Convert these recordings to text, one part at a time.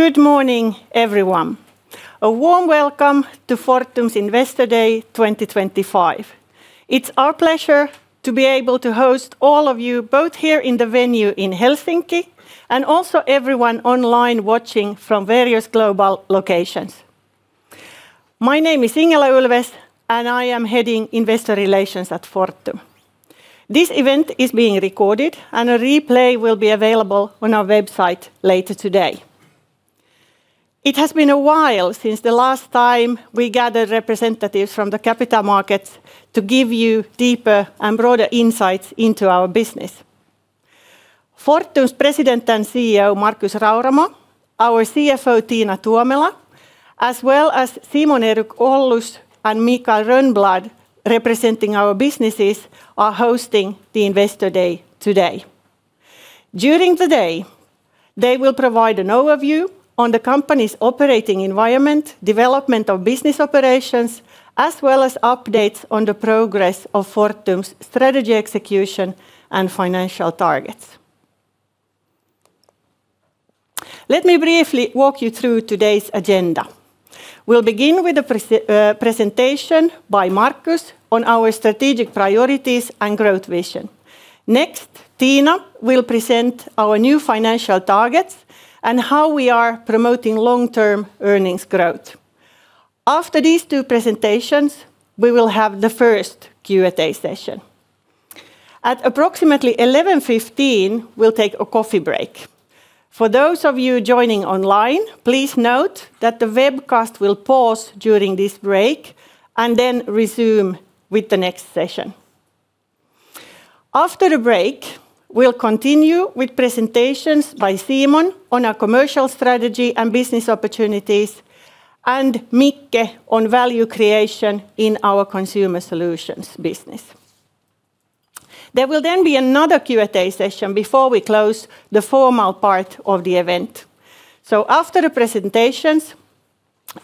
Good morning, everyone. A warm welcome to Fortum's Investor Day 2025. It's our pleasure to be able to host all of you, both here in the venue in Helsinki and also everyone online watching from various global locations. My name is Ingela Ulfves, and I am heading Investor Relations at Fortum. This event is being recorded, and a replay will be available on our website later today. It has been a while since the last time we gathered representatives from the capital markets to give you deeper and broader insights into our business. Fortum's President and CEO, Markus Rauramo, our CFO, Tiina Tuomela, as well as Simon-Erik Ollus and Mikael Rönnblad, representing our businesses, are hosting the Investor Day today. During the day, they will provide an overview on the company's operating environment, development of business operations, as well as updates on the progress of Fortum's strategy execution and financial targets. Let me briefly walk you through today's agenda. We'll begin with a presentation by Markus on our strategic priorities and growth vision. Next, Tiina will present our new financial targets and how we are promoting long-term earnings growth. After these two presentations, we will have the first Q&A session. At approximately 11:15 A.M., we'll take a coffee break. For those of you joining online, please note that the webcast will pause during this break and then resume with the next session. After the break, we'll continue with presentations by Simon on our commercial strategy and business opportunities, and Mikael on value creation in our consumer solutions business. There will then be another Q&A session before we close the formal part of the event.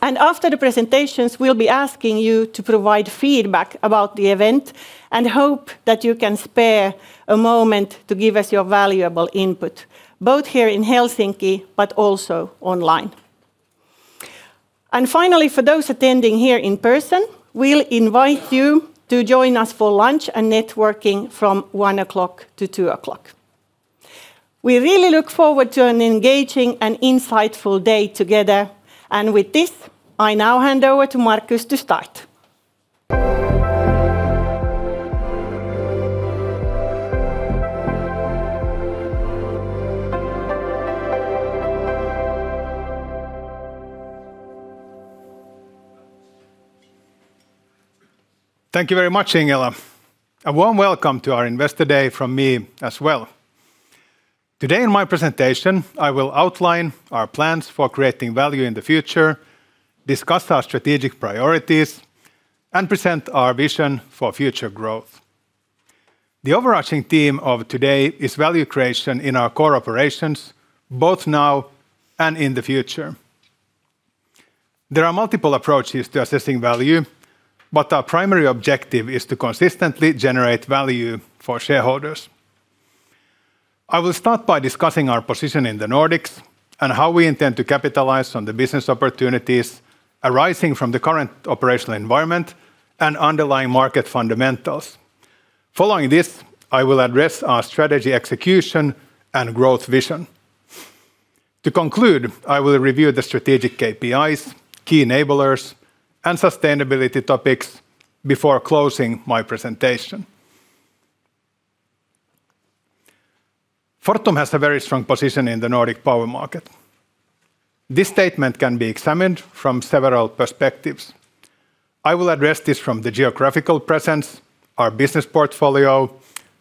After the presentations, we'll be asking you to provide feedback about the event and hope that you can spare a moment to give us your valuable input, both here in Helsinki but also online. Finally, for those attending here in person, we'll invite you to join us for lunch and networking from 1:00 P.M. to 2:00 P.M. We really look forward to an engaging and insightful day together. With this, I now hand over to Markus to start. Thank you very much, Ingela. A warm welcome to our Investor Day from me as well. Today, in my presentation, I will outline our plans for creating value in the future, discuss our strategic priorities, and present our vision for future growth. The overarching theme of today is value creation in our core operations, both now and in the future. There are multiple approaches to assessing value, but our primary objective is to consistently generate value for shareholders. I will start by discussing our position in the Nordics and how we intend to capitalize on the business opportunities arising from the current operational environment and underlying market fundamentals. Following this, I will address our strategy execution and growth vision. To conclude, I will review the strategic KPIs, key enablers, and sustainability topics before closing my presentation. Fortum has a very strong position in the Nordic power market. This statement can be examined from several perspectives. I will address this from the geographical presence, our business portfolio,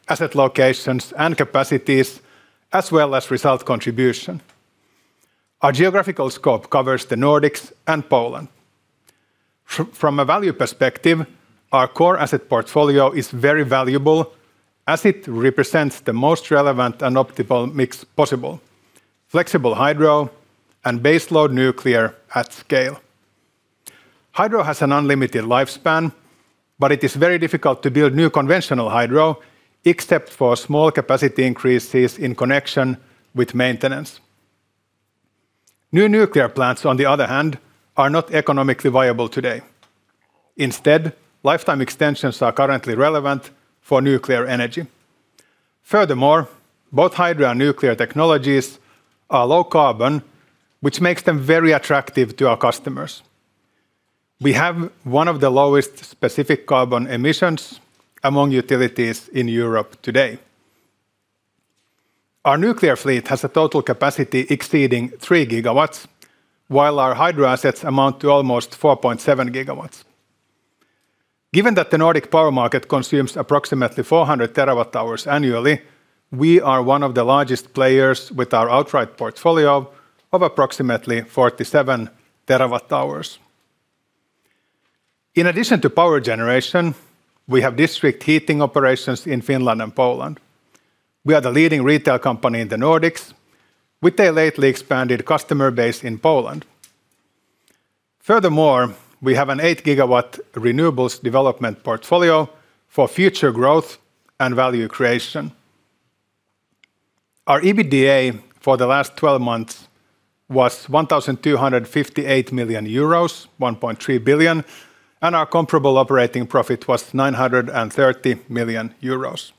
asset locations, and capacities, as well as result contribution. Our geographical scope covers the Nordics and Poland. From a value perspective, our core asset portfolio is very valuable as it represents the most relevant and optimal mix possible: flexible hydro and baseload nuclear at scale. Hydro has an unlimited lifespan, but it is very difficult to build new conventional hydro, except for small capacity increases in connection with maintenance. New nuclear plants, on the other hand, are not economically viable today. Instead, lifetime extensions are currently relevant for nuclear energy. Furthermore, both hydro and nuclear technologies are low carbon, which makes them very attractive to our customers. We have one of the lowest specific carbon emissions among utilities in Europe today. Our nuclear fleet has a total capacity exceeding 3 GW, while our hydro assets amount to almost 4.7 GW. Given that the Nordic power market consumes approximately 400 TWh annually, we are one of the largest players with our outright portfolio of approximately 47 TWh. In addition to power generation, we have district heating operations in Finland and Poland. We are the leading retail company in the Nordics, with a lately expanded customer base in Poland. Furthermore, we have an 8 GW renewables development portfolio for future growth and value creation. Our EBITDA for the last 12 months was 1,258 million euros, 1.3 billion, and our comparable operating profit was 930 million euros.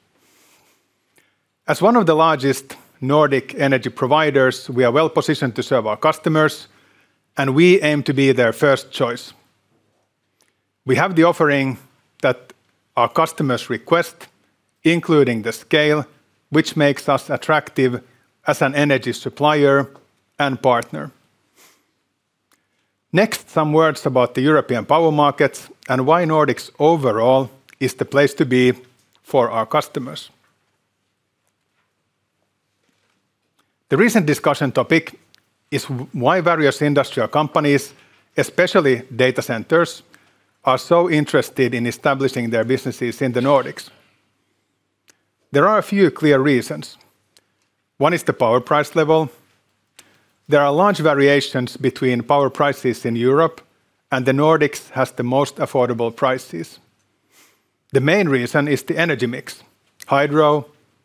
As one of the largest Nordic energy providers, we are well positioned to serve our customers, and we aim to be their first choice. We have the offering that our customers request, including the scale, which makes us attractive as an energy supplier and partner. Next, some words about the European power markets and why Nordics overall is the place to be for our customers. The recent discussion topic is why various industrial companies, especially data centers, are so interested in establishing their businesses in the Nordics. There are a few clear reasons. One is the power price level. There are large variations between power prices in Europe, and the Nordics has the most affordable prices. The main reason is the energy mix: hydro,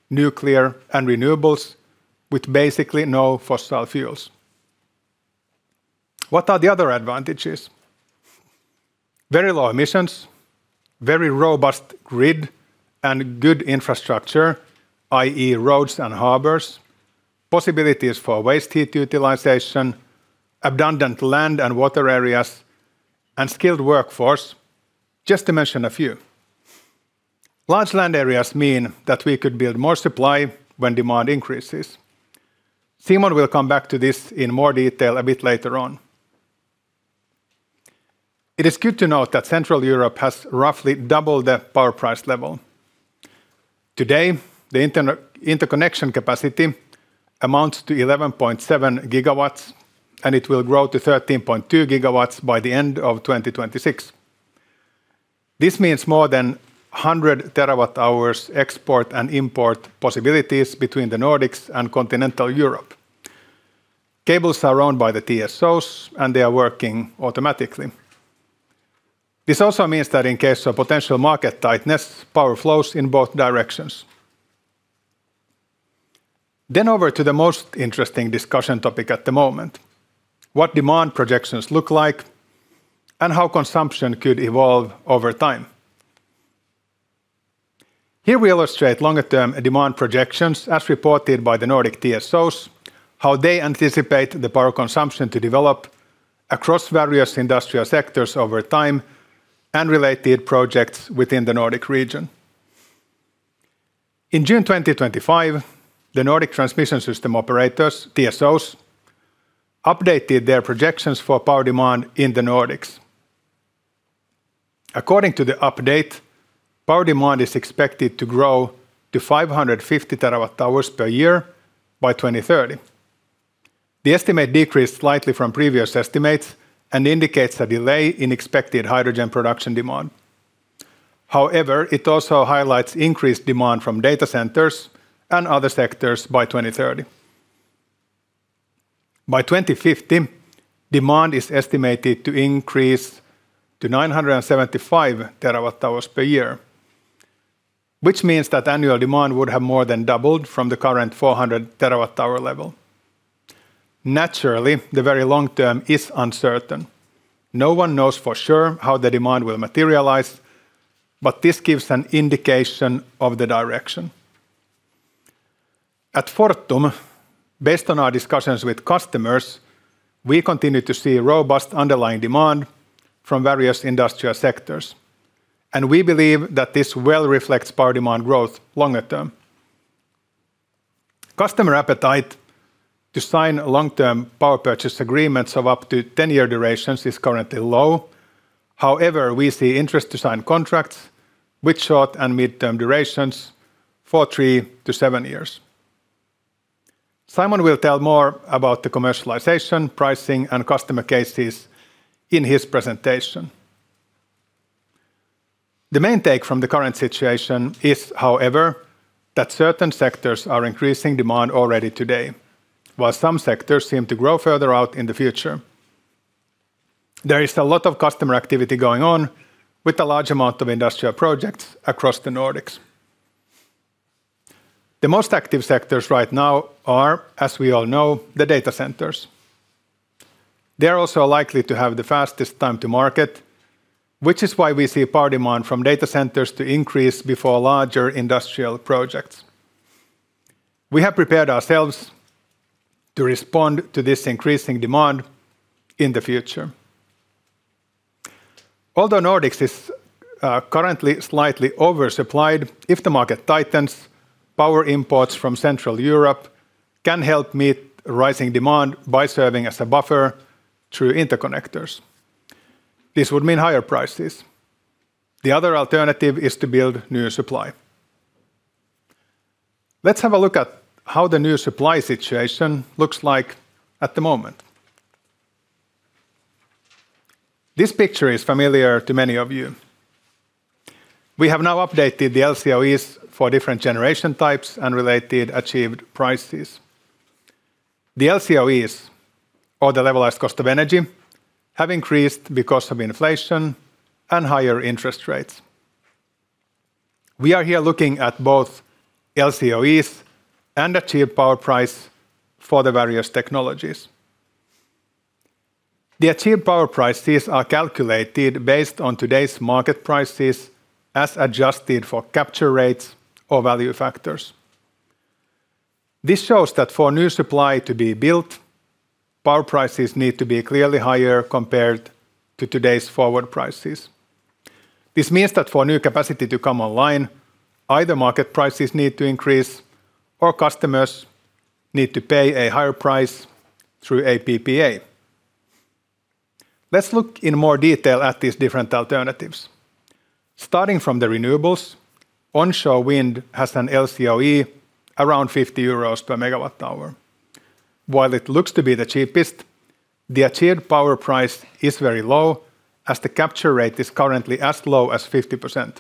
nuclear, and renewables, with basically no fossil fuels. What are the other advantages? Very low emissions, very robust grid and good infrastructure, i.e., roads and harbors, possibilities for waste heat utilization, abundant land and water areas, and skilled workforce, just to mention a few. Large land areas mean that we could build more supply when demand increases. Simon will come back to this in more detail a bit later on. It is good to note that Central Europe has roughly doubled the power price level. Today, the interconnection capacity amounts to 11.7 GW, and it will grow to 13.2 GW by the end of 2026. This means more than 100 TWh export and import possibilities between the Nordics and continental Europe. Cables are owned by the TSOs, and they are working automatically. This also means that in case of potential market tightness, power flows in both directions. Over to the most interesting discussion topic at the moment: what demand projections look like and how consumption could evolve over time. Here we illustrate longer-term demand projections as reported by the Nordic TSOs, how they anticipate the power consumption to develop across various industrial sectors over time and related projects within the Nordic region. In June 2025, the Nordic Transmission System Operators, TSOs, updated their projections for power demand in the Nordics. According to the update, power demand is expected to grow to 550 TWh per year by 2030. The estimate decreased slightly from previous estimates and indicates a delay in expected hydrogen production demand. However, it also highlights increased demand from data centers and other sectors by 2030. By 2050, demand is estimated to increase to 975 TWh per year, which means that annual demand would have more than doubled from the current 400 TWh level. Naturally, the very long term is uncertain. No one knows for sure how the demand will materialize, but this gives an indication of the direction. At Fortum, based on our discussions with customers, we continue to see robust underlying demand from various industrial sectors, and we believe that this well reflects power demand growth longer term. Customer appetite to sign long-term power purchase agreements of up to 10-year durations is currently low. However, we see interest to sign contracts with short and mid-term durations for three to seven years. Simon will tell more about the commercialization, pricing, and customer cases in his presentation. The main take from the current situation is, however, that certain sectors are increasing demand already today, while some sectors seem to grow further out in the future. There is a lot of customer activity going on with a large amount of industrial projects across the Nordics. The most active sectors right now are, as we all know, the data centers. They are also likely to have the fastest time to market, which is why we see power demand from data centers to increase before larger industrial projects. We have prepared ourselves to respond to this increasing demand in the future. Although Nordics is currently slightly oversupplied, if the market tightens, power imports from Central Europe can help meet rising demand by serving as a buffer through interconnectors. This would mean higher prices. The other alternative is to build new supply. Let's have a look at how the new supply situation looks like at the moment. This picture is familiar to many of you. We have now updated the LCOEs for different generation types and related achieved prices. The LCOEs, or the levelized cost of energy, have increased because of inflation and higher interest rates. We are here looking at both LCOEs and achieved power price for the various technologies. The achieved power prices are calculated based on today's market prices as adjusted for capture rates or value factors. This shows that for new supply to be built, power prices need to be clearly higher compared to today's forward prices. This means that for new capacity to come online, either market prices need to increase or customers need to pay a higher price through a PPA. Let's look in more detail at these different alternatives. Starting from the renewables, onshore wind has an LCOE around 50 euros per megawatt-hour. While it looks to be the cheapest, the achieved power price is very low as the capture rate is currently as low as 50%.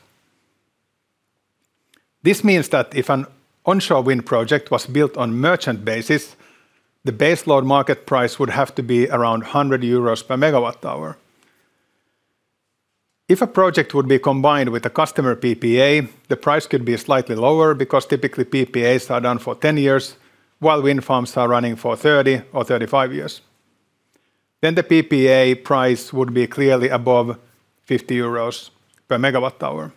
This means that if an onshore wind project was built on a merchant basis, the baseload market price would have to be around 100 euros per megawatt-hour. If a project would be combined with a customer PPA, the price could be slightly lower because typically PPAs are done for 10 years, while wind farms are running for 30 or 35 years. The PPA price would be clearly above 50 euros per megawatt-hour.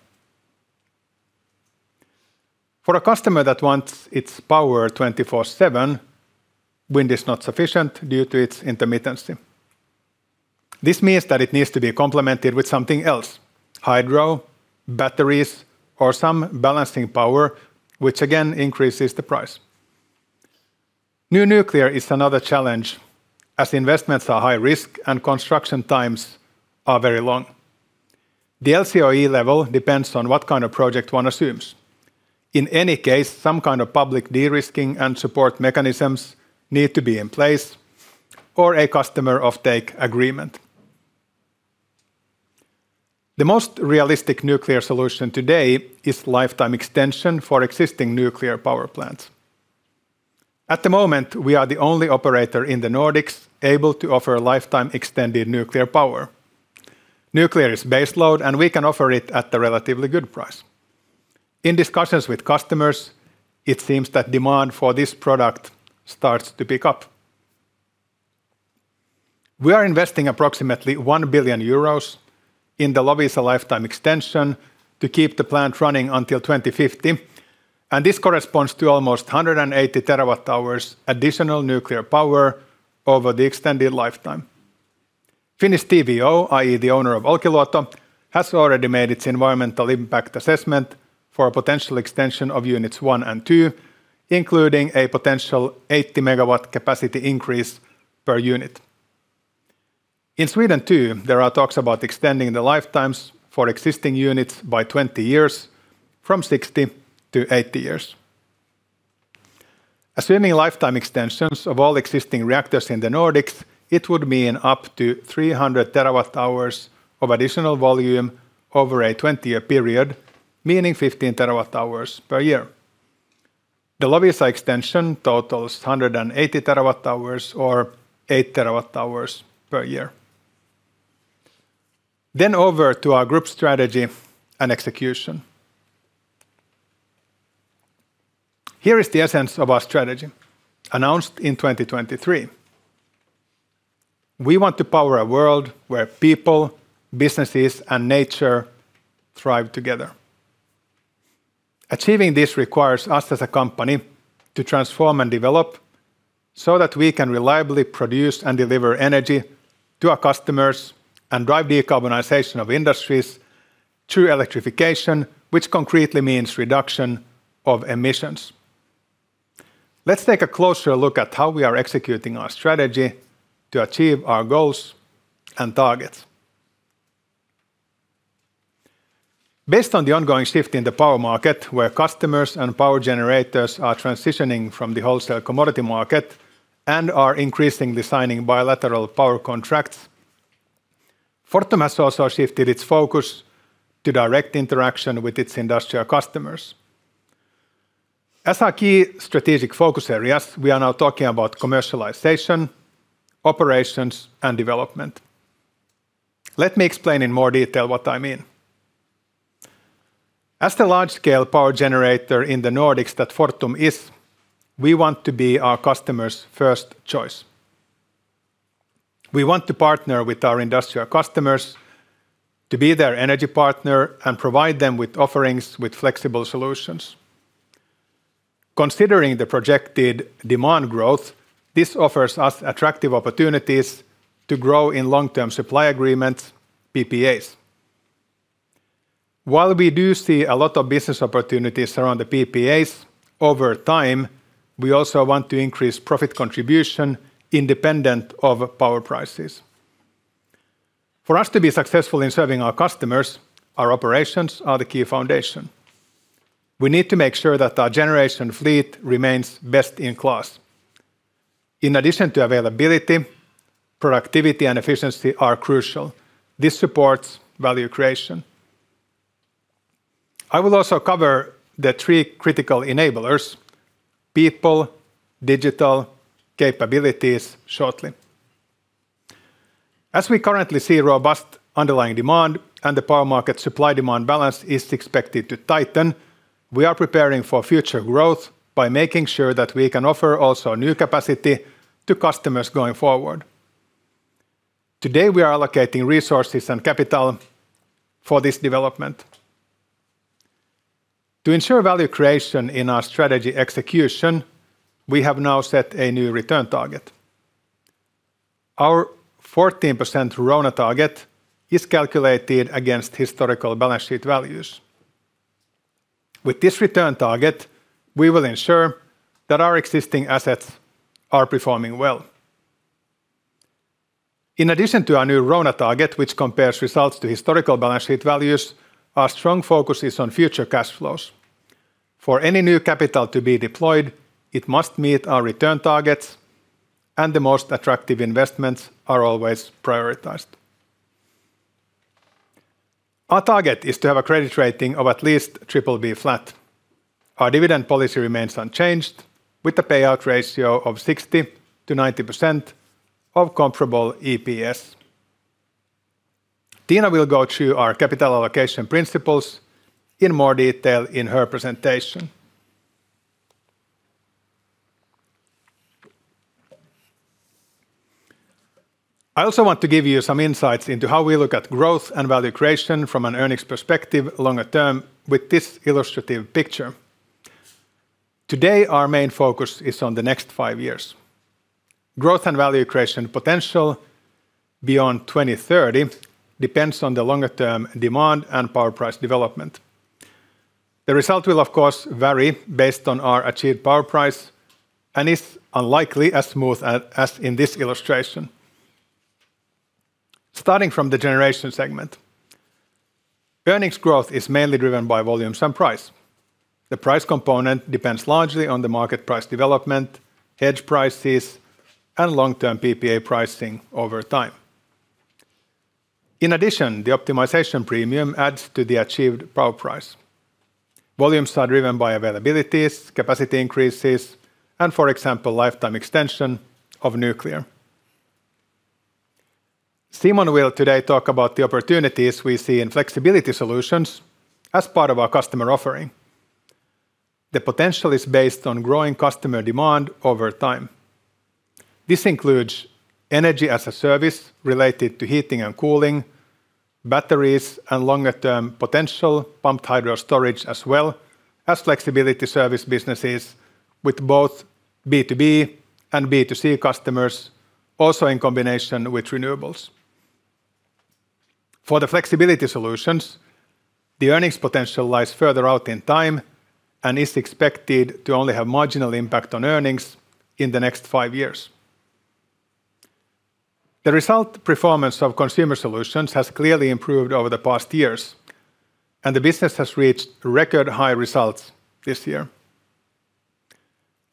For a customer that wants its power 24/7, wind is not sufficient due to its intermittency. This means that it needs to be complemented with something else: hydro, batteries, or some balancing power, which again increases the price. New nuclear is another challenge as investments are high risk and construction times are very long. The LCOE level depends on what kind of project one assumes. In any case, some kind of public derisking and support mechanisms need to be in place or a customer offtake agreement. The most realistic nuclear solution today is lifetime extension for existing nuclear power plants. At the moment, we are the only operator in the Nordics able to offer lifetime extended nuclear power. Nuclear is baseload, and we can offer it at a relatively good price. In discussions with customers, it seems that demand for this product starts to pick up. We are investing approximately 1 billion euros in the Loviisa lifetime extension to keep the plant running until 2050, and this corresponds to almost 180 TWh additional nuclear power over the extended lifetime. Finnish TVO, i.e., the owner of Olkiluoto, has already made its environmental impact assessment for a potential extension of units one and two, including a potential 80 MW capacity increase per unit. In Sweden too, there are talks about extending the lifetimes for existing units by 20 years from 60 to 80 years. Assuming lifetime extensions of all existing reactors in the Nordics, it would mean up to 300 TWh of additional volume over a 20-year period, meaning 15 TWh per year. The Loviisa extension totals 180 TWh or 8 TWh per year. Over to our group strategy and execution. Here is the essence of our strategy announced in 2023. We want to power a world where people, businesses, and nature thrive together. Achieving this requires us as a company to transform and develop so that we can reliably produce and deliver energy to our customers and drive decarbonization of industries through electrification, which concretely means reduction of emissions. Let's take a closer look at how we are executing our strategy to achieve our goals and targets. Based on the ongoing shift in the power market, where customers and power generators are transitioning from the wholesale commodity market and are increasingly signing bilateral power contracts, Fortum has also shifted its focus to direct interaction with its industrial customers. As our key strategic focus areas, we are now talking about commercialization, operations, and development. Let me explain in more detail what I mean. As the large-scale power generator in the Nordics that Fortum is, we want to be our customer's first choice. We want to partner with our industrial customers to be their energy partner and provide them with offerings with flexible solutions. Considering the projected demand growth, this offers us attractive opportunities to grow in long-term supply agreements, PPAs. While we do see a lot of business opportunities around the PPAs, over time, we also want to increase profit contribution independent of power prices. For us to be successful in serving our customers, our operations are the key foundation. We need to make sure that our generation fleet remains best in class. In addition to availability, productivity and efficiency are crucial. This supports value creation. I will also cover the three critical enablers: people, digital, capabilities shortly. As we currently see robust underlying demand and the power market supply-demand balance is expected to tighten, we are preparing for future growth by making sure that we can offer also new capacity to customers going forward. Today, we are allocating resources and capital for this development. To ensure value creation in our strategy execution, we have now set a new return target. Our 14% RONA target is calculated against historical balance sheet values. With this return target, we will ensure that our existing assets are performing well. In addition to our new RONA target, which compares results to historical balance sheet values, our strong focus is on future cash flows. For any new capital to be deployed, it must meet our return targets, and the most attractive investments are always prioritized. Our target is to have a credit rating of at least BBB flat. Our dividend policy remains unchanged with a payout ratio of 60%-90% of comparable EPS. Tiina will go through our capital allocation principles in more detail in her presentation. I also want to give you some insights into how we look at growth and value creation from an earnings perspective longer term with this illustrative picture. Today, our main focus is on the next five years. Growth and value creation potential beyond 2030 depends on the longer-term demand and power price development. The result will, of course, vary based on our achieved power price and is unlikely as smooth as in this illustration. Starting from the generation segment, earnings growth is mainly driven by volumes and price. The price component depends largely on the market price development, hedge prices, and long-term PPA pricing over time. In addition, the optimization premium adds to the achieved power price. Volumes are driven by availabilities, capacity increases, and, for example, lifetime extension of nuclear. Simon will today talk about the opportunities we see in flexibility solutions as part of our customer offering. The potential is based on growing customer demand over time. This includes energy as a service related to heating and cooling, batteries, and longer-term potential pumped hydro storage as well as flexibility service businesses with both B2B and B2C customers, also in combination with renewables. For the flexibility solutions, the earnings potential lies further out in time and is expected to only have marginal impact on earnings in the next five years. The result performance of consumer solutions has clearly improved over the past years, and the business has reached record high results this year.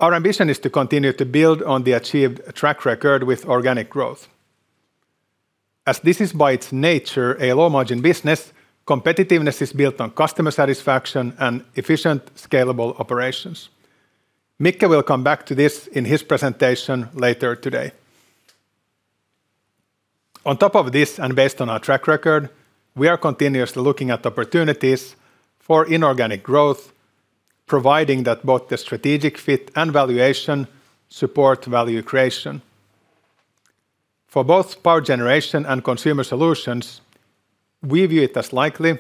Our ambition is to continue to build on the achieved track record with organic growth. As this is by its nature a low-margin business, competitiveness is built on customer satisfaction and efficient, scalable operations. Mikael will come back to this in his presentation later today. On top of this and based on our track record, we are continuously looking at opportunities for inorganic growth, providing that both the strategic fit and valuation support value creation. For both power generation and consumer solutions, we view it as likely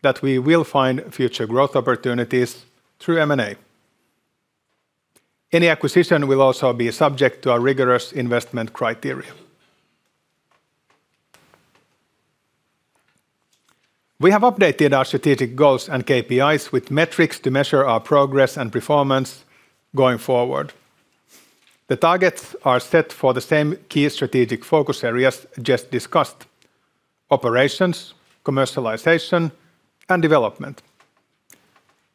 that we will find future growth opportunities through M&A. Any acquisition will also be subject to a rigorous investment criteria. We have updated our strategic goals and KPIs with metrics to measure our progress and performance going forward. The targets are set for the same key strategic focus areas just discussed: operations, commercialization, and development.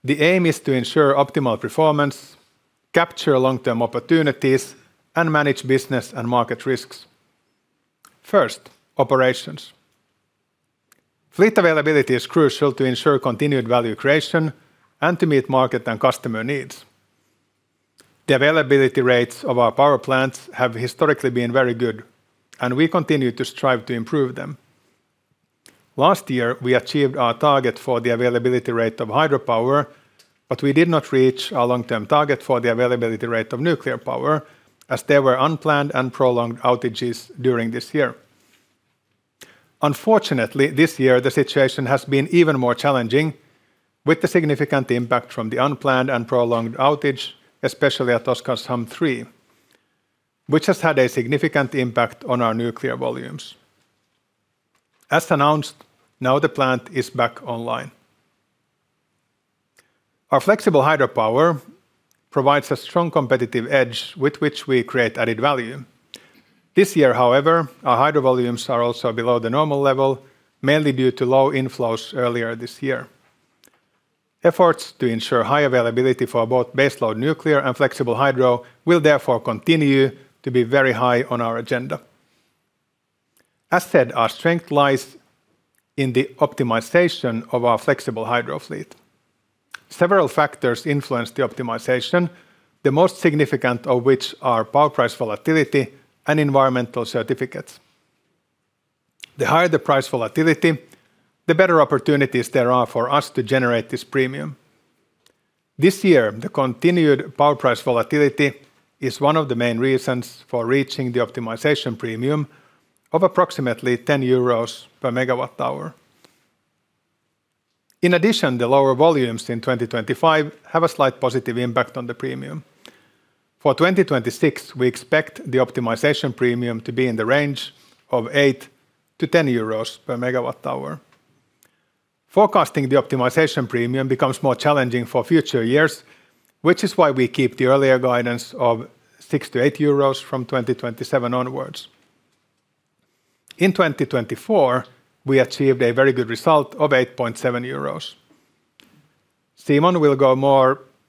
The aim is to ensure optimal performance, capture long-term opportunities, and manage business and market risks. First, operations. Fleet availability is crucial to ensure continued value creation and to meet market and customer needs. The availability rates of our power plants have historically been very good, and we continue to strive to improve them. Last year, we achieved our target for the availability rate of hydropower, but we did not reach our long-term target for the availability rate of nuclear power as there were unplanned and prolonged outages during this year. Unfortunately, this year, the situation has been even more challenging with the significant impact from the unplanned and prolonged outage, especially at Oskarshamn 3, which has had a significant impact on our nuclear volumes. As announced, now the plant is back online. Our flexible hydropower provides a strong competitive edge with which we create added value. This year, however, our hydro volumes are also below the normal level, mainly due to low inflows earlier this year. Efforts to ensure high availability for both baseload nuclear and flexible hydro will therefore continue to be very high on our agenda. As said, our strength lies in the optimization of our flexible hydro fleet. Several factors influence the optimization, the most significant of which are power price volatility and environmental certificates. The higher the price volatility, the better opportunities there are for us to generate this premium. This year, the continued power price volatility is one of the main reasons for reaching the optimization premium of approximately 10 euros per megawatt-hour. In addition, the lower volumes in 2025 have a slight positive impact on the premium. For 2026, we expect the optimization premium to be in the range of 8-10 euros per megawatt-hour. Forecasting the optimization premium becomes more challenging for future years, which is why we keep the earlier guidance of 6-8 euros from 2027 onwards. In 2024, we achieved a very good result of 8.7 euros. Simon will go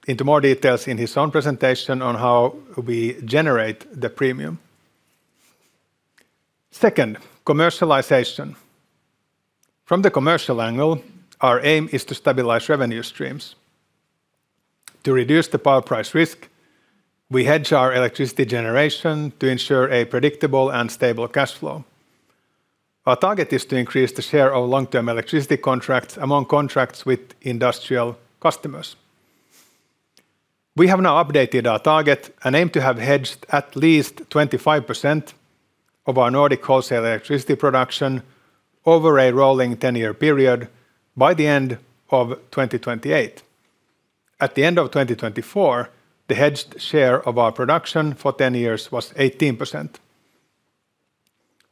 into more details in his own presentation on how we generate the premium. Second, commercialization. From the commercial angle, our aim is to stabilize revenue streams. To reduce the power price risk, we hedge our electricity generation to ensure a predictable and stable cash flow. Our target is to increase the share of long-term electricity contracts among contracts with industrial customers. We have now updated our target and aim to have hedged at least 25% of our Nordic wholesale electricity production over a rolling 10-year period by the end of 2028. At the end of 2024, the hedged share of our production for 10 years was 18%.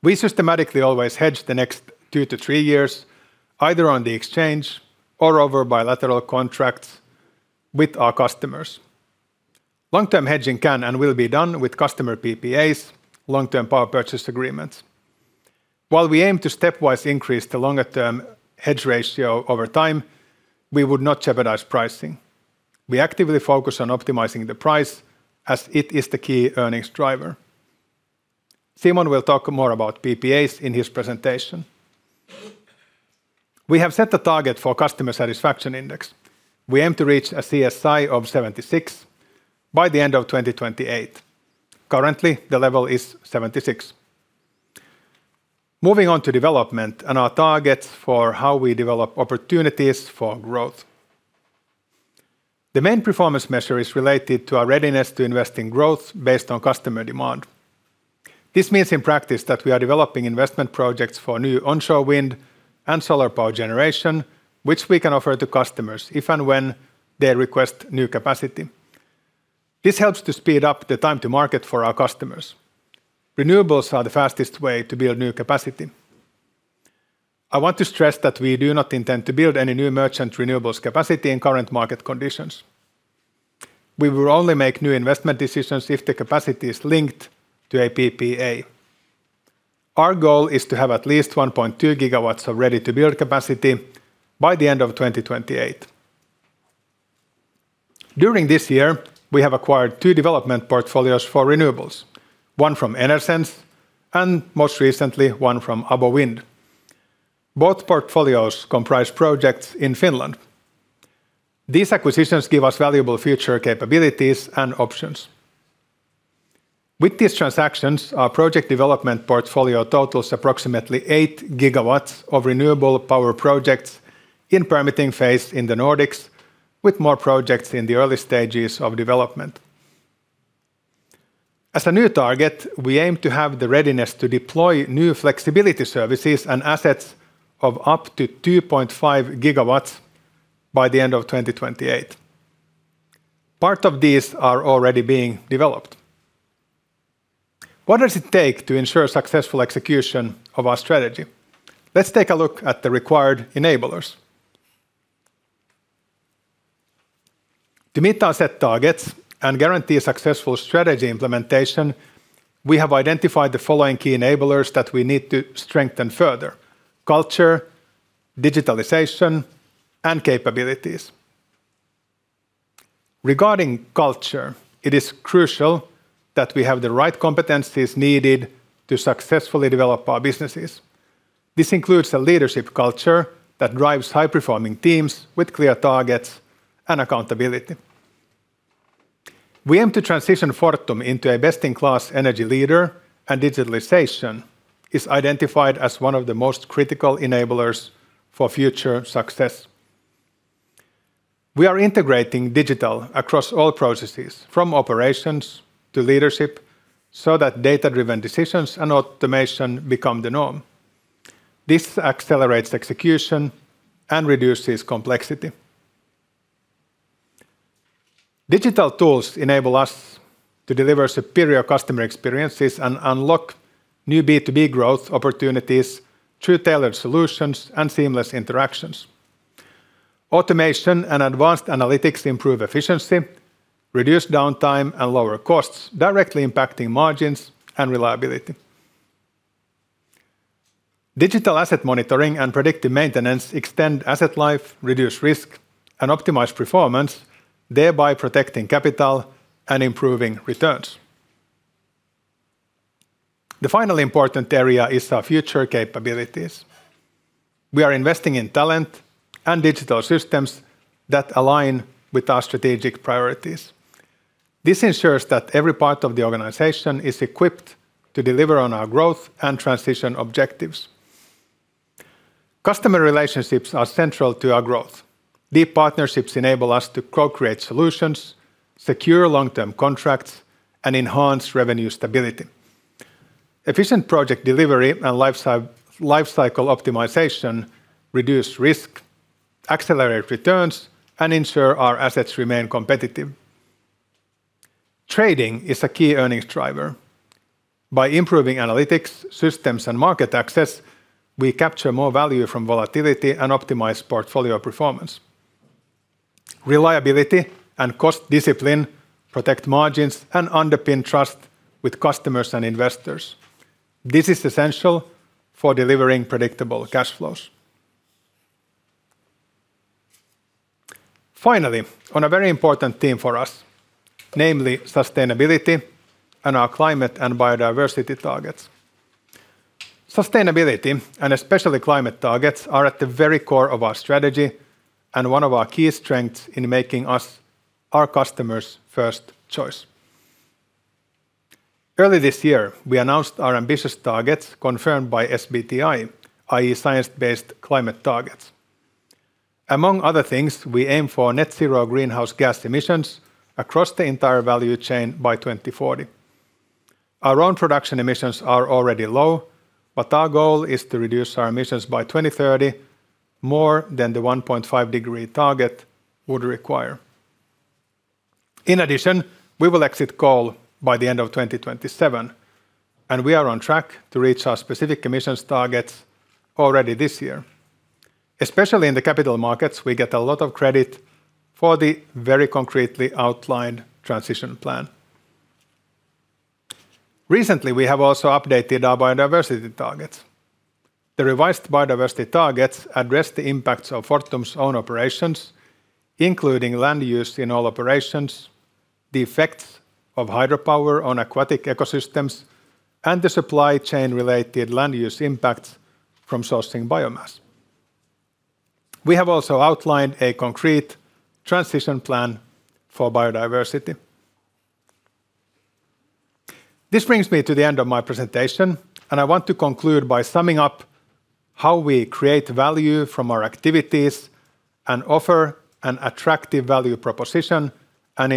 We systematically always hedge the next two to three years either on the exchange or over bilateral contracts with our customers. Long-term hedging can and will be done with customer PPAs, long-term power purchase agreements. While we aim to stepwise increase the longer-term hedge ratio over time, we would not jeopardize pricing. We actively focus on optimizing the price as it is the key earnings driver. Simon will talk more about PPAs in his presentation. We have set a target for customer satisfaction index. We aim to reach a CSI of 76 by the end of 2028. Currently, the level is 76. Moving on to development and our targets for how we develop opportunities for growth. The main performance measure is related to our readiness to invest in growth based on customer demand. This means in practice that we are developing investment projects for new onshore wind and solar power generation, which we can offer to customers if and when they request new capacity. This helps to speed up the time to market for our customers. Renewables are the fastest way to build new capacity. I want to stress that we do not intend to build any new merchant renewables capacity in current market conditions. We will only make new investment decisions if the capacity is linked to a PPA. Our goal is to have at least 1.2 GW of ready-to-build capacity by the end of 2028. During this year, we have acquired two development portfolios for renewables, one from Enersense and most recently one from ABO Wind. Both portfolios comprise projects in Finland. These acquisitions give us valuable future capabilities and options. With these transactions, our project development portfolio totals approximately 8 GW of renewable power projects in permitting phase in the Nordics, with more projects in the early stages of development. As a new target, we aim to have the readiness to deploy new flexibility services and assets of up to 2.5 GW by the end of 2028. Part of these are already being developed. What does it take to ensure successful execution of our strategy? Let's take a look at the required enablers. To meet our set targets and guarantee successful strategy implementation, we have identified the following key enablers that we need to strengthen further: culture, digitalization, and capabilities. Regarding culture, it is crucial that we have the right competencies needed to successfully develop our businesses. This includes a leadership culture that drives high-performing teams with clear targets and accountability. We aim to transition Fortum into a best-in-class energy leader, and digitalization is identified as one of the most critical enablers for future success. We are integrating digital across all processes, from operations to leadership, so that data-driven decisions and automation become the norm. This accelerates execution and reduces complexity. Digital tools enable us to deliver superior customer experiences and unlock new B2B growth opportunities through tailored solutions and seamless interactions. Automation and advanced analytics improve efficiency, reduce downtime, and lower costs, directly impacting margins and reliability. Digital asset monitoring and predictive maintenance extend asset life, reduce risk, and optimize performance, thereby protecting capital and improving returns. The final important area is our future capabilities. We are investing in talent and digital systems that align with our strategic priorities. This ensures that every part of the organization is equipped to deliver on our growth and transition objectives. Customer relationships are central to our growth. Deep partnerships enable us to co-create solutions, secure long-term contracts, and enhance revenue stability. Efficient project delivery and lifecycle optimization reduce risk, accelerate returns, and ensure our assets remain competitive. Trading is a key earnings driver. By improving analytics, systems, and market access, we capture more value from volatility and optimize portfolio performance. Reliability and cost discipline protect margins and underpin trust with customers and investors. This is essential for delivering predictable cash flows. Finally, on a very important theme for us, namely sustainability and our climate and biodiversity targets. Sustainability and especially climate targets are at the very core of our strategy and one of our key strengths in making us our customers' first choice. Early this year, we announced our ambitious targets confirmed by SBTi, i.e., science-based climate targets. Among other things, we aim for net zero greenhouse gas emissions across the entire value chain by 2040. Our own production emissions are already low, but our goal is to reduce our emissions by 2030 more than the 1.5-degree target would require. In addition, we will exit coal by the end of 2027, and we are on track to reach our specific emissions targets already this year. Especially in the capital markets, we get a lot of credit for the very concretely outlined transition plan. Recently, we have also updated our biodiversity targets. The revised biodiversity targets address the impacts of Fortum's own operations, including land use in all operations, the effects of hydropower on aquatic ecosystems, and the supply chain-related land use impacts from sourcing biomass. We have also outlined a concrete transition plan for biodiversity. This brings me to the end of my presentation, and I want to conclude by summing up how we create value from our activities and offer an attractive value proposition and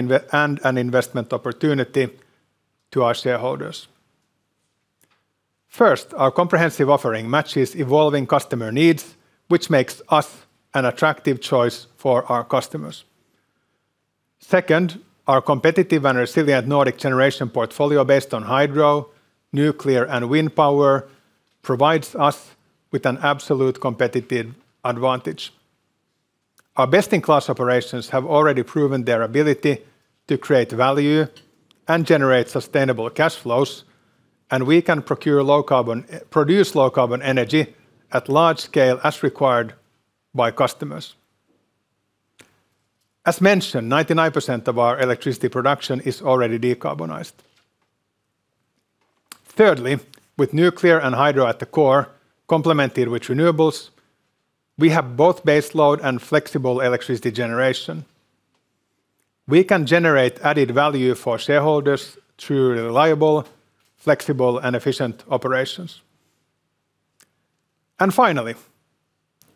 an investment opportunity to our shareholders. First, our comprehensive offering matches evolving customer needs, which makes us an attractive choice for our customers. Second, our competitive and resilient Nordic generation portfolio based on hydro, nuclear, and wind power provides us with an absolute competitive advantage. Our best-in-class operations have already proven their ability to create value and generate sustainable cash flows, and we can produce low-carbon energy at large scale as required by customers. As mentioned, 99% of our electricity production is already decarbonized. Thirdly, with nuclear and hydro at the core, complemented with renewables, we have both baseload and flexible electricity generation. We can generate added value for shareholders through reliable, flexible, and efficient operations. Finally,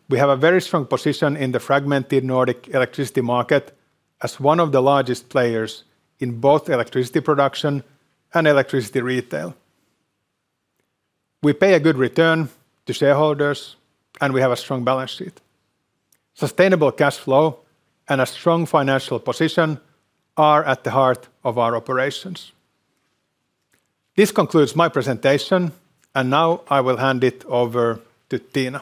we have a very strong position in the fragmented Nordic electricity market as one of the largest players in both electricity production and electricity retail. We pay a good return to shareholders, and we have a strong balance sheet. Sustainable cash flow and a strong financial position are at the heart of our operations. This concludes my presentation, and now I will hand it over to Tiina.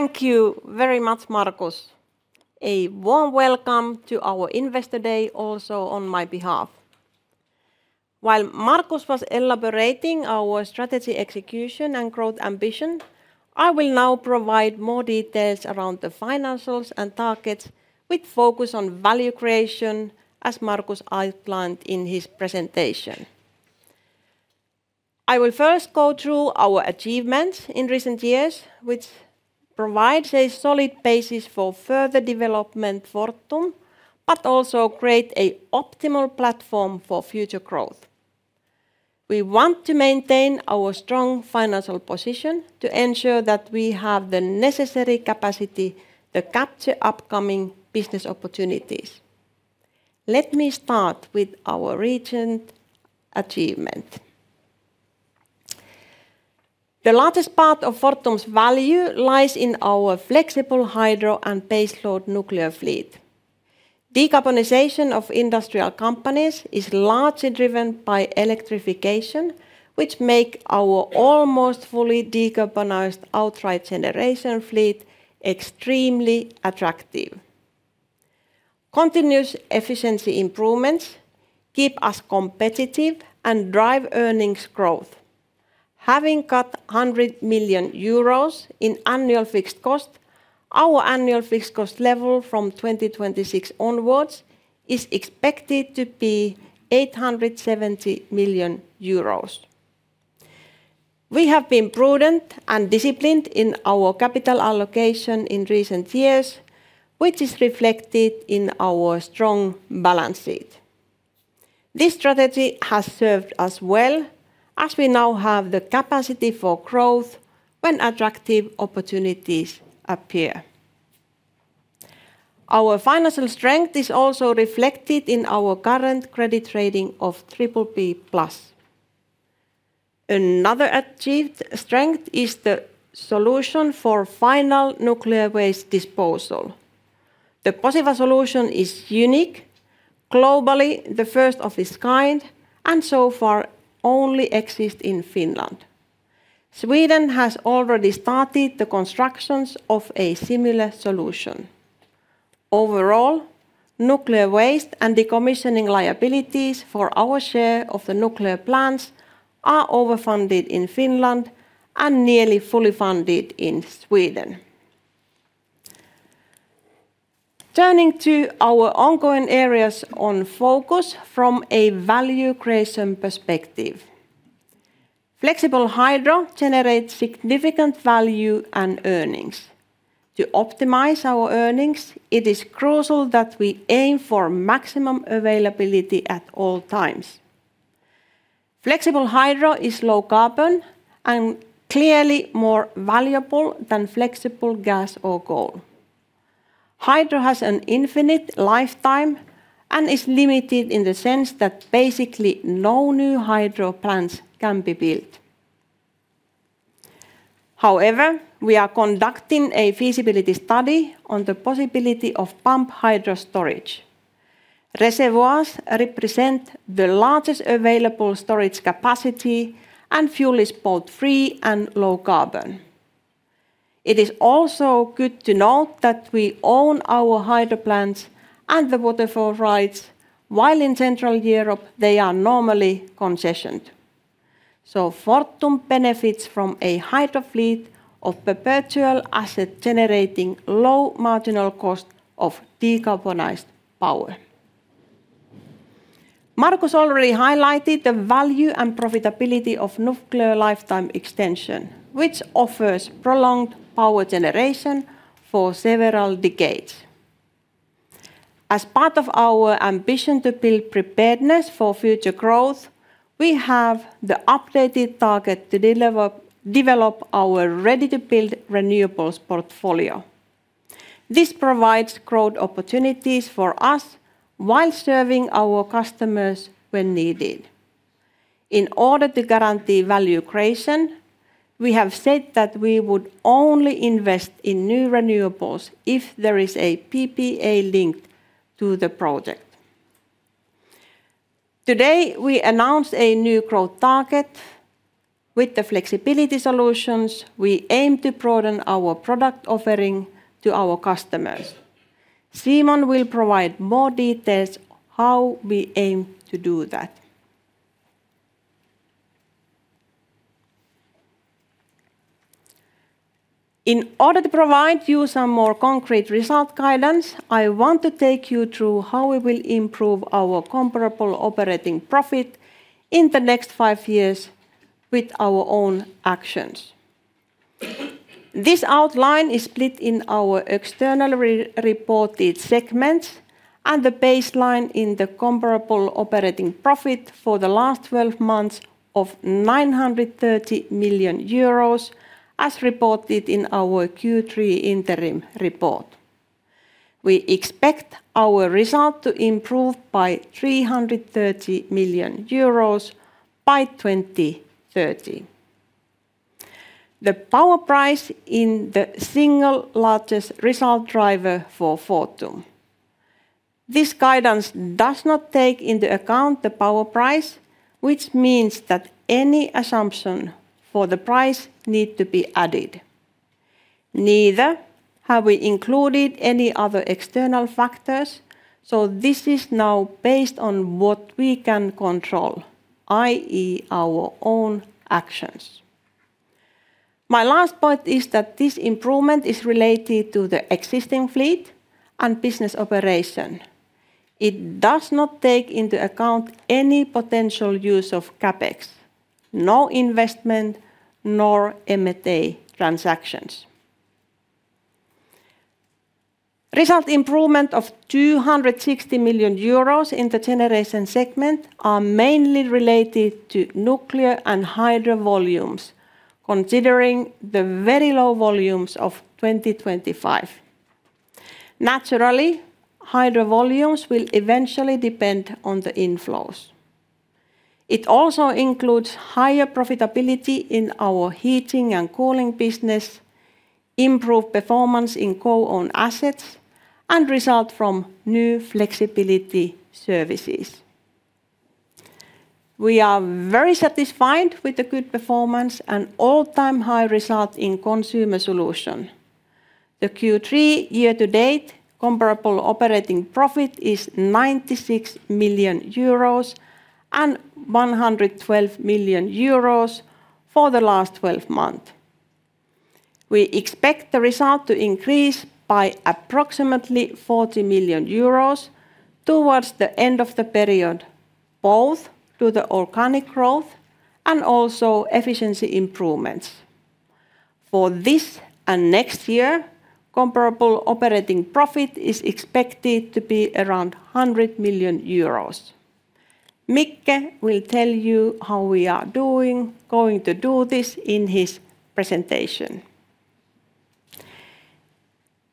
Thank you very much, Markus. A warm welcome to our investor day also on my behalf. While Markus was elaborating our strategy execution and growth ambition, I will now provide more details around the financials and targets with focus on value creation, as Markus outlined in his presentation. I will first go through our achievements in recent years, which provides a solid basis for further development for Fortum, but also creates an optimal platform for future growth. We want to maintain our strong financial position to ensure that we have the necessary capacity to capture upcoming business opportunities. Let me start with our recent achievement. The largest part of Fortum's value lies in our flexible hydro and baseload nuclear fleet. Decarbonization of industrial companies is largely driven by electrification, which makes our almost fully decarbonized outright generation fleet extremely attractive. Continuous efficiency improvements keep us competitive and drive earnings growth. Having cut 100 million euros in annual fixed cost, our annual fixed cost level from 2026 onwards is expected to be 870 million euros. We have been prudent and disciplined in our capital allocation in recent years, which is reflected in our strong balance sheet. This strategy has served us well as we now have the capacity for growth when attractive opportunities appear. Our financial strength is also reflected in our current credit rating of BBB+. Another achieved strength is the solution for final nuclear waste disposal. The Posiva solution is unique, globally the first of its kind, and so far only exists in Finland. Sweden has already started the construction of a similar solution. Overall, nuclear waste and decommissioning liabilities for our share of the nuclear plants are overfunded in Finland and nearly fully funded in Sweden. Turning to our ongoing areas of focus from a value creation perspective, flexible hydro generates significant value and earnings. To optimize our earnings, it is crucial that we aim for maximum availability at all times. Flexible hydro is low carbon and clearly more valuable than flexible gas or coal. Hydro has an infinite lifetime and is limited in the sense that basically no new hydro plants can be built. However, we are conducting a feasibility study on the possibility of pump hydro storage. Reservoirs represent the largest available storage capacity and fuel is both free and low carbon. It is also good to note that we own our hydro plants and the waterfall rights, while in Central Europe they are normally concessioned. Fortum benefits from a hydro fleet of perpetual asset generating low marginal cost of decarbonized power. Markus already highlighted the value and profitability of nuclear lifetime extension, which offers prolonged power generation for several decades. As part of our ambition to build preparedness for future growth, we have the updated target to develop our ready-to-build renewables portfolio. This provides growth opportunities for us while serving our customers when needed. In order to guarantee value creation, we have said that we would only invest in new renewables if there is a PPA linked to the project. Today, we announced a new growth target. With the flexibility solutions, we aim to broaden our product offering to our customers. Simon will provide more details on how we aim to do that. In order to provide you some more concrete result guidance, I want to take you through how we will improve our comparable operating profit in the next five years with our own actions. This outline is split in our external reported segments and the baseline in the comparable operating profit for the last 12 months of 930 million euros as reported in our Q3 interim report. We expect our result to improve by 330 million euros by 2030. The power price is the single largest result driver for Fortum. This guidance does not take into account the power price, which means that any assumption for the price needs to be added. Neither have we included any other external factors, so this is now based on what we can control, i.e., our own actions. My last point is that this improvement is related to the existing fleet and business operation. It does not take into account any potential use of CapEx, no investment, nor M&A transactions. Result improvement of 260 million euros in the generation segment is mainly related to nuclear and hydro volumes, considering the very low volumes of 2025. Naturally, hydro volumes will eventually depend on the inflows. It also includes higher profitability in our heating and cooling business, improved performance in co-owned assets, and result from new flexibility services. We are very satisfied with the good performance and all-time high result in consumer solutions. The Q3 year-to-date comparable operating profit is 96 million euros and 112 million euros for the last 12 months. We expect the result to increase by approximately 40 million euros towards the end of the period, both due to the organic growth and also efficiency improvements. For this and next year, comparable operating profit is expected to be around 100 million euros. Mikael will tell you how we are going to do this in his presentation.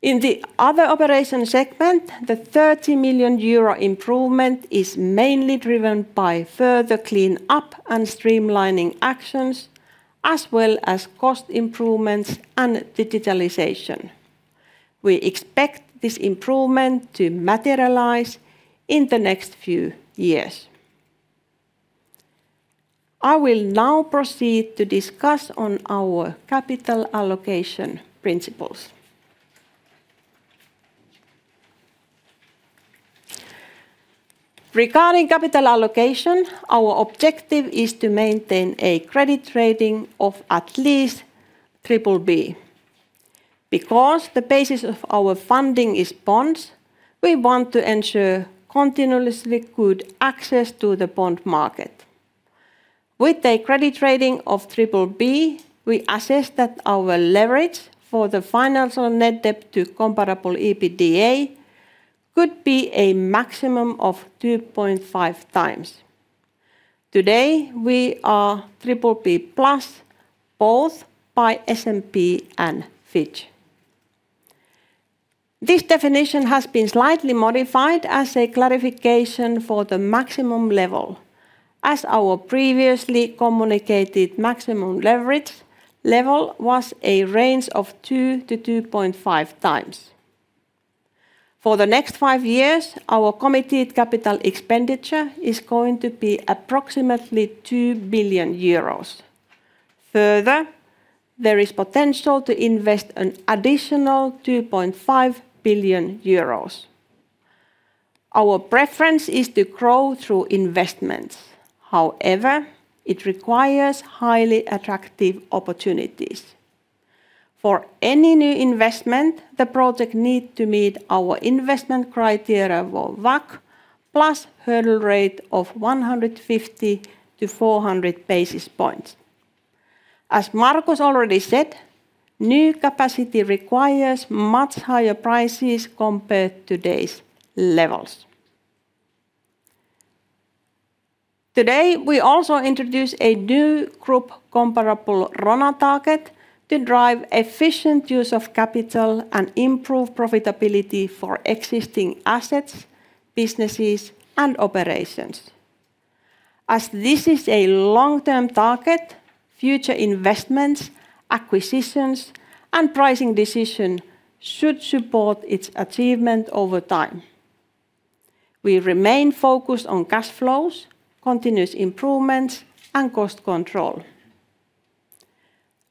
In the other operation segment, the 30 million euro improvement is mainly driven by further clean-up and streamlining actions, as well as cost improvements and digitalization. We expect this improvement to materialize in the next few years. I will now proceed to discuss our capital allocation principles. Regarding capital allocation, our objective is to maintain a credit rating of at least BBB. Because the basis of our funding is bonds, we want to ensure continuously good access to the bond market. With a credit rating of BBB, we assess that our leverage for the financial net debt to comparable EBITDA could be a maximum of 2.5x. Today, we are BBB+, both by S&P and Fitch. This definition has been slightly modified as a clarification for the maximum level, as our previously communicated maximum leverage level was a range of 2x-2.5x. For the next five years, our committed capital expenditure is going to be approximately 2 billion euros. Further, there is potential to invest an additional 2.5 billion euros. Our preference is to grow through investments. However, it requires highly attractive opportunities. For any new investment, the project needs to meet our investment criteria for WACC, plus a hurdle rate of 150-400 basis points. As Markus already said, new capacity requires much higher prices compared to today's levels. Today, we also introduced a new group comparable RONA target to drive efficient use of capital and improve profitability for existing assets, businesses, and operations. As this is a long-term target, future investments, acquisitions, and pricing decisions should support its achievement over time. We remain focused on cash flows, continuous improvements, and cost control.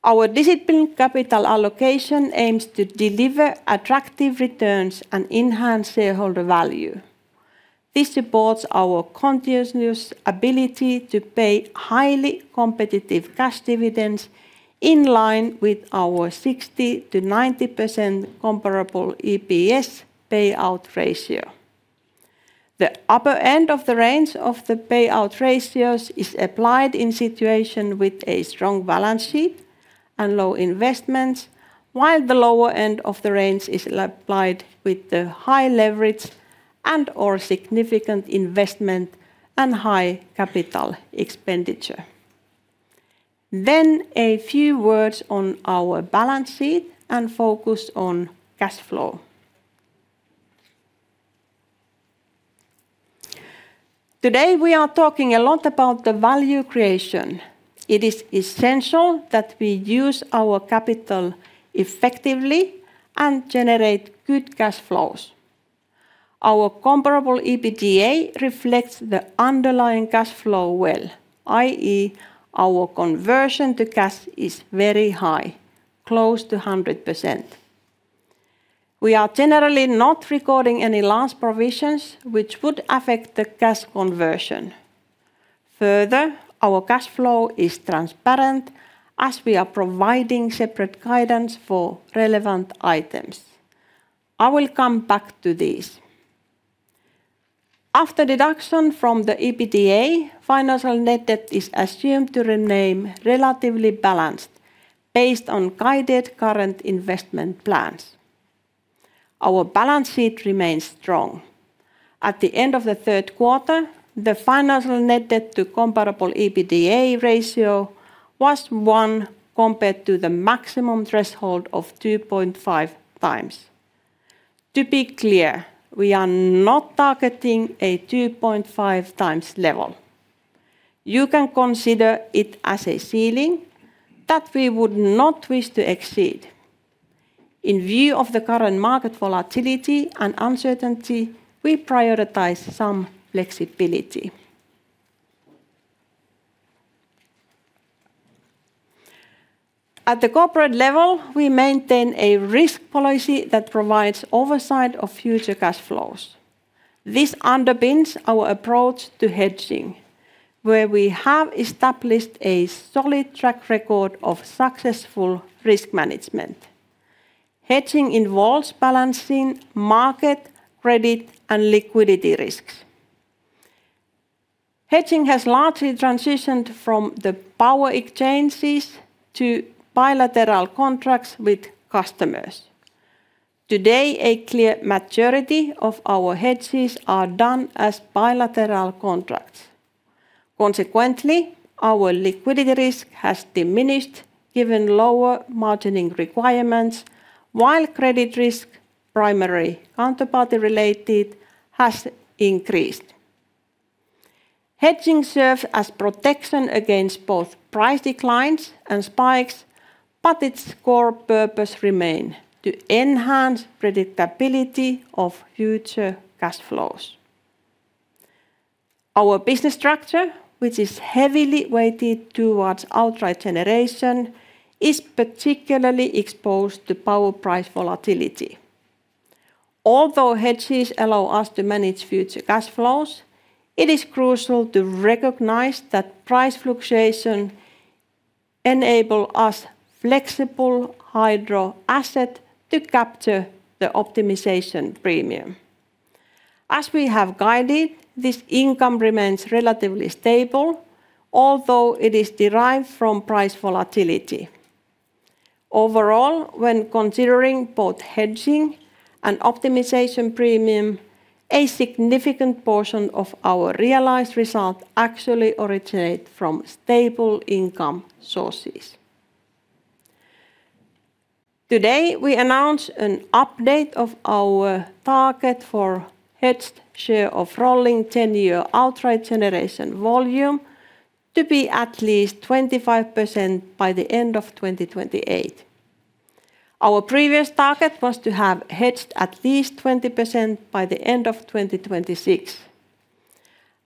Our disciplined capital allocation aims to deliver attractive returns and enhance shareholder value. This supports our continuous ability to pay highly competitive cash dividends in line with our 60%-90% comparable EPS payout ratio. The upper end of the range of the payout ratios is applied in situations with a strong balance sheet and low investments, while the lower end of the range is applied with high leverage and/or significant investment and high capital expenditure. A few words on our balance sheet and focus on cash flow. Today, we are talking a lot about the value creation. It is essential that we use our capital effectively and generate good cash flows. Our comparable EBITDA reflects the underlying cash flow well, i.e., our conversion to cash is very high, close to 100%. We are generally not recording any loss provisions, which would affect the cash conversion. Further, our cash flow is transparent as we are providing separate guidance for relevant items. I will come back to these. After deduction from the EBITDA, financial net debt is assumed to remain relatively balanced based on guided current investment plans. Our balance sheet remains strong. At the end of the third quarter, the financial net debt to comparable EBITDA ratio was 1 compared to the maximum threshold of 2.5x. To be clear, we are not targeting a 2.5x level. You can consider it as a ceiling that we would not wish to exceed. In view of the current market volatility and uncertainty, we prioritize some flexibility. At the corporate level, we maintain a risk policy that provides oversight of future cash flows. This underpins our approach to hedging, where we have established a solid track record of successful risk management. Hedging involves balancing market, credit, and liquidity risks. Hedging has largely transitioned from the power exchanges to bilateral contracts with customers. Today, a clear majority of our hedges are done as bilateral contracts. Consequently, our liquidity risk has diminished given lower margining requirements, while credit risk, primarily counterparty-related, has increased. Hedging serves as protection against both price declines and spikes, but its core purpose remains to enhance predictability of future cash flows. Our business structure, which is heavily weighted towards outright generation, is particularly exposed to power price volatility. Although hedges allow us to manage future cash flows, it is crucial to recognize that price fluctuations enable our flexible hydro assets to capture the optimization premium. As we have guided, this income remains relatively stable, although it is derived from price volatility. Overall, when considering both hedging and optimization premium, a significant portion of our realized result actually originates from stable income sources. Today, we announce an update of our target for hedged share of rolling 10-year outright generation volume to be at least 25% by the end of 2028. Our previous target was to have hedged at least 20% by the end of 2026.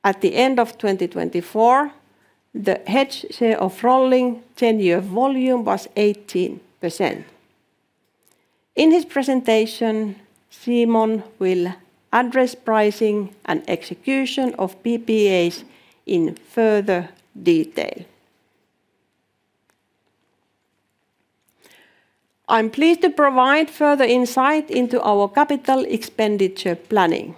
At the end of 2024, the hedged share of rolling 10-year volume was 18%. In his presentation, Simon will address pricing and execution of PPAs in further detail. I'm pleased to provide further insight into our capital expenditure planning.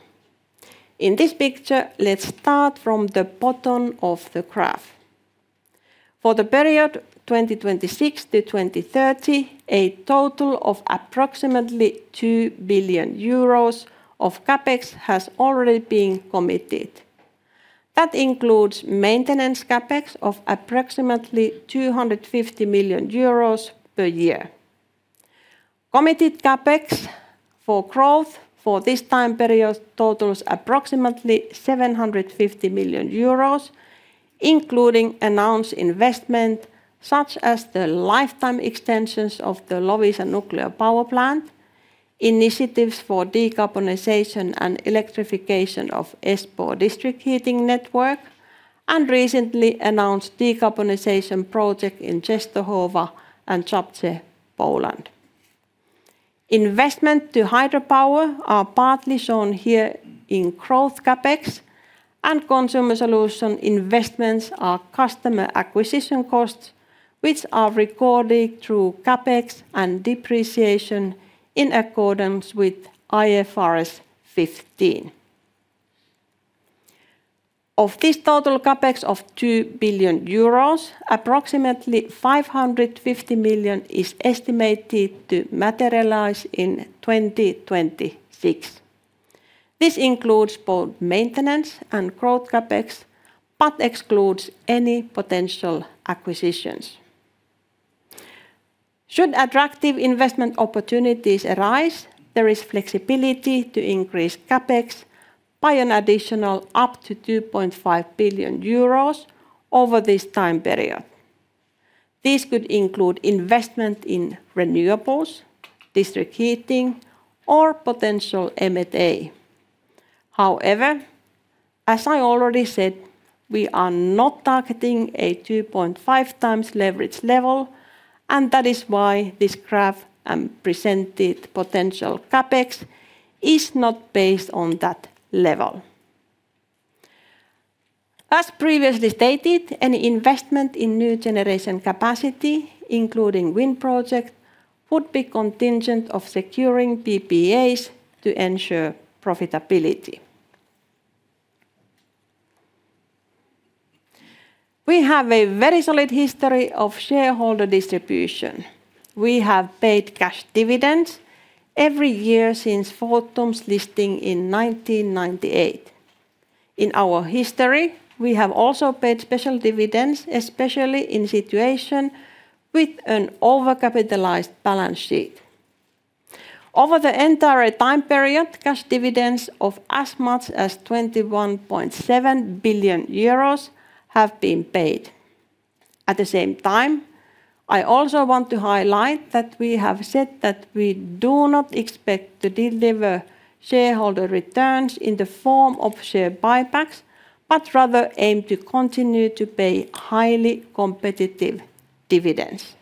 In this picture, let's start from the bottom of the graph. For the period 2026-2030, a total of approximately 2 billion euros of CapEx has already been committed. That includes maintenance CapEx of approximately 250 million euros per year. Committed CapEx for growth for this time period totals approximately 750 million euros, including announced investments such as the lifetime extensions of the Loviisa nuclear power plant, initiatives for decarbonization and electrification of Espoo district heating network, and recently announced decarbonization projects in Czestochowa and Szabcze, Poland. Investments to hydropower are partly shown here in growth CapEx, and consumer solution investments are customer acquisition costs, which are recorded through CapEx and depreciation in accordance with IFRS 15. Of this total CapEx of 2 billion euros, approximately 550 million is estimated to materialize in 2026. This includes both maintenance and growth CapEx, but excludes any potential acquisitions. Should attractive investment opportunities arise, there is flexibility to increase CapEx by an additional up to 2.5 billion euros over this time period. This could include investment in renewables, district heating, or potential M&A. However, as I already said, we are not targeting a 2.5x leverage level, and that is why this graph and presented potential CapEx is not based on that level. As previously stated, any investment in new generation capacity, including wind projects, would be contingent on securing PPAs to ensure profitability. We have a very solid history of shareholder distribution. We have paid cash dividends every year since Fortum's listing in 1998. In our history, we have also paid special dividends, especially in situations with an over-capitalized balance sheet. Over the entire time period, cash dividends of as much as 21.7 billion euros have been paid. At the same time, I also want to highlight that we have said that we do not expect to deliver shareholder returns in the form of share buybacks, but rather aim to continue to pay highly competitive dividends.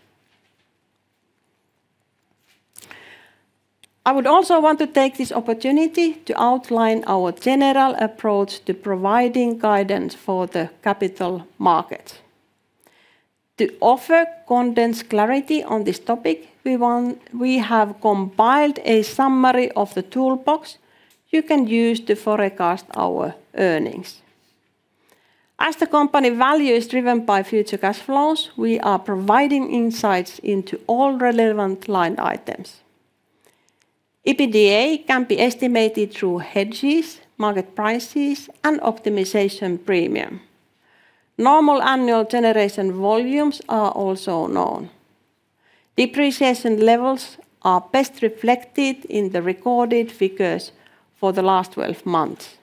I would also want to take this opportunity to outline our general approach to providing guidance for the capital markets. To offer condensed clarity on this topic, we have compiled a summary of the toolbox you can use to forecast our earnings. As the company value is driven by future cash flows, we are providing insights into all relevant line items. EBITDA can be estimated through hedges, market prices, and optimization premium. Normal annual generation volumes are also known. Depreciation levels are best reflected in the recorded figures for the last 12 months.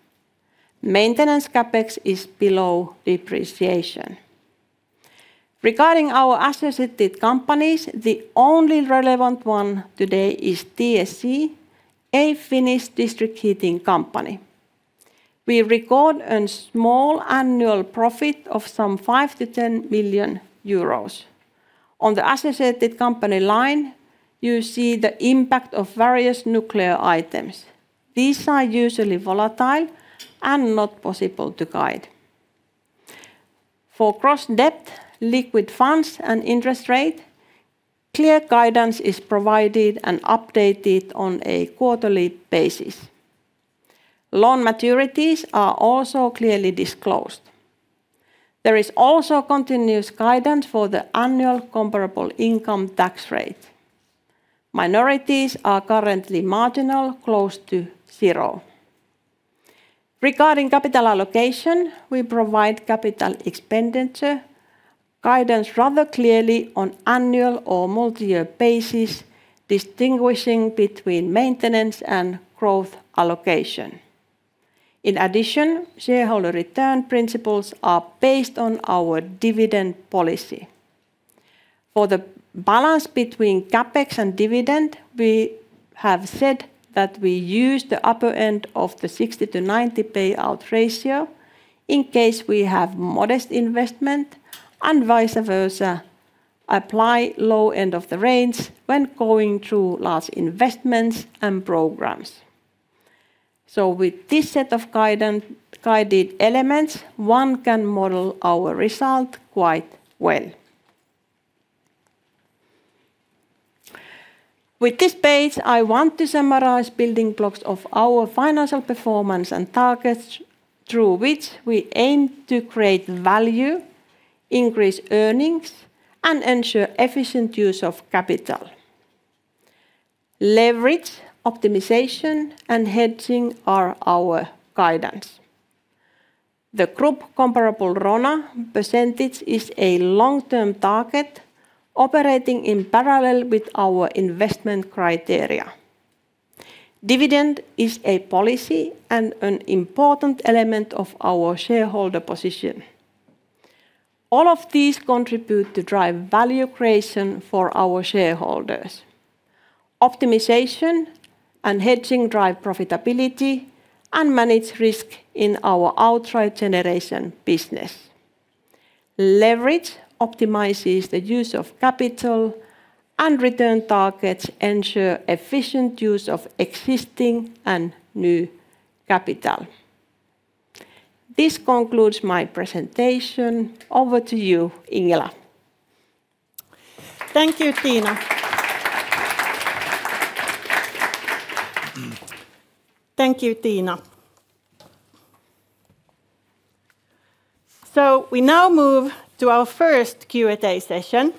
Maintenance CapEx is below depreciation. Regarding our associated companies, the only relevant one today is TSC, a Finnish district heating company. We record a small annual profit of some 5 million-10 million euros. On the associated company line, you see the impact of various nuclear items. These are usually volatile and not possible to guide. For cross-debt, liquid funds, and interest rate, clear guidance is provided and updated on a quarterly basis. Loan maturities are also clearly disclosed. There is also continuous guidance for the annual comparable income tax rate. Minorities are currently marginal, close to zero. Regarding capital allocation, we provide capital expenditure guidance rather clearly on annual or multi-year basis, distinguishing between maintenance and growth allocation. In addition, shareholder return principles are based on our dividend policy. For the balance between CapEx and dividend, we have said that we use the upper end of the 60%-90% payout ratio in case we have modest investment, and vice versa, apply low end of the range when going through large investments and programs. With this set of guided elements, one can model our result quite well. With this page, I want to summarize building blocks of our financial performance and targets through which we aim to create value, increase earnings, and ensure efficient use of capital. Leverage, optimization, and hedging are our guidance. The group comparable RONA percentage is a long-term target operating in parallel with our investment criteria. Dividend is a policy and an important element of our shareholder position. All of these contribute to drive value creation for our shareholders. Optimization and hedging drive profitability and manage risk in our outright generation business. Leverage optimizes the use of capital, and return targets ensure efficient use of existing and new capital. This concludes my presentation. Over to you, Ingela. Thank you, Tiina. Thank you, Tiina. We now move to our first Q&A session,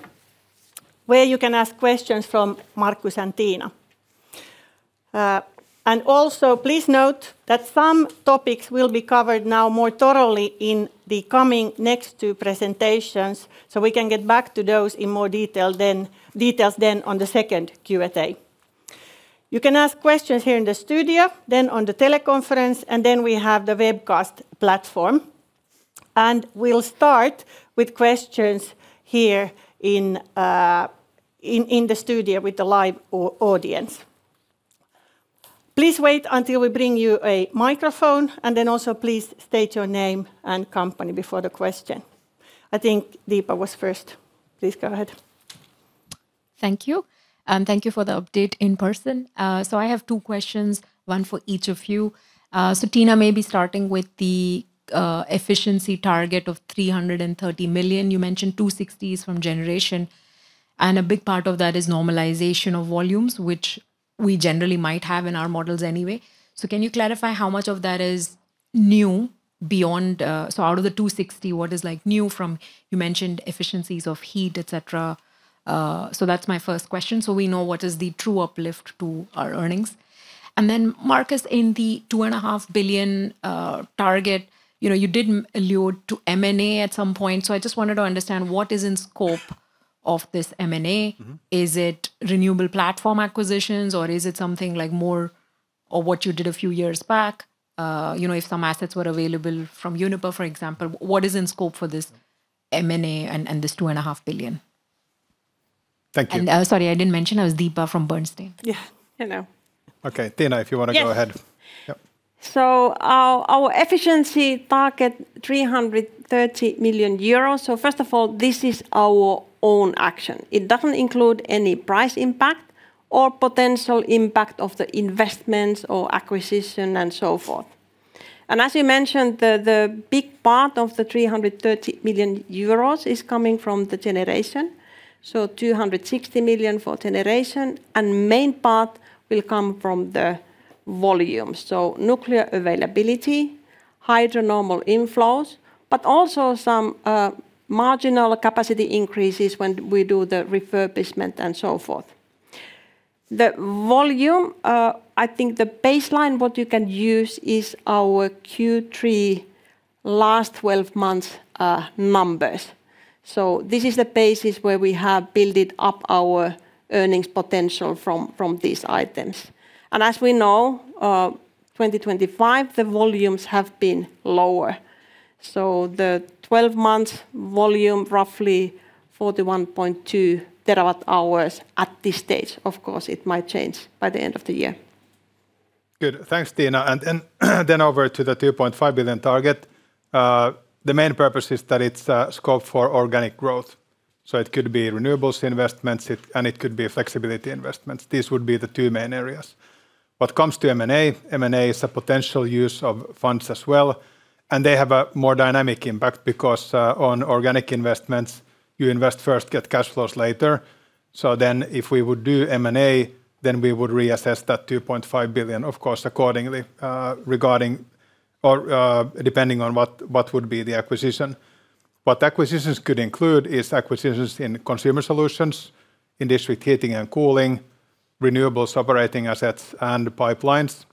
where you can ask questions from Markus and Tiina. Also, please note that some topics will be covered now more thoroughly in the coming next two presentations, so we can get back to those in more detail then on the second Q&A. You can ask questions here in the studio, then on the teleconference, and then we have the webcast platform. We'll start with questions here in the studio with the live audience. Please wait until we bring you a microphone, and then also please state your name and company before the question. I think Deepa was first. Please go ahead. Thank you. Thank you for the update in person. I have two questions, one for each of you. Tiina, maybe starting with the efficiency target of 330 million. You mentioned 260 million is from generation, and a big part of that is normalization of volumes, which we generally might have in our models anyway. Can you clarify how much of that is new beyond, out of the 260, what is like new from, you mentioned efficiencies of heat, etc.? That is my first question. We know what is the true uplift to our earnings. Markus, in the 2.5 billion target, you did allude to M&A at some point, so I just wanted to understand what is in scope of this M&A. Is it renewable platform acquisitions, or is it something like more, or what you did a few years back? If some assets were available from Uniper, for example, what is in scope for this M&A and this 2.5 billion? Thank you. Sorry, I did not mention I was Deepa from Bernstein. Yeah, I know. Okay, Tiina, if you want to go ahead. Yep. Our efficiency target, 330 million euros. First of all, this is our own action. It does not include any price impact or potential impact of the investments or acquisition and so forth. As you mentioned, the big part of the 330 million euros is coming from the generation. 260 million for generation, and the main part will come from the volume. Nuclear availability, hydro normal inflows, but also some marginal capacity increases when we do the refurbishment and so forth. The volume, I think the baseline you can use is our Q3 last 12 months numbers. This is the basis where we have built up our earnings potential from these items. As we know, 2025, the volumes have been lower. The 12 months volume, roughly 41.2 TWh at this stage. Of course, it might change by the end of the year. Good. Thanks, Tiina. Over to the 2.5 billion target. The main purpose is that it is a scope for organic growth. It could be renewables investments, and it could be flexibility investments. These would be the two main areas. What comes to M&A, M&A is a potential use of funds as well, and they have a more dynamic impact because on organic investments, you invest first, get cash flows later. If we would do M&A, we would reassess that 2.5 billion, of course, accordingly, depending on what would be the acquisition. What acquisitions could include is acquisitions in consumer solutions, in district heating and cooling, renewables operating assets and pipelines,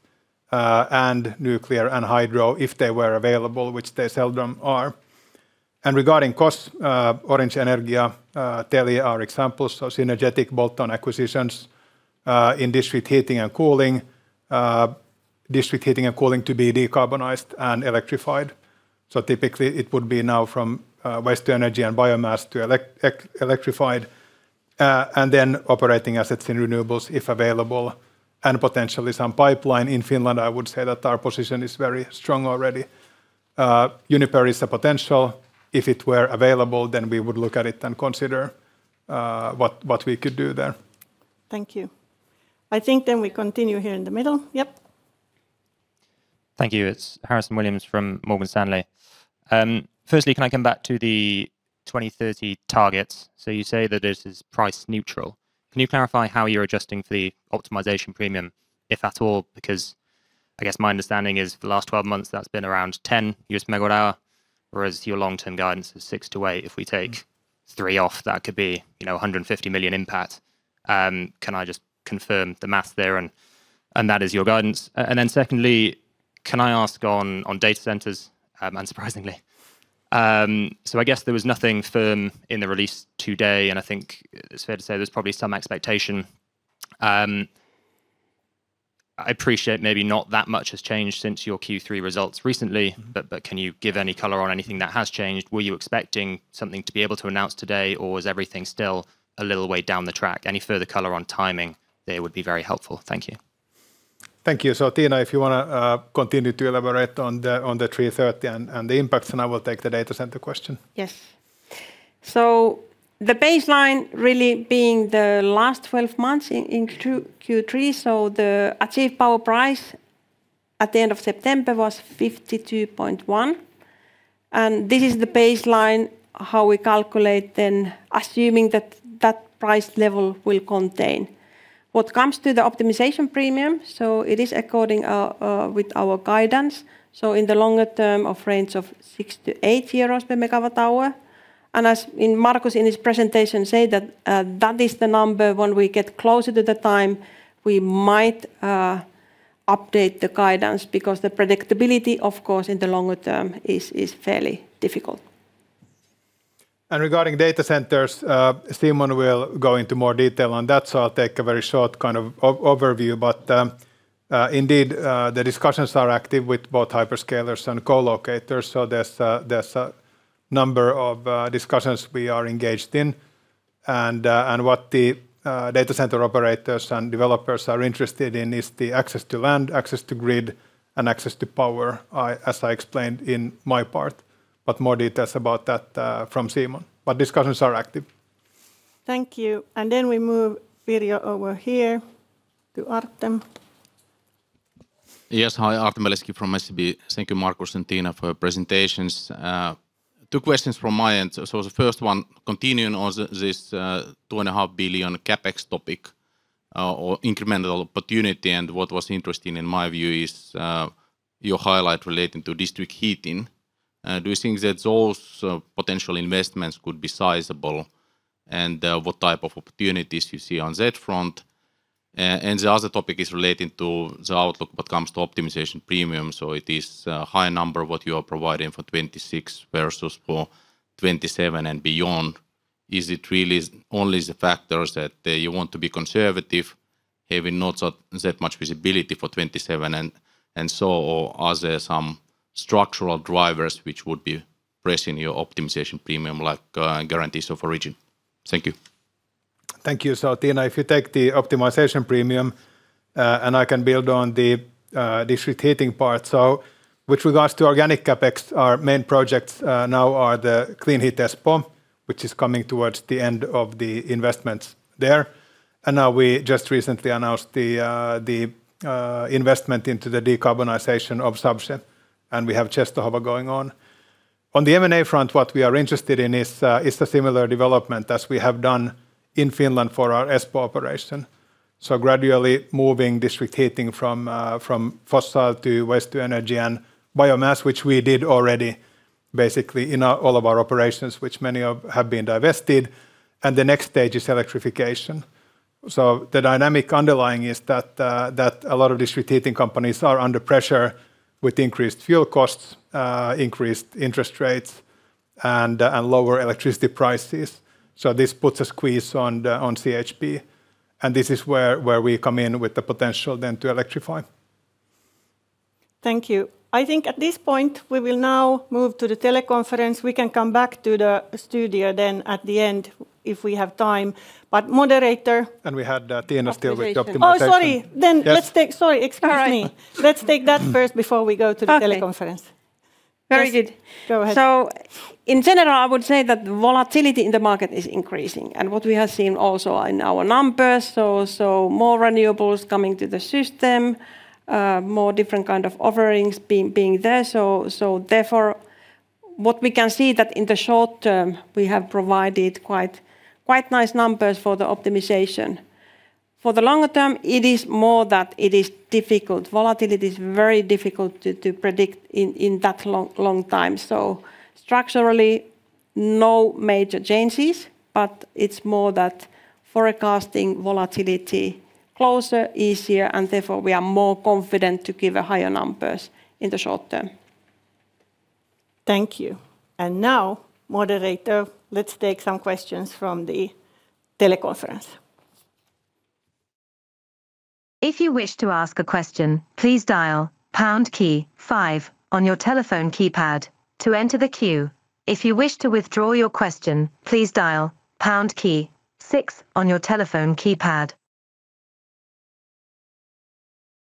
and nuclear and hydro, if they were available, which they seldom are. Regarding costs, Orange Energia, Telge are examples, so synergetic bolt-on acquisitions in district heating and cooling, district heating and cooling to be decarbonized and electrified. Typically, it would be now from waste to energy and biomass to electrified, and then operating assets in renewables if available, and potentially some pipeline. In Finland, I would say that our position is very strong already. Uniper is a potential. If it were available, then we would look at it and consider what we could do there. Thank you. I think we continue here in the middle. Yep. Thank you. It's Harrison Williams from Morgan Stanley. Firstly, can I come back to the 2030 targets? You say that this is price neutral. Can you clarify how you're adjusting for the optimization premium, if at all? Because I guess my understanding is for the last 12 months, that's been around 10 per megawatt hour, whereas your long-term guidance is 6-8. If we take three off, that could be 150 million impact. Can I just confirm the math there? That is your guidance. Secondly, can I ask on data centers? Unsurprisingly. I guess there was nothing firm in the release today, and I think it is fair to say there is probably some expectation. I appreciate maybe not that much has changed since your Q3 results recently, but can you give any color on anything that has changed? Were you expecting something to be able to announce today, or is everything still a little way down the track? Any further color on timing there would be very helpful. Thank you. Thank you. Tiina, if you want to continue to elaborate on the 330 and the impacts, I will take the data center question. Yes. The baseline really being the last 12 months in Q3, so the achieved power price at the end of September was 52.1. This is the baseline how we calculate then, assuming that that price level will contain. What comes to the optimization premium, it is according with our guidance, in the longer term of range of 6-8 euros per megawatt hour. As Markus in his presentation said, that is the number when we get closer to the time we might update the guidance because the predictability, of course, in the longer term is fairly difficult. Regarding data centers, Simon will go into more detail on that, so I'll take a very short kind of overview. Indeed, the discussions are active with both hyperscalers and co-locators, so there's a number of discussions we are engaged in. What the data center operators and developers are interested in is the access to land, access to grid, and access to power, as I explained in my part. But more details about that from Simon. Discussions are active. Thank you. We move video over here to Artem. Yes, hi, Artem Beletski from SEB. Thank you, Markus and Tiina, for your presentations. Two questions from my end. The first one, continuing on this 2.5 billion CapEx topic or incremental opportunity, and what was interesting in my view is your highlight relating to district heating. Do you think that those potential investments could be sizable, and what type of opportunities you see on that front? The other topic is relating to the outlook what comes to optimization premium. It is a high number what you are providing for 2026 versus for 2027 and beyond. Is it really only the factors that you want to be conservative, having not that much visibility for 2027 and so, or are there some structural drivers which would be pressing your optimization premium like guarantees of origin? Thank you. Thank you. Tiina, if you take the optimization premium, and I can build on the district heating part. With regards to organic CapEx, our main projects now are the clean heat Espoo, which is coming towards the end of the investments there. We just recently announced the investment into the decarbonization of subset, and we have Czestochowa going on. On the M&A front, what we are interested in is a similar development as we have done in Finland for our Espoo operation. Gradually moving district heating from fossil to waste to energy and biomass, which we did already basically in all of our operations, which many have been divested. The next stage is electrification. The dynamic underlying is that a lot of district heating companies are under pressure with increased fuel costs, increased interest rates, and lower electricity prices. This puts a squeeze on CHP. This is where we come in with the potential then to electrify. Thank you. I think at this point we will now move to the teleconference. We can come back to the studio at the end if we have time. Moderator. We had Tiina still with the optimization. Oh, sorry. Let's take, sorry, excuse me. Let's take that first before we go to the teleconference. Very good. Go ahead. In general, I would say that volatility in the market is increasing. What we have seen also in our numbers, more renewables coming to the system, more different kind of offerings being there. Therefore, what we can see is that in the short term, we have provided quite nice numbers for the optimization. For the longer term, it is more that it is difficult. Volatility is very difficult to predict in that long time. Structurally, no major changes, but it is more that forecasting volatility closer is easier, and therefore we are more confident to give higher numbers in the short term. Thank you. Now, moderator, let's take some questions from the teleconference. If you wish to ask a question, please dial pound key five on your telephone keypad to enter the queue. If you wish to withdraw your question, please dial pound key six on your telephone keypad.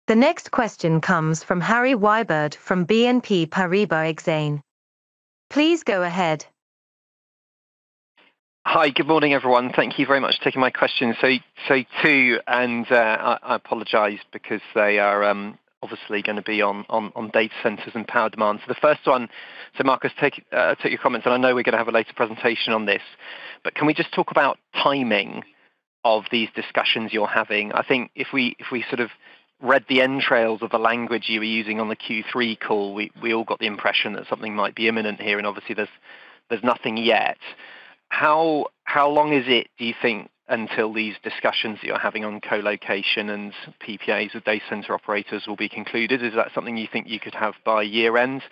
The next question comes from Harry Wyburd from BNP Paribas Exane. Please go ahead. Hi, good morning everyone. Thank you very much for taking my question. Two, and I apologize because they are obviously going to be on data centers and power demand. The first one, Markus, take your comments, and I know we are going to have a later presentation on this, but can we just talk about timing of these discussions you are having? I think if we sort of read the entrails of the language you were using on the Q3 call, we all got the impression that something might be imminent here, and obviously there is nothing yet. How long is it, do you think, until these discussions you're having on co-location and PPAs with data center operators will be concluded? Is that something you think you could have by year-end?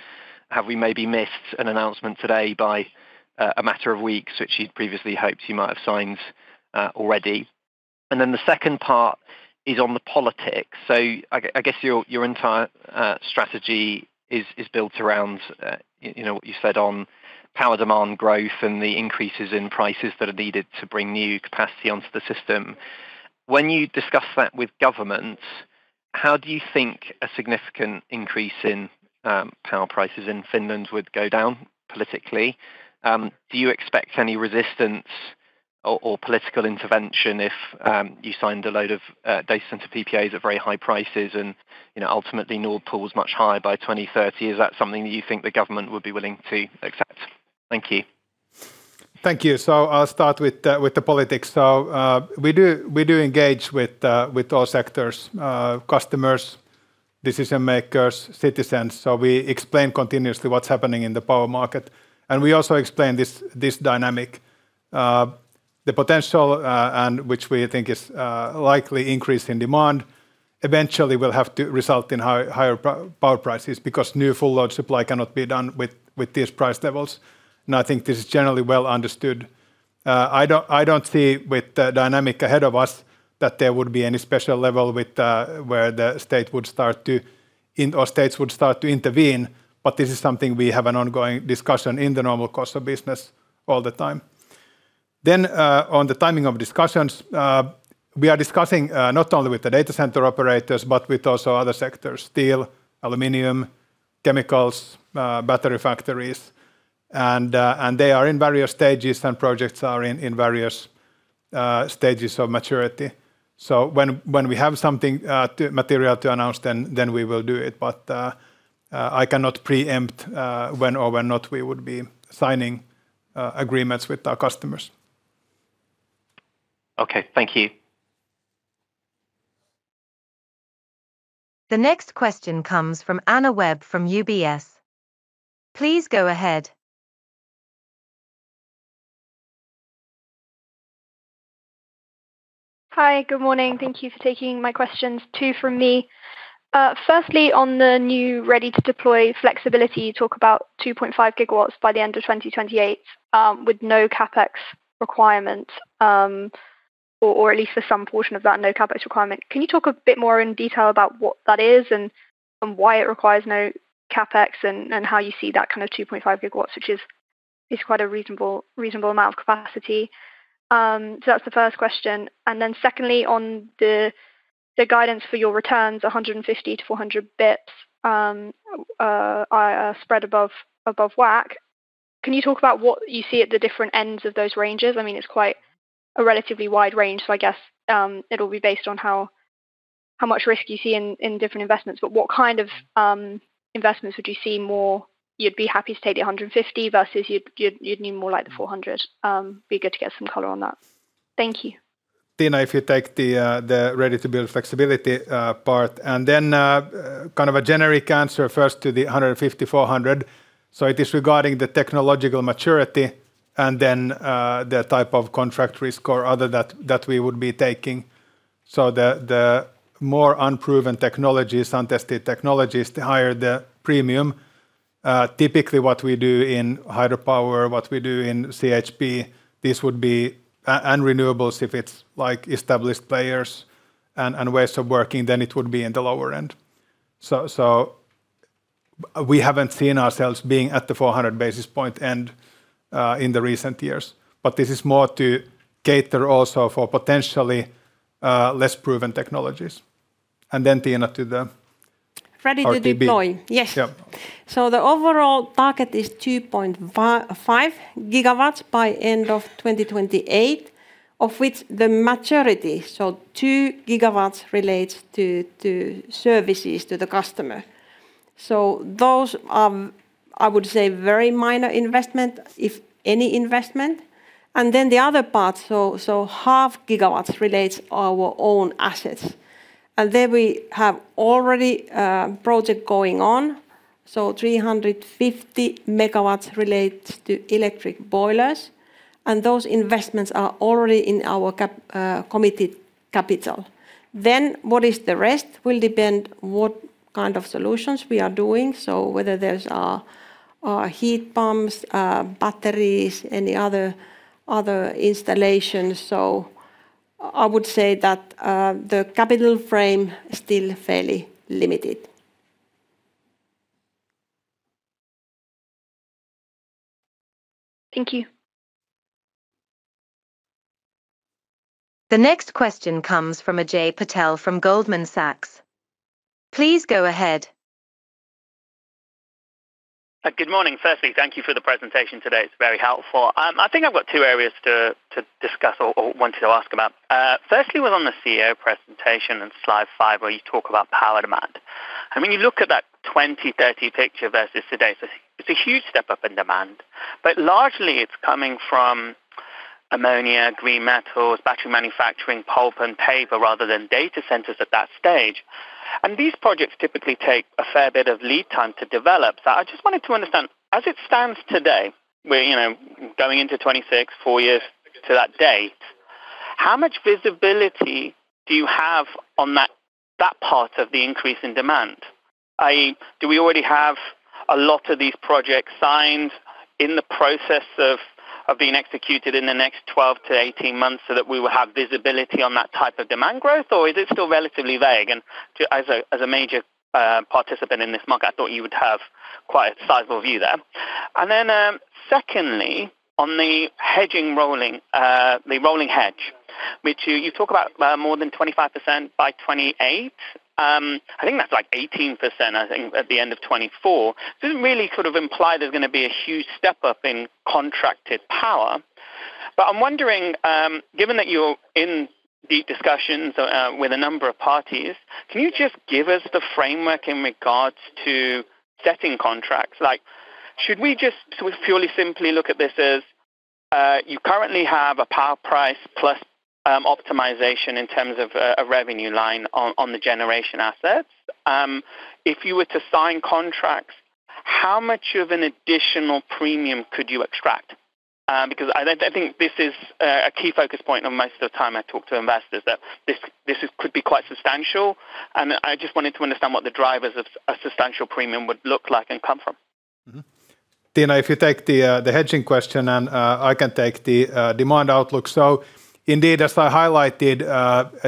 Have we maybe missed an announcement today by a matter of weeks, which you'd previously hoped you might have signed already? The second part is on the politics. I guess your entire strategy is built around what you said on power demand growth and the increases in prices that are needed to bring new capacity onto the system. When you discuss that with governments, how do you think a significant increase in power prices in Finland would go down politically? Do you expect any resistance or political intervention if you signed a load of data center PPAs at very high prices and ultimately Nord Pool is much higher by 2030? Is that something that you think the government would be willing to accept? Thank you. Thank you. I'll start with the politics. We do engage with all sectors, customers, decision-makers, citizens. We explain continuously what's happening in the power market. We also explain this dynamic. The potential, which we think is likely increase in demand, eventually will have to result in higher power prices because new full-load supply cannot be done with these price levels. I think this is generally well understood. I don't see with the dynamic ahead of us that there would be any special level where the state would start to, or states would start to intervene, but this is something we have an ongoing discussion in the normal course of business all the time. On the timing of discussions, we are discussing not only with the data center operators, but also with other sectors: steel, aluminum, chemicals, battery factories. They are in various stages, and projects are in various stages of maturity. When we have something material to announce, we will do it. I cannot preempt when or when not we would be signing agreements with our customers. Okay, thank you. The next question comes from Anna Webb from UBS. Please go ahead. Hi, good morning. Thank you for taking my questions. Two from me. Firstly, on the new ready-to-deploy flexibility, you talk about 2.5 GW by the end of 2028 with no CapEx requirement, or at least for some portion of that no CapEx requirement. Can you talk a bit more in detail about what that is and why it requires no CapEx and how you see that kind of 2.5 GW, which is quite a reasonable amount of capacity? That is the first question. Secondly, on the guidance for your returns, 150-400 basis points are spread above WACC. Can you talk about what you see at the different ends of those ranges? I mean, it is quite a relatively wide range, so I guess it will be based on how much risk you see in different investments. What kind of investments would you see more? You would be happy to take the 150 versus you would need more like the 400. Be good to get some color on that. Thank you. Tiina, if you take the ready-to-build flexibility part. Then kind of a generic answer first to the 150-400. It is regarding the technological maturity and then the type of contract risk or other that we would be taking. The more unproven technologies, untested technologies, the higher the premium. Typically, what we do in hydropower, what we do in CHP, this would be, and renewables if it is like established players and ways of working, then it would be in the lower end. We have not seen ourselves being at the 400 basis point end in the recent years. This is more to cater also for potentially less proven technologies. Tiina, to the. Ready-to-deploy, yes. The overall target is 2.5 GW by end of 2028, of which the majority, so 2 GW, relates to services to the customer. Those are, I would say, very minor investment, if any investment. The other part, so half gigawatt, relates to our own assets. We have already a project going on. 350 MW relates to electric boilers. Those investments are already in our committed capital. What the rest will depend on is what kind of solutions we are doing, whether those are heat pumps, batteries, any other installations. I would say that the capital frame is still fairly limited. Thank you. The next question comes from Ajay Patel from Goldman Sachs. Please go ahead. Good morning. Firstly, thank you for the presentation today. It's very helpful. I think I've got two areas to discuss or wanted to ask about. Firstly, it was on the CEO presentation and slide five where you talk about power demand. I mean, you look at that 2030 picture versus today. It's a huge step up in demand. Largely, it is coming from ammonia, green metals, battery manufacturing, pulp and paper rather than data centers at that stage. These projects typically take a fair bit of lead time to develop. I just wanted to understand, as it stands today, going into 2026, four years to that date, how much visibility do you have on that part of the increase in demand? Do we already have a lot of these projects signed in the process of being executed in the next 12-18 months so that we will have visibility on that type of demand growth, or is it still relatively vague? As a major participant in this market, I thought you would have quite a sizable view there. Secondly, on the hedging rolling, the rolling hedge, which you talk about more than 25% by 2028. I think that's like 18%, I think, at the end of 2024. It doesn't really sort of imply there's going to be a huge step up in contracted power. I am wondering, given that you're in deep discussions with a number of parties, can you just give us the framework in regards to setting contracts? Like, should we just purely simply look at this as you currently have a power price plus optimization in terms of a revenue line on the generation assets? If you were to sign contracts, how much of an additional premium could you extract? I think this is a key focus point most of the time I talk to investors, that this could be quite substantial. I just wanted to understand what the drivers of a substantial premium would look like and come from. Tiina, if you take the hedging question and I can take the demand outlook. Indeed, as I highlighted,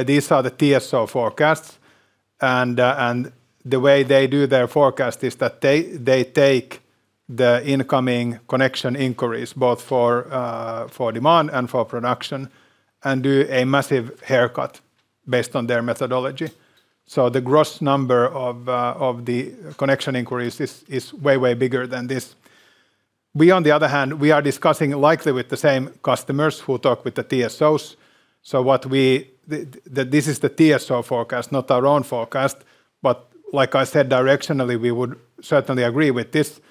these are the TSO forecasts. The way they do their forecast is that they take the incoming connection inquiries both for demand and for production and do a massive haircut based on their methodology. The gross number of the connection inquiries is way, way bigger than this. We, on the other hand, are likely discussing with the same customers who talk with the TSOs. This is the TSO forecast, not our own forecast. Like I said, directionally, we would certainly agree with this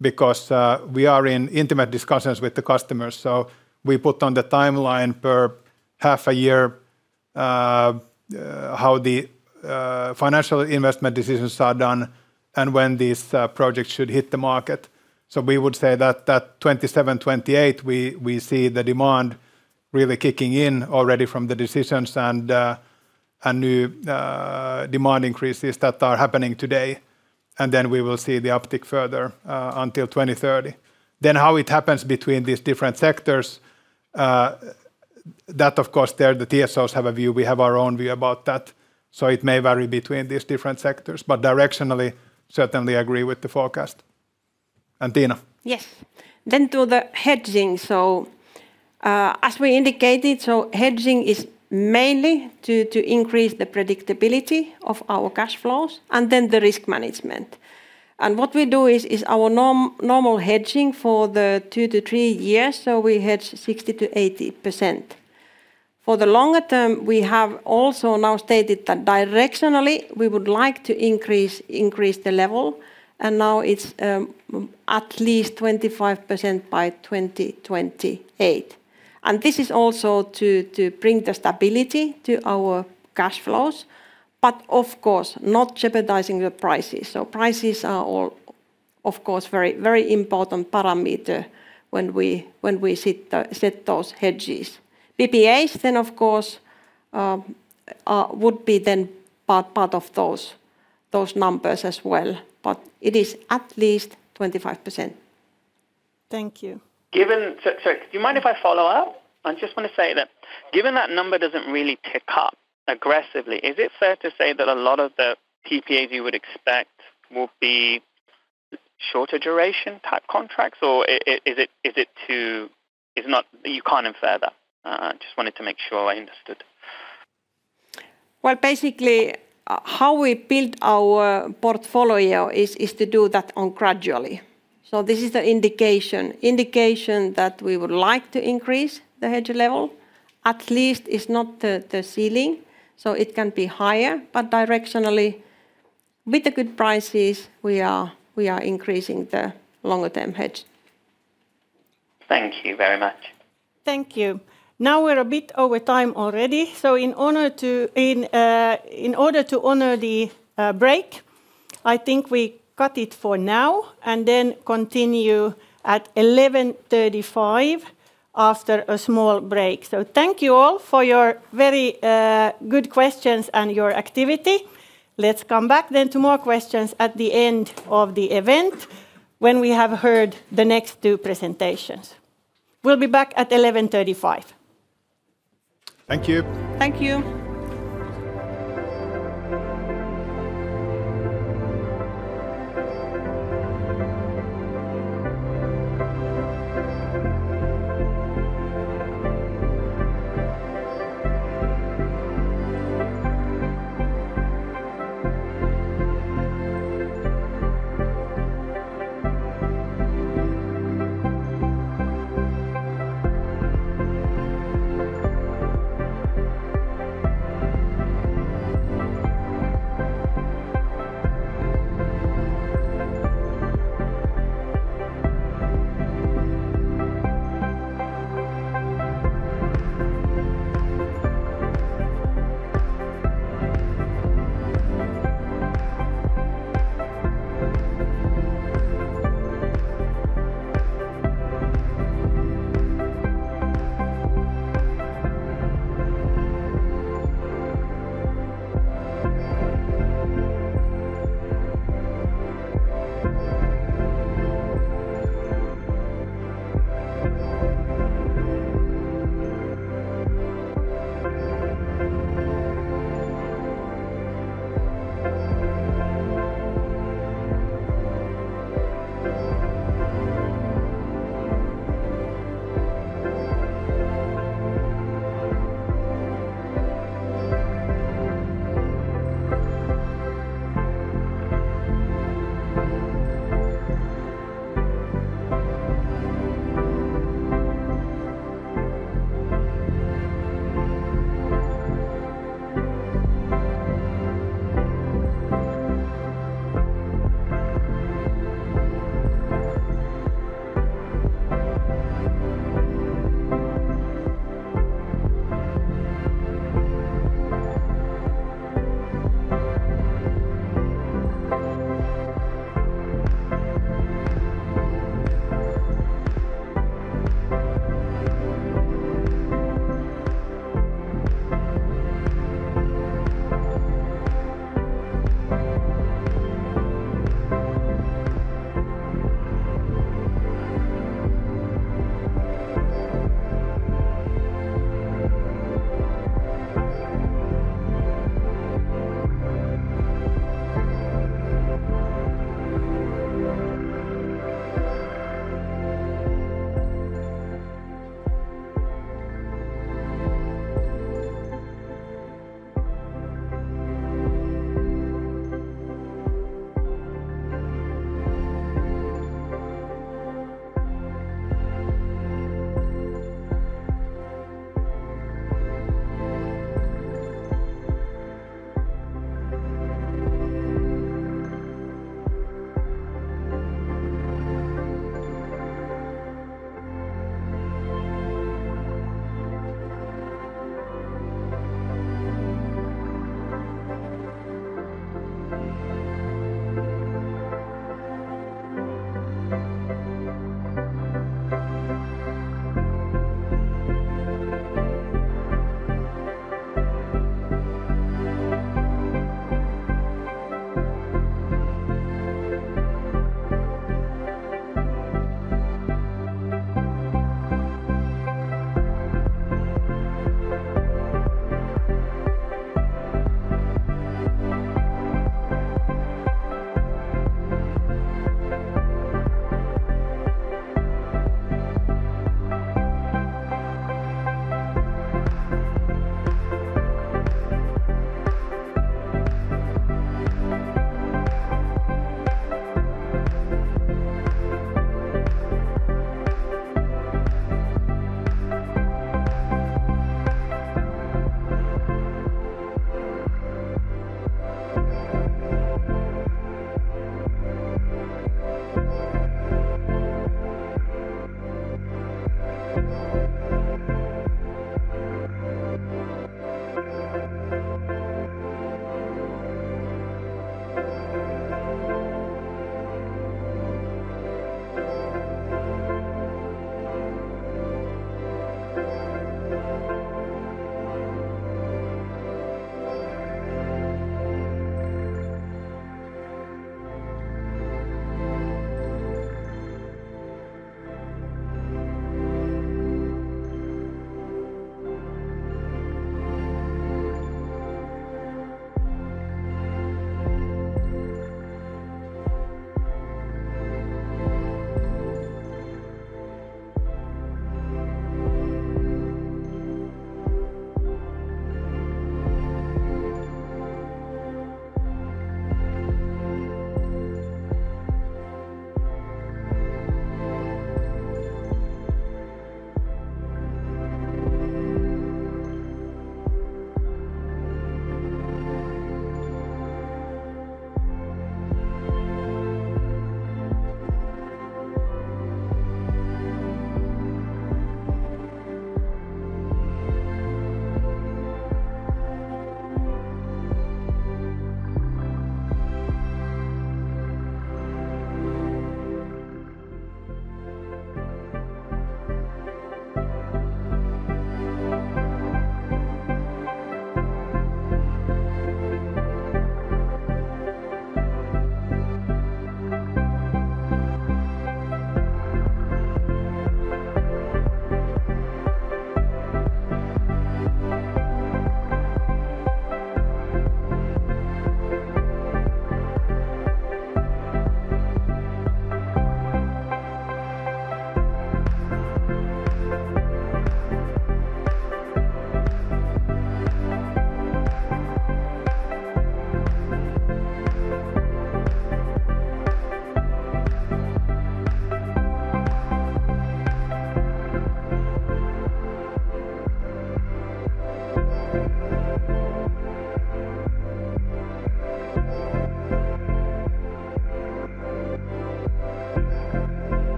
because we are in intimate discussions with the customers. We put on the timeline per half a year how the financial investment decisions are done and when these projects should hit the market. We would say that that 2027-2028, we see the demand really kicking in already from the decisions and new demand increases that are happening today. We will see the uptick further until 2030. How it happens between these different sectors, of course the TSOs have a view. We have our own view about that. It may vary between these different sectors. Directionally, certainly agree with the forecast. Tiina. Yes. To the hedging. As we indicated, hedging is mainly to increase the predictability of our cash flows and the risk management. What we do is our normal hedging for the two to three years. We hedge 60%-80%. For the longer term, we have also now stated that directionally we would like to increase the level. Now it is at least 25% by 2028. This is also to bring stability to our cash flows. Of course, not jeopardizing the prices. Prices are all, of course, very important parameters when we set those hedges. PPAs then, of course, would be part of those numbers as well. It is at least 25%. Thank you. Do you mind if I follow up? I just want to say that given that number does not really tick up aggressively, is it fair to say that a lot of the PPAs you would expect will be shorter duration type contracts? Or is it too, you cannot infer that? I just wanted to make sure I understood. Basically, how we build our portfolio is to do that gradually. This is the indication that we would like to increase the hedge level. At least it is not the ceiling. It can be higher. But directionally, with the good prices, we are increasing the longer-term hedge. Thank you very much. Thank you. Now we're a bit over time already. In order to honor the break, I think we cut it for now and then continue at 11:35 A.M. after a small break. Thank you all for your very good questions and your activity. Let's come back then to more questions at the end of the event when we have heard the next two presentations. We'll be back at 11:35 A.M. Thank you. Thank you.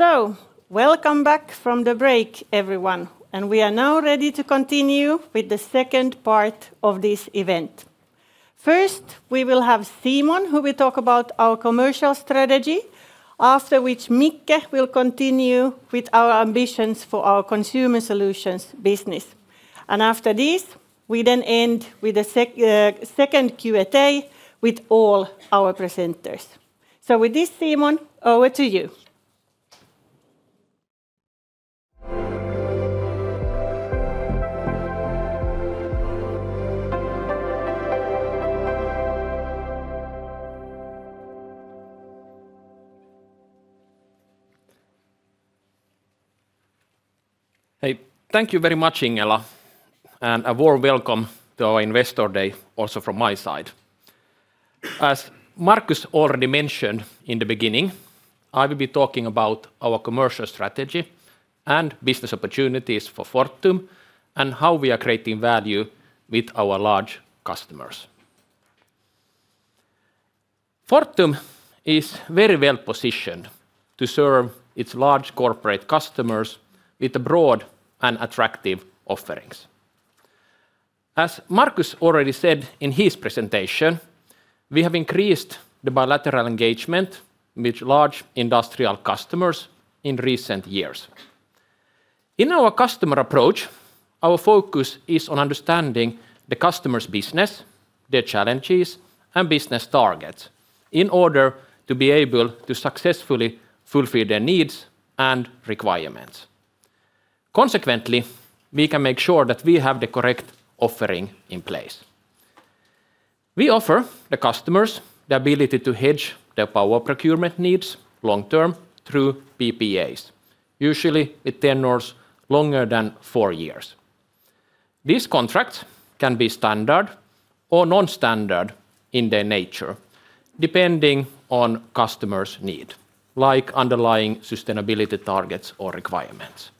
Welcome back from the break, everyone. We are now ready to continue with the second part of this event. First, we will have Simon, who will talk about our commercial strategy, after which Mikael will continue with our ambitions for our consumer solutions business. After this, we then end with a second Q&A with all our presenters. Thank you very much, Ingela, and a warm welcome to our Investor Day also from my side. As Markus already mentioned in the beginning, I will be talking about our commercial strategy and business opportunities for Fortum and how we are creating value with our large customers. Fortum is very well positioned to serve its large corporate customers with broad and attractive offerings. As Markus already said in his presentation, we have increased the bilateral engagement with large industrial customers in recent years. In our customer approach, our focus is on understanding the customer's business, their challenges, and business targets in order to be able to successfully fulfill their needs and requirements. Consequently, we can make sure that we have the correct offering in place. We offer the customers the ability to hedge their power procurement needs long-term through PPAs, usually with tenors longer than four years. These contracts can be standard or non-standard in their nature, depending on customers' needs, like underlying sustainability targets or requirements.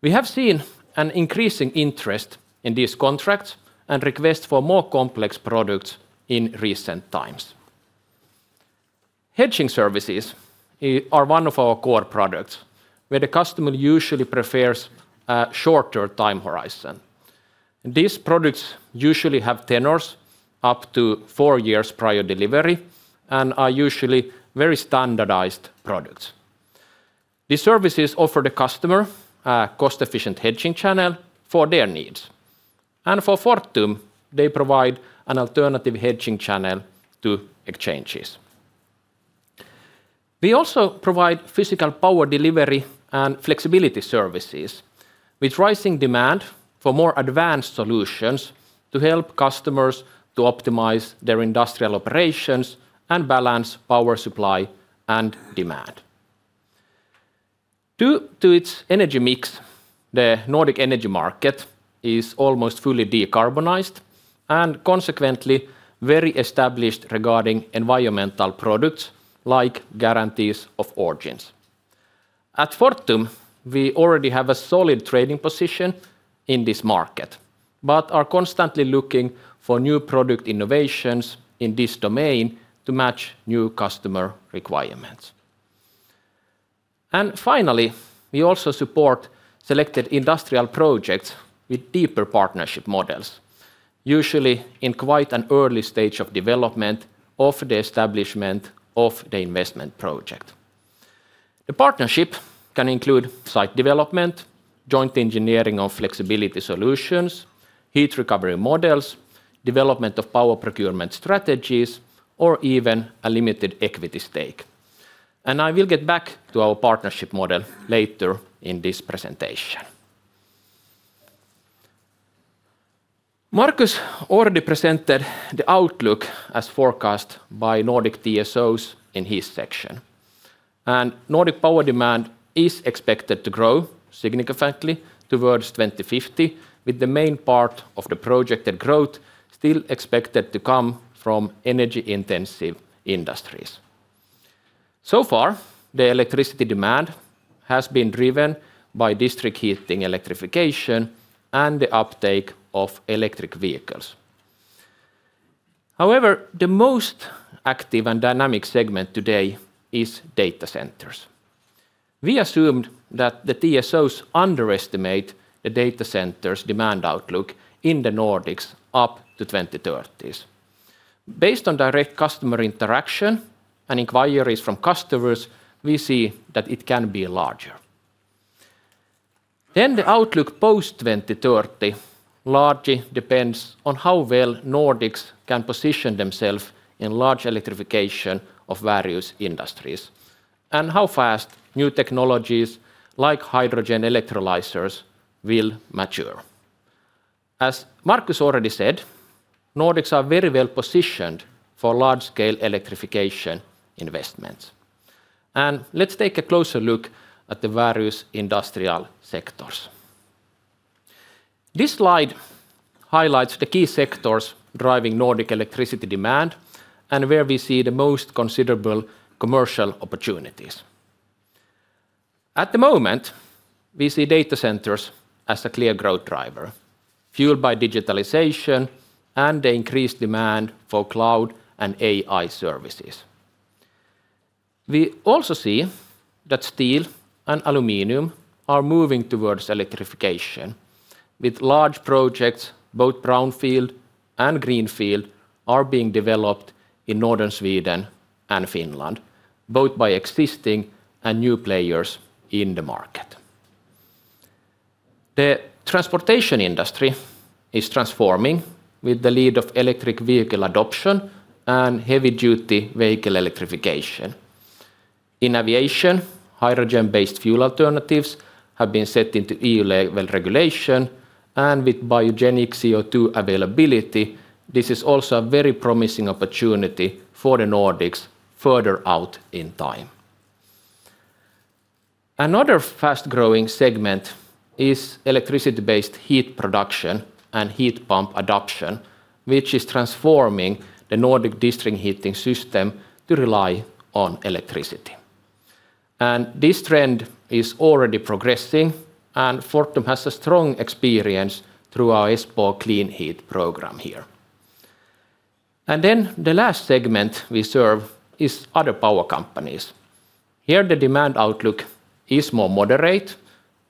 We have seen an increasing interest in these contracts and requests for more complex products in recent times. Hedging services are one of our core products, where the customer usually prefers a shorter time horizon. These products usually have tenors up to four years prior delivery and are usually very standardized products. These services offer the customer a cost-efficient hedging channel for their needs. For Fortum, they provide an alternative hedging channel to exchanges. We also provide physical power delivery and flexibility services with rising demand for more advanced solutions to help customers optimize their industrial operations and balance power supply and demand. Due to its energy mix, the Nordic energy market is almost fully decarbonized and consequently very established regarding environmental products like guarantees of origin. At Fortum, we already have a solid trading position in this market, but are constantly looking for new product innovations in this domain to match new customer requirements. Finally, we also support selected industrial projects with deeper partnership models, usually in quite an early stage of development of the establishment of the investment project. The partnership can include site development, joint engineering of flexibility solutions, heat recovery models, development of power procurement strategies, or even a limited equity stake. I will get back to our partnership model later in this presentation. Markus already presented the outlook as forecast by Nordic TSOs in his section. Nordic power demand is expected to grow significantly towards 2050, with the main part of the projected growth still expected to come from energy-intensive industries. So far, the electricity demand has been driven by district heating electrification and the uptake of electric vehicles. However, the most active and dynamic segment today is data centers. We assumed that the TSOs underestimate the data centers' demand outlook in the Nordics up to 2030. Based on direct customer interaction and inquiries from customers, we see that it can be larger. The outlook post-2030 largely depends on how well Nordics can position themselves in large electrification of various industries and how fast new technologies like hydrogen electrolyzers will mature. As Markus already said, Nordics are very well positioned for large-scale electrification investments. Let's take a closer look at the various industrial sectors. This slide highlights the key sectors driving Nordic electricity demand and where we see the most considerable commercial opportunities. At the moment, we see data centers as a clear growth driver, fueled by digitalization and the increased demand for cloud and AI services. We also see that steel and aluminum are moving towards electrification, with large projects, both brownfield and greenfield, being developed in northern Sweden and Finland, both by existing and new players in the market. The transportation industry is transforming with the lead of electric vehicle adoption and heavy-duty vehicle electrification. In aviation, hydrogen-based fuel alternatives have been set into EU-level regulation, and with biogenic CO2 availability, this is also a very promising opportunity for the Nordics further out in time. Another fast-growing segment is electricity-based heat production and heat pump adoption, which is transforming the Nordic district heating system to rely on electricity. This trend is already progressing, and Fortum has a strong experience through our Espoo Clean Heat program here. The last segment we serve is other power companies. Here, the demand outlook is more moderate,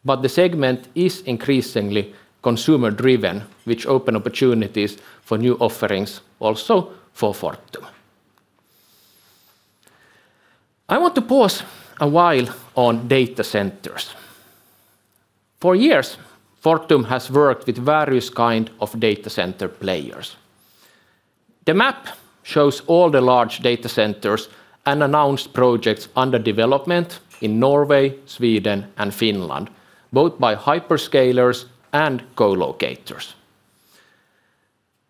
but the segment is increasingly consumer-driven, which opens opportunities for new offerings also for Fortum. I want to pause a while on data centers. For years, Fortum has worked with various kinds of data center players. The map shows all the large data centers and announced projects under development in Norway, Sweden, and Finland, both by hyperscalers and co-locators.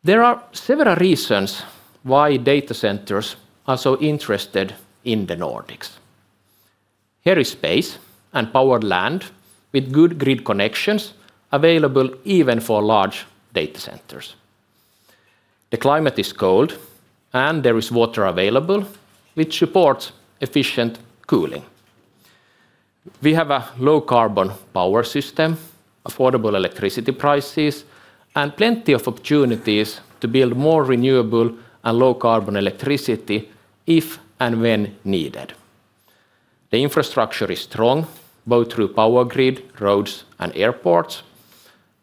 There are several reasons why data centers are so interested in the Nordics. Here is space and powered land with good grid connections available even for large data centers. The climate is cold, and there is water available, which supports efficient cooling. We have a low-carbon power system, affordable electricity prices, and plenty of opportunities to build more renewable and low-carbon electricity if and when needed. The infrastructure is strong, both through power grid, roads, and airports,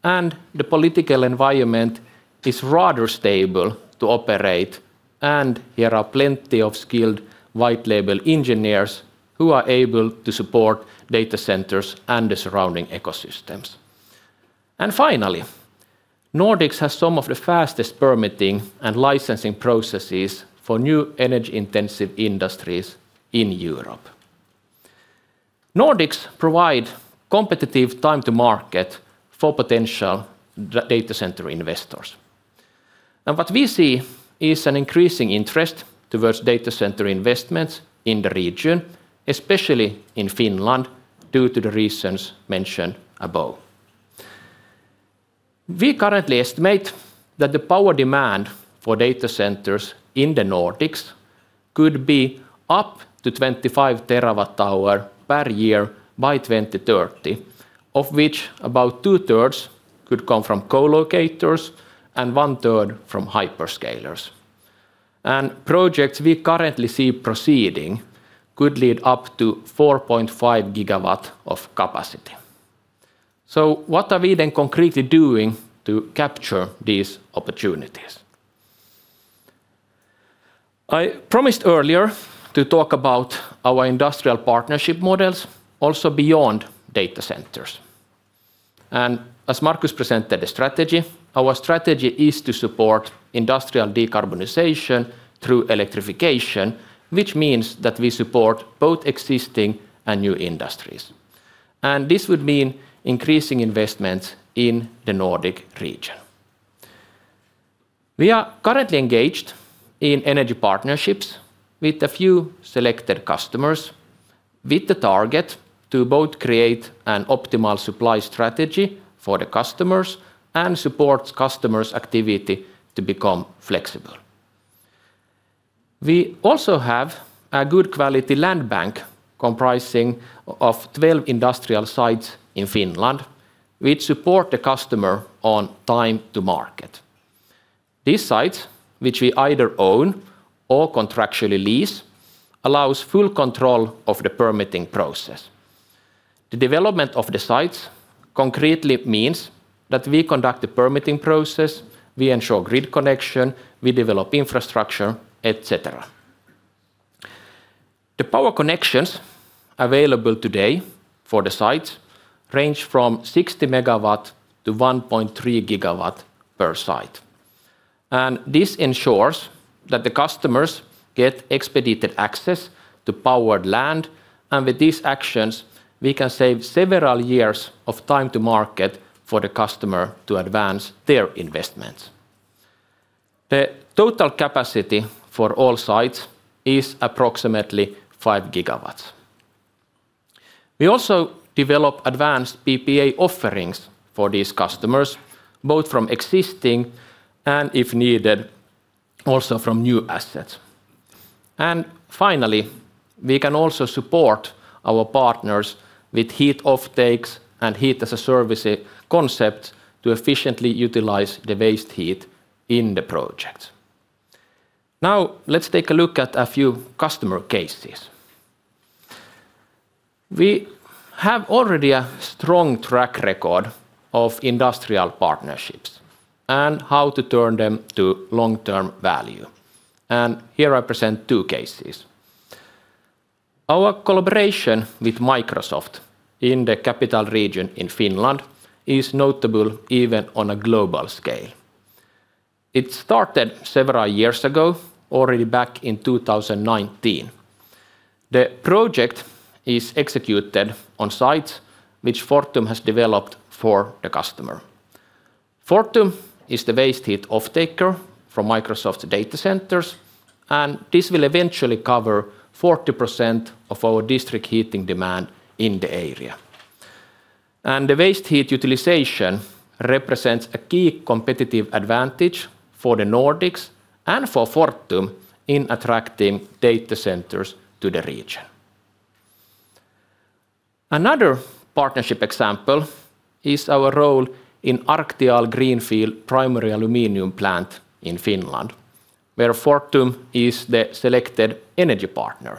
and the political environment is rather stable to operate, and there are plenty of skilled white-label engineers who are able to support data centers and the surrounding ecosystems. Finally, Nordics has some of the fastest permitting and licensing processes for new energy-intensive industries in Europe. Nordics provides competitive time-to-market for potential data center investors. What we see is an increasing interest towards data center investments in the region, especially in Finland, due to the reasons mentioned above. We currently estimate that the power demand for data centers in the Nordics could be up to 25 TWh per year by 2030, of which about two-thirds could come from co-locators and one-third from hyperscalers. Projects we currently see proceeding could lead up to 4.5 GW of capacity. What are we then concretely doing to capture these opportunities? I promised earlier to talk about our industrial partnership models, also beyond data centers. As Markus presented the strategy, our strategy is to support industrial decarbonization through electrification, which means that we support both existing and new industries. This would mean increasing investments in the Nordic region. We are currently engaged in energy partnerships with a few selected customers, with the target to both create an optimal supply strategy for the customers and support customers' activity to become flexible. We also have a good quality land bank comprising of 12 industrial sites in Finland, which support the customer on time-to-market. These sites, which we either own or contractually lease, allow full control of the permitting process. The development of the sites concretely means that we conduct the permitting process, we ensure grid connection, we develop infrastructure, etc. The power connections available today for the sites range from 60 MW to 1.3 GW per site. This ensures that the customers get expedited access to powered land, and with these actions, we can save several years of time-to-market for the customer to advance their investments. The total capacity for all sites is approximately 5 GW. We also develop advanced PPA offerings for these customers, both from existing and, if needed, also from new assets. Finally, we can also support our partners with heat offtakes and heat as a service concepts to efficiently utilize the waste heat in the projects. Now, let's take a look at a few customer cases. We have already a strong track record of industrial partnerships and how to turn them to long-term value. Here I present two cases. Our collaboration with Microsoft in the capital region in Finland is notable even on a global scale. It started several years ago, already back in 2019. The project is executed on sites which Fortum has developed for the customer. Fortum is the waste heat offtaker from Microsoft's data centers, and this will eventually cover 40% of our district heating demand in the area. The waste heat utilization represents a key competitive advantage for the Nordics and for Fortum in attracting data centers to the region. Another partnership example is our role in Arctial Greenfield Primary Aluminum Plant in Finland, where Fortum is the selected energy partner.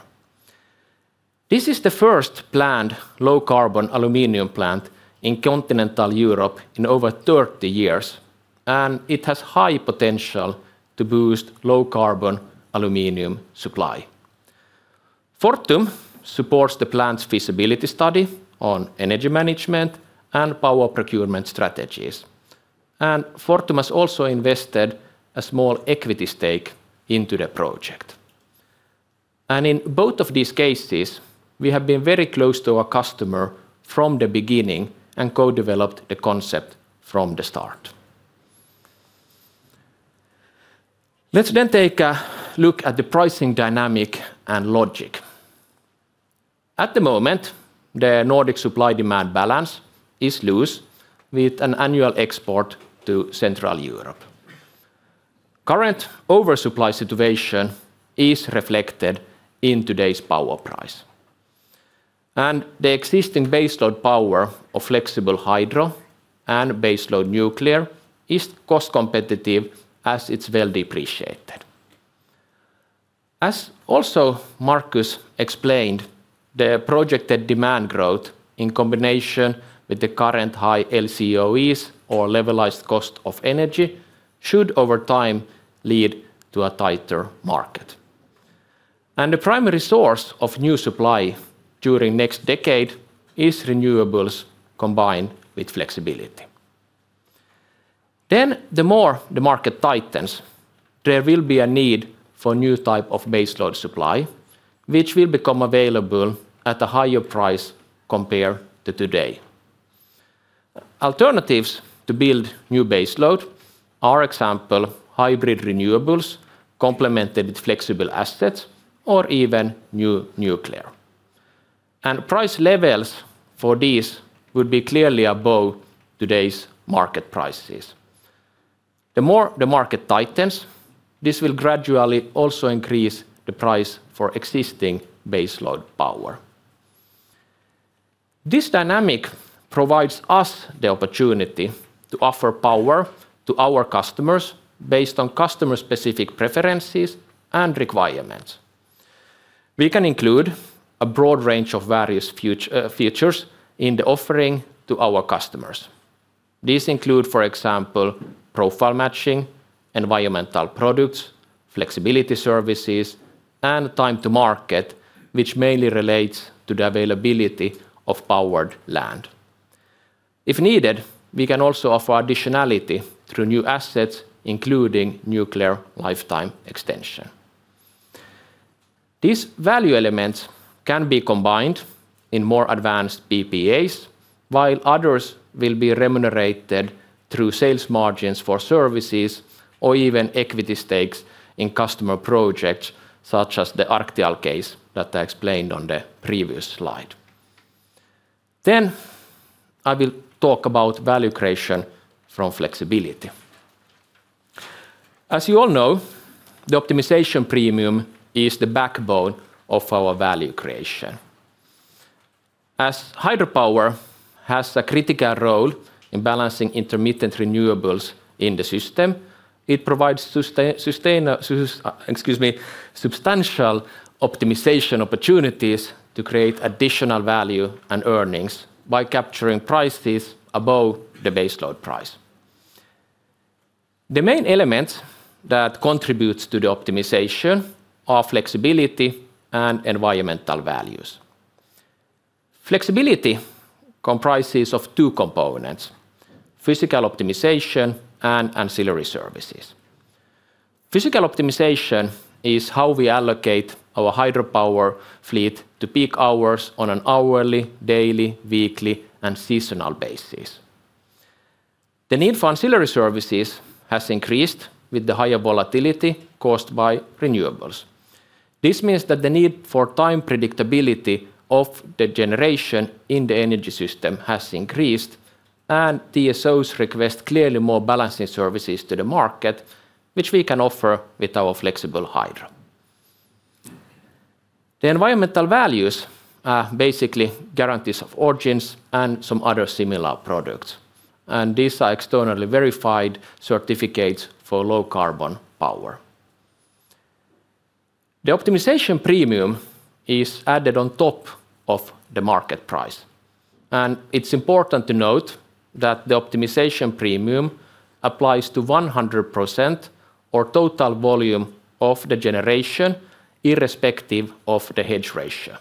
This is the first planned low-carbon aluminum plant in continental Europe in over 30 years, and it has high potential to boost low-carbon aluminum supply. Fortum supports the plant's feasibility study on energy management and power procurement strategies, and Fortum has also invested a small equity stake into the project. In both of these cases, we have been very close to our customer from the beginning and co-developed the concept from the start. Let's then take a look at the pricing dynamic and logic. At the moment, the Nordic supply-demand balance is loose with an annual export to Central Europe. Current oversupply situation is reflected in today's power price. The existing baseload power of flexible hydro and baseload nuclear is cost-competitive as it's well-depreciated. As also Markus explained, the projected demand growth in combination with the current high LCOEs or levelized cost of energy should over time lead to a tighter market. The primary source of new supply during the next decade is renewables combined with flexibility. The more the market tightens, there will be a need for a new type of baseload supply, which will become available at a higher price compared to today. Alternatives to build new baseload are, for example, hybrid renewables complemented with flexible assets or even new nuclear. Price levels for these would be clearly above today's market prices. The more the market tightens, this will gradually also increase the price for existing baseload power. This dynamic provides us the opportunity to offer power to our customers based on customer-specific preferences and requirements. We can include a broad range of various features in the offering to our customers. These include, for example, profile matching, environmental products, flexibility services, and time-to-market, which mainly relates to the availability of powered land. If needed, we can also offer additionality through new assets, including nuclear lifetime extension. These value elements can be combined in more advanced PPAs, while others will be remunerated through sales margins for services or even equity stakes in customer projects such as the Arctial case that I explained on the previous slide. I will talk about value creation from flexibility. As you all know, the optimization premium is the backbone of our value creation. As hydropower has a critical role in balancing intermittent renewables in the system, it provides substantial optimization opportunities to create additional value and earnings by capturing prices above the baseload price. The main elements that contribute to the optimization are flexibility and environmental values. Flexibility comprises of two components: physical optimization and ancillary services. Physical optimization is how we allocate our hydropower fleet to peak hours on an hourly, daily, weekly, and seasonal basis. The need for ancillary services has increased with the higher volatility caused by renewables. This means that the need for time predictability of the generation in the energy system has increased, and TSOs request clearly more balancing services to the market, which we can offer with our flexible hydro. The environmental values are basically guarantees of origin and some other similar products. These are externally verified certificates for low-carbon power. The optimization premium is added on top of the market price. It is important to note that the optimization premium applies to 100% or total volume of the generation, irrespective of the hedge ratio.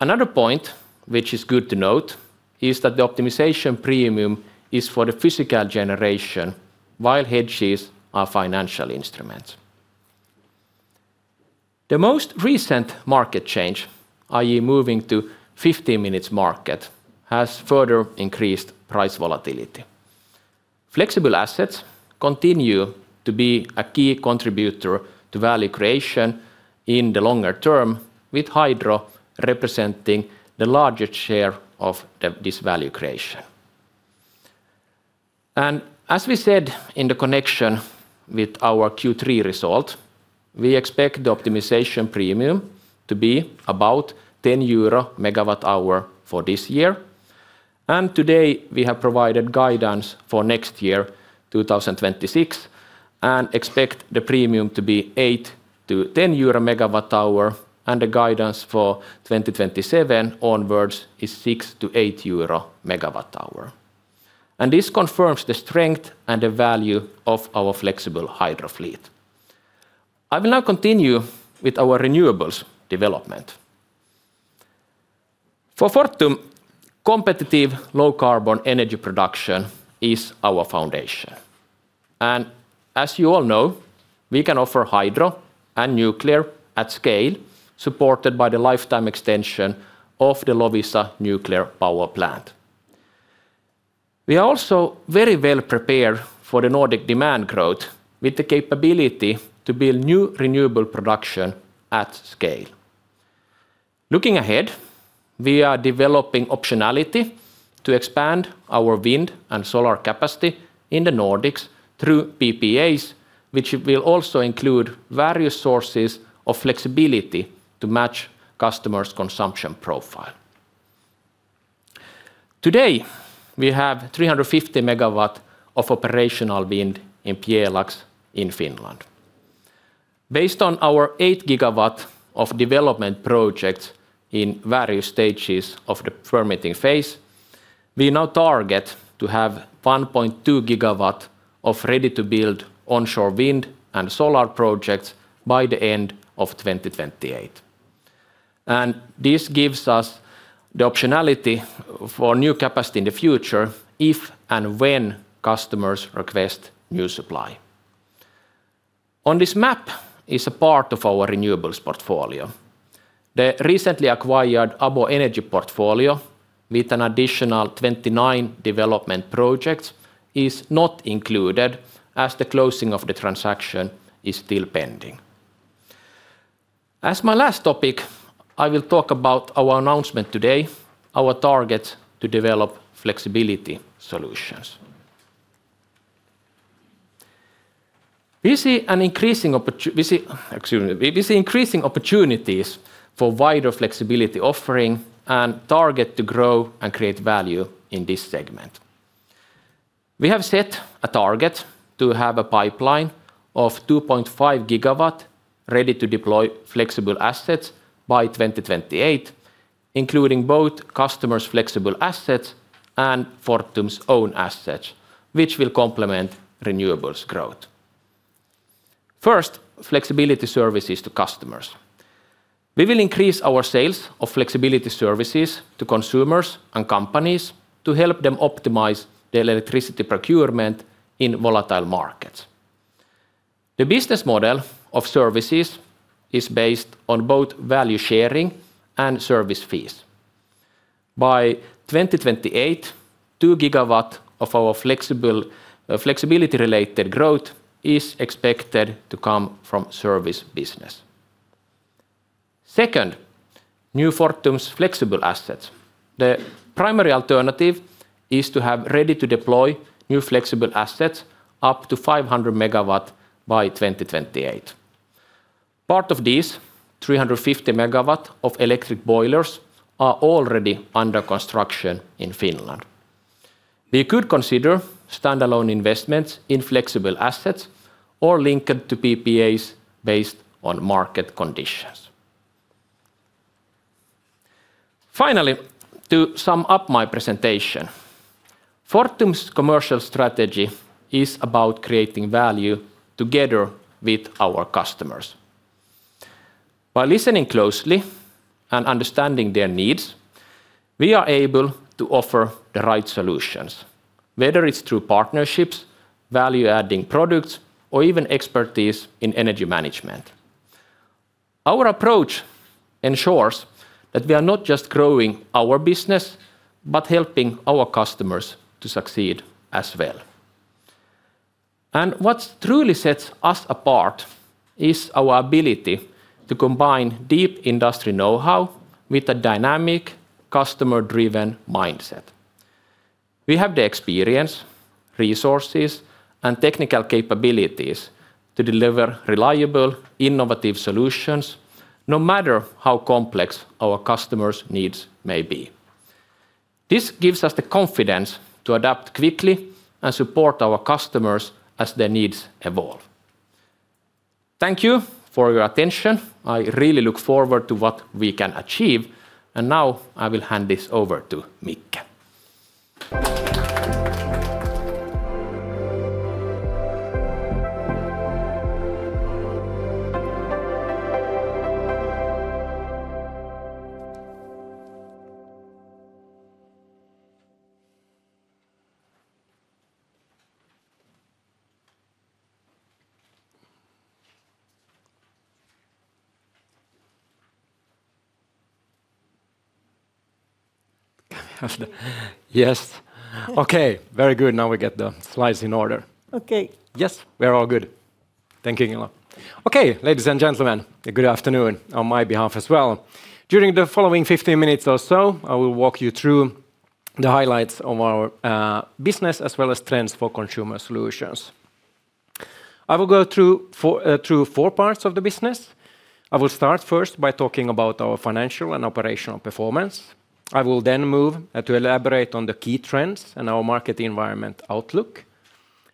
Another point which is good to note is that the optimization premium is for the physical generation, while hedges are financial instruments. The most recent market change, i.e., moving to 15-minute market, has further increased price volatility. Flexible assets continue to be a key contributor to value creation in the longer term, with hydro representing the largest share of this value creation. As we said in connection with our Q3 result, we expect the optimization premium to be about 10 euro per megawatt-hour for this year. Today, we have provided guidance for next year, 2026, and expect the premium to be 8-10 euro per megawatt-hour, and the guidance for 2027 onwards is 6-8 euro per megawatt-hour. This confirms the strength and the value of our flexible hydro fleet. I will now continue with our renewables development. For Fortum, competitive low-carbon energy production is our foundation. As you all know, we can offer hydro and nuclear at scale, supported by the lifetime extension of the Loviisa nuclear power plant. We are also very well prepared for the Nordic demand growth with the capability to build new renewable production at scale. Looking ahead, we are developing optionality to expand our wind and solar capacity in the Nordics through PPAs, which will also include various sources of flexibility to match customers' consumption profile. Today, we have 350 MW of operational wind in Pjelax in Finland. Based on our 8 GW of development projects in various stages of the permitting phase, we now target to have 1.2 GW of ready-to-build onshore wind and solar projects by the end of 2028. This gives us the optionality for new capacity in the future if and when customers request new supply. On this map is a part of our renewables portfolio. The recently acquired ABO Energy portfolio with an additional 29 development projects is not included as the closing of the transaction is still pending. As my last topic, I will talk about our announcement today, our target to develop flexibility solutions. We see increasing opportunities for wider flexibility offering and target to grow and create value in this segment. We have set a target to have a pipeline of 2.5 GW ready to deploy flexible assets by 2028, including both customers' flexible assets and Fortum's own assets, which will complement renewables growth. First, flexibility services to customers. We will increase our sales of flexibility services to consumers and companies to help them optimize their electricity procurement in volatile markets. The business model of services is based on both value sharing and service fees. By 2028, 2 GW of our flexibility-related growth is expected to come from service business. Second, new Fortum's flexible assets. The primary alternative is to have ready-to-deploy new flexible assets up to 500 MW by 2028. Part of these, 350 MW of electric boilers, are already under construction in Finland. We could consider standalone investments in flexible assets or linked to PPAs based on market conditions. Finally, to sum up my presentation, Fortum's commercial strategy is about creating value together with our customers. By listening closely and understanding their needs, we are able to offer the right solutions, whether it's through partnerships, value-adding products, or even expertise in energy management. Our approach ensures that we are not just growing our business, but helping our customers to succeed as well. What truly sets us apart is our ability to combine deep industry know-how with a dynamic, customer-driven mindset. We have the experience, resources, and technical capabilities to deliver reliable, innovative solutions, no matter how complex our customers' needs may be. This gives us the confidence to adapt quickly and support our customers as their needs evolve. Thank you for your attention. I really look forward to what we can achieve. Now I will hand this over to Mikael. Yes. Okay, very good. Now we get the slides in order. Okay. Yes, we're all good. Thank you, Ingela. Okay, ladies and gentlemen, good afternoon on my behalf as well. During the following 15 minutes or so, I will walk you through the highlights of our business as well as trends for consumer solutions. I will go through four parts of the business. I will start first by talking about our financial and operational performance. I will then move to elaborate on the key trends and our market environment outlook.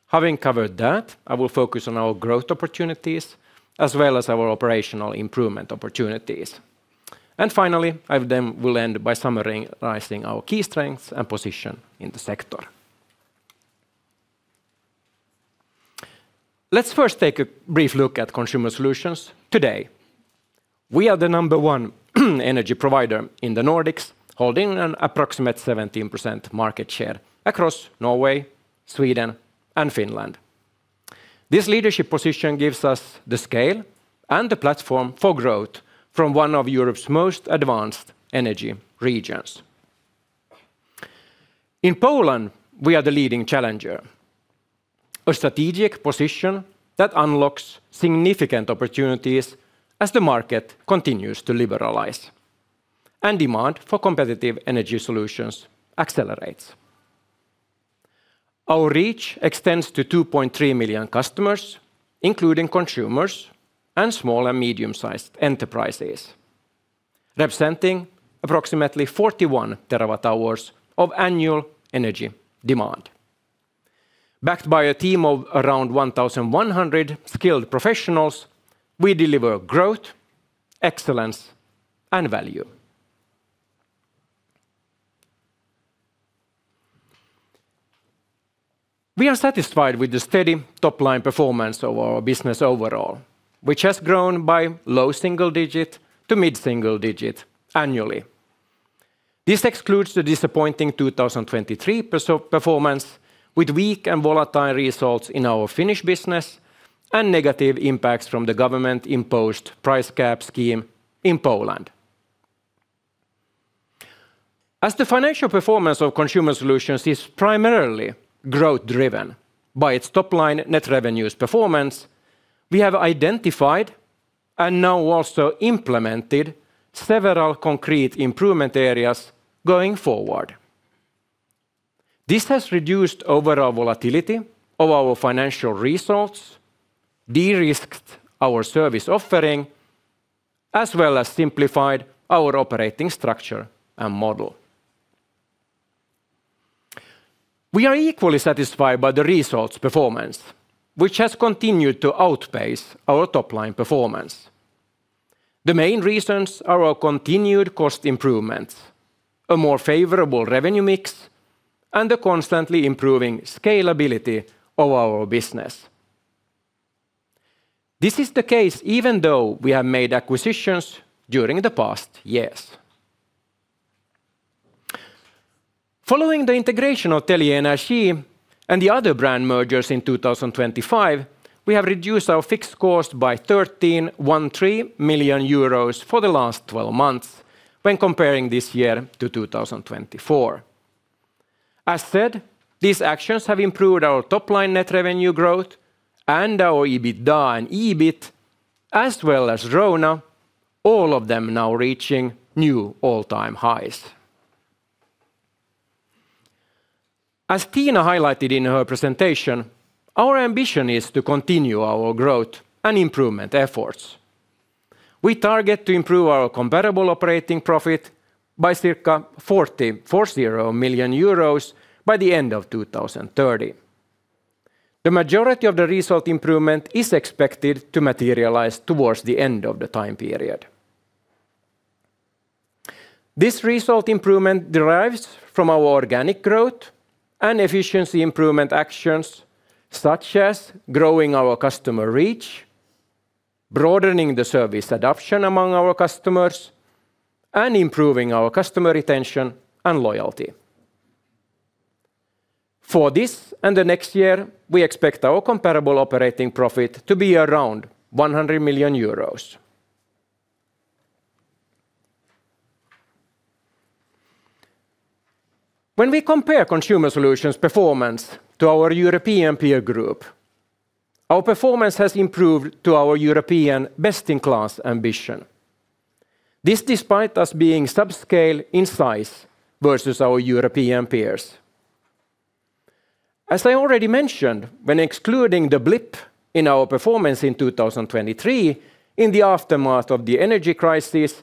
Having covered that, I will focus on our growth opportunities as well as our operational improvement opportunities. Finally, I will end by summarizing our key strengths and position in the sector. Let's first take a brief look at consumer solutions today. We are the number one energy provider in the Nordics, holding an approximate 17% market share across Norway, Sweden, and Finland. This leadership position gives us the scale and the platform for growth from one of Europe's most advanced energy regions. In Poland, we are the leading challenger, a strategic position that unlocks significant opportunities as the market continues to liberalize and demand for competitive energy solutions accelerates. Our reach extends to 2.3 million customers, including consumers and small and medium-sized enterprises, representing approximately 41 TWh of annual energy demand. Backed by a team of around 1,100 skilled professionals, we deliver growth, excellence, and value. We are satisfied with the steady top-line performance of our business overall, which has grown by low single-digit to mid-single-digit annually. This excludes the disappointing 2023 performance with weak and volatile results in our Finnish business and negative impacts from the government-imposed price cap scheme in Poland. As the financial performance of consumer solutions is primarily growth-driven by its top-line net revenues performance, we have identified and now also implemented several concrete improvement areas going forward. This has reduced overall volatility of our financial results, de-risked our service offering, as well as simplified our operating structure and model. We are equally satisfied by the results performance, which has continued to outpace our top-line performance. The main reasons are our continued cost improvements, a more favorable revenue mix, and the constantly improving scalability of our business. This is the case even though we have made acquisitions during the past years. Following the integration Telge Energi and the other brand mergers in 2025, we have reduced our fixed cost by 13.13 million euros for the last 12 months when comparing this year to 2024. As said, these actions have improved our top-line net revenue growth and our EBITDA and EBIT, as well as RONA, all of them now reaching new all-time highs. As Tiina highlighted in her presentation, our ambition is to continue our growth and improvement efforts. We target to improve our comparable operating profit by circa 40 million euros by the end of 2030. The majority of the result improvement is expected to materialize towards the end of the time period. This result improvement derives from our organic growth and efficiency improvement actions, such as growing our customer reach, broadening the service adoption among our customers, and improving our customer retention and loyalty. For this and the next year, we expect our comparable operating profit to be around 100 million euros. When we compare consumer solutions performance to our European peer group, our performance has improved to our European best-in-class ambition. This despite us being subscale in size versus our European peers. As I already mentioned, when excluding the blip in our performance in 2023 in the aftermath of the energy crisis,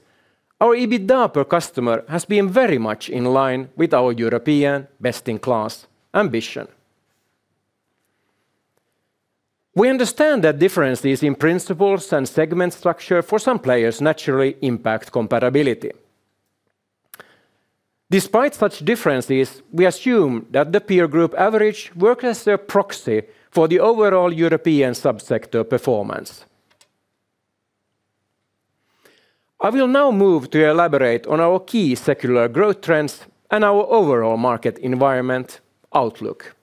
our EBITDA per customer has been very much in line with our European best-in-class ambition. We understand that differences in principles and segment structure for some players naturally impact comparability. Despite such differences, we assume that the peer group average works as a proxy for the overall European subsector performance. I will now move to elaborate on our key secular growth trends and our overall market environment outlook.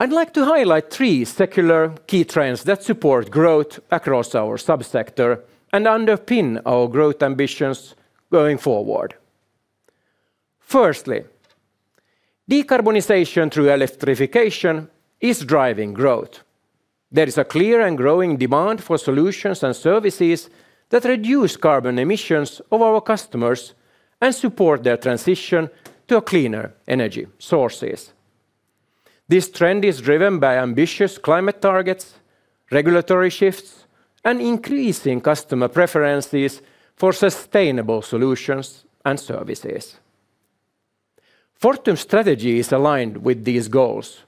I'd like to highlight three secular key trends that support growth across our subsector and underpin our growth ambitions going forward. Firstly, decarbonization through electrification is driving growth. There is a clear and growing demand for solutions and services that reduce carbon emissions of our customers and support their transition to cleaner energy sources. This trend is driven by ambitious climate targets, regulatory shifts, and increasing customer preferences for sustainable solutions and services. Fortum's strategy is aligned with these goals,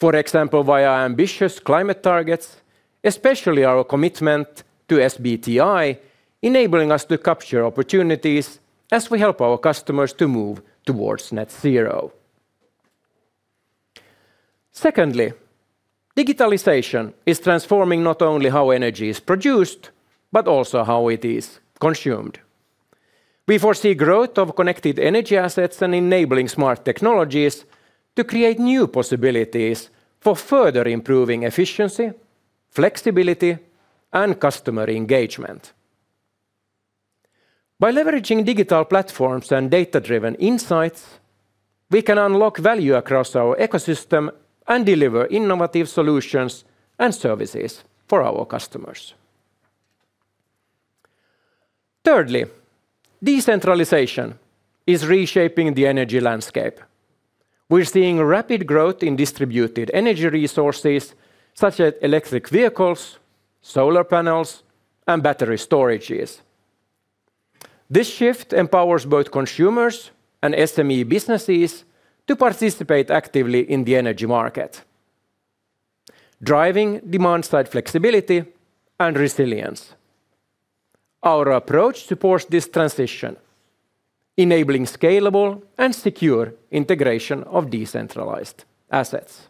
for example, via ambitious climate targets, especially our commitment to SBTi enabling us to capture opportunities as we help our customers to move towards net zero. Secondly, digitalization is transforming not only how energy is produced, but also how it is consumed. We foresee growth of connected energy assets and enabling smart technologies to create new possibilities for further improving efficiency, flexibility, and customer engagement. By leveraging digital platforms and data-driven insights, we can unlock value across our ecosystem and deliver innovative solutions and services for our customers. Thirdly, decentralization is reshaping the energy landscape. We're seeing rapid growth in distributed energy resources such as electric vehicles, solar panels, and battery storages. This shift empowers both consumers and SME businesses to participate actively in the energy market, driving demand-side flexibility and resilience. Our approach supports this transition, enabling scalable and secure integration of decentralized assets.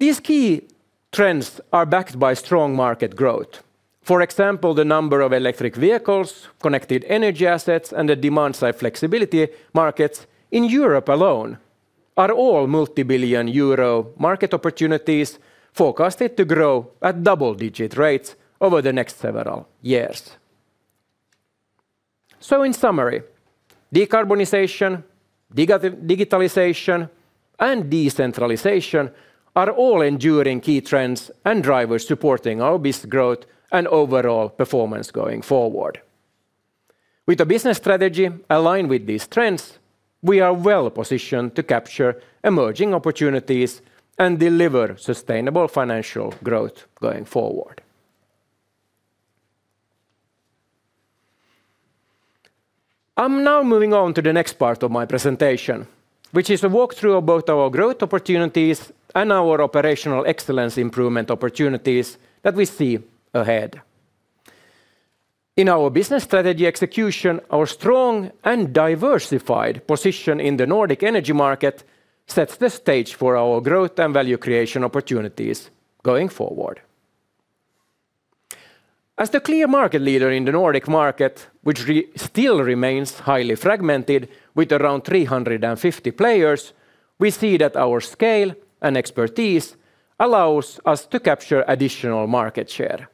These key trends are backed by strong market growth. For example, the number of electric vehicles, connected energy assets, and the demand-side flexibility markets in Europe alone are all multi-billion euro market opportunities forecasted to grow at double-digit rates over the next several years. In summary, decarbonization, digitalization, and decentralization are all enduring key trends and drivers supporting our business growth and overall performance going forward. With a business strategy aligned with these trends, we are well positioned to capture emerging opportunities and deliver sustainable financial growth going forward. I'm now moving on to the next part of my presentation, which is a walkthrough of both our growth opportunities and our operational excellence improvement opportunities that we see ahead. In our business strategy execution, our strong and diversified position in the Nordic energy market sets the stage for our growth and value creation opportunities going forward. As the clear market leader in the Nordic market, which still remains highly fragmented with around 350 players, we see that our scale and expertise allow us to capture additional market share.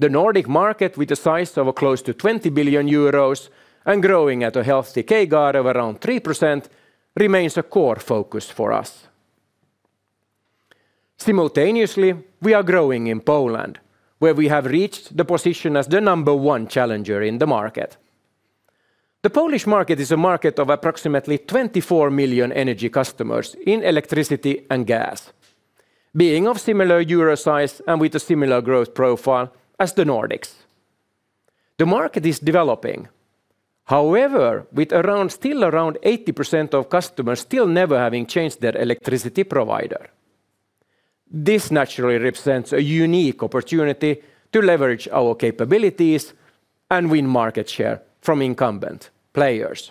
The Nordic market, with a size of close to 20 billion euros and growing at a healthy CAGR of around 3%, remains a core focus for us. Simultaneously, we are growing in Poland, where we have reached the position as the number one challenger in the market. The Polish market is a market of approximately 24 million energy customers in electricity and gas, being of similar euro size and with a similar growth profile as the Nordics. The market is developing. However, with still around 80% of customers still never having changed their electricity provider. This naturally represents a unique opportunity to leverage our capabilities and win market share from incumbent players.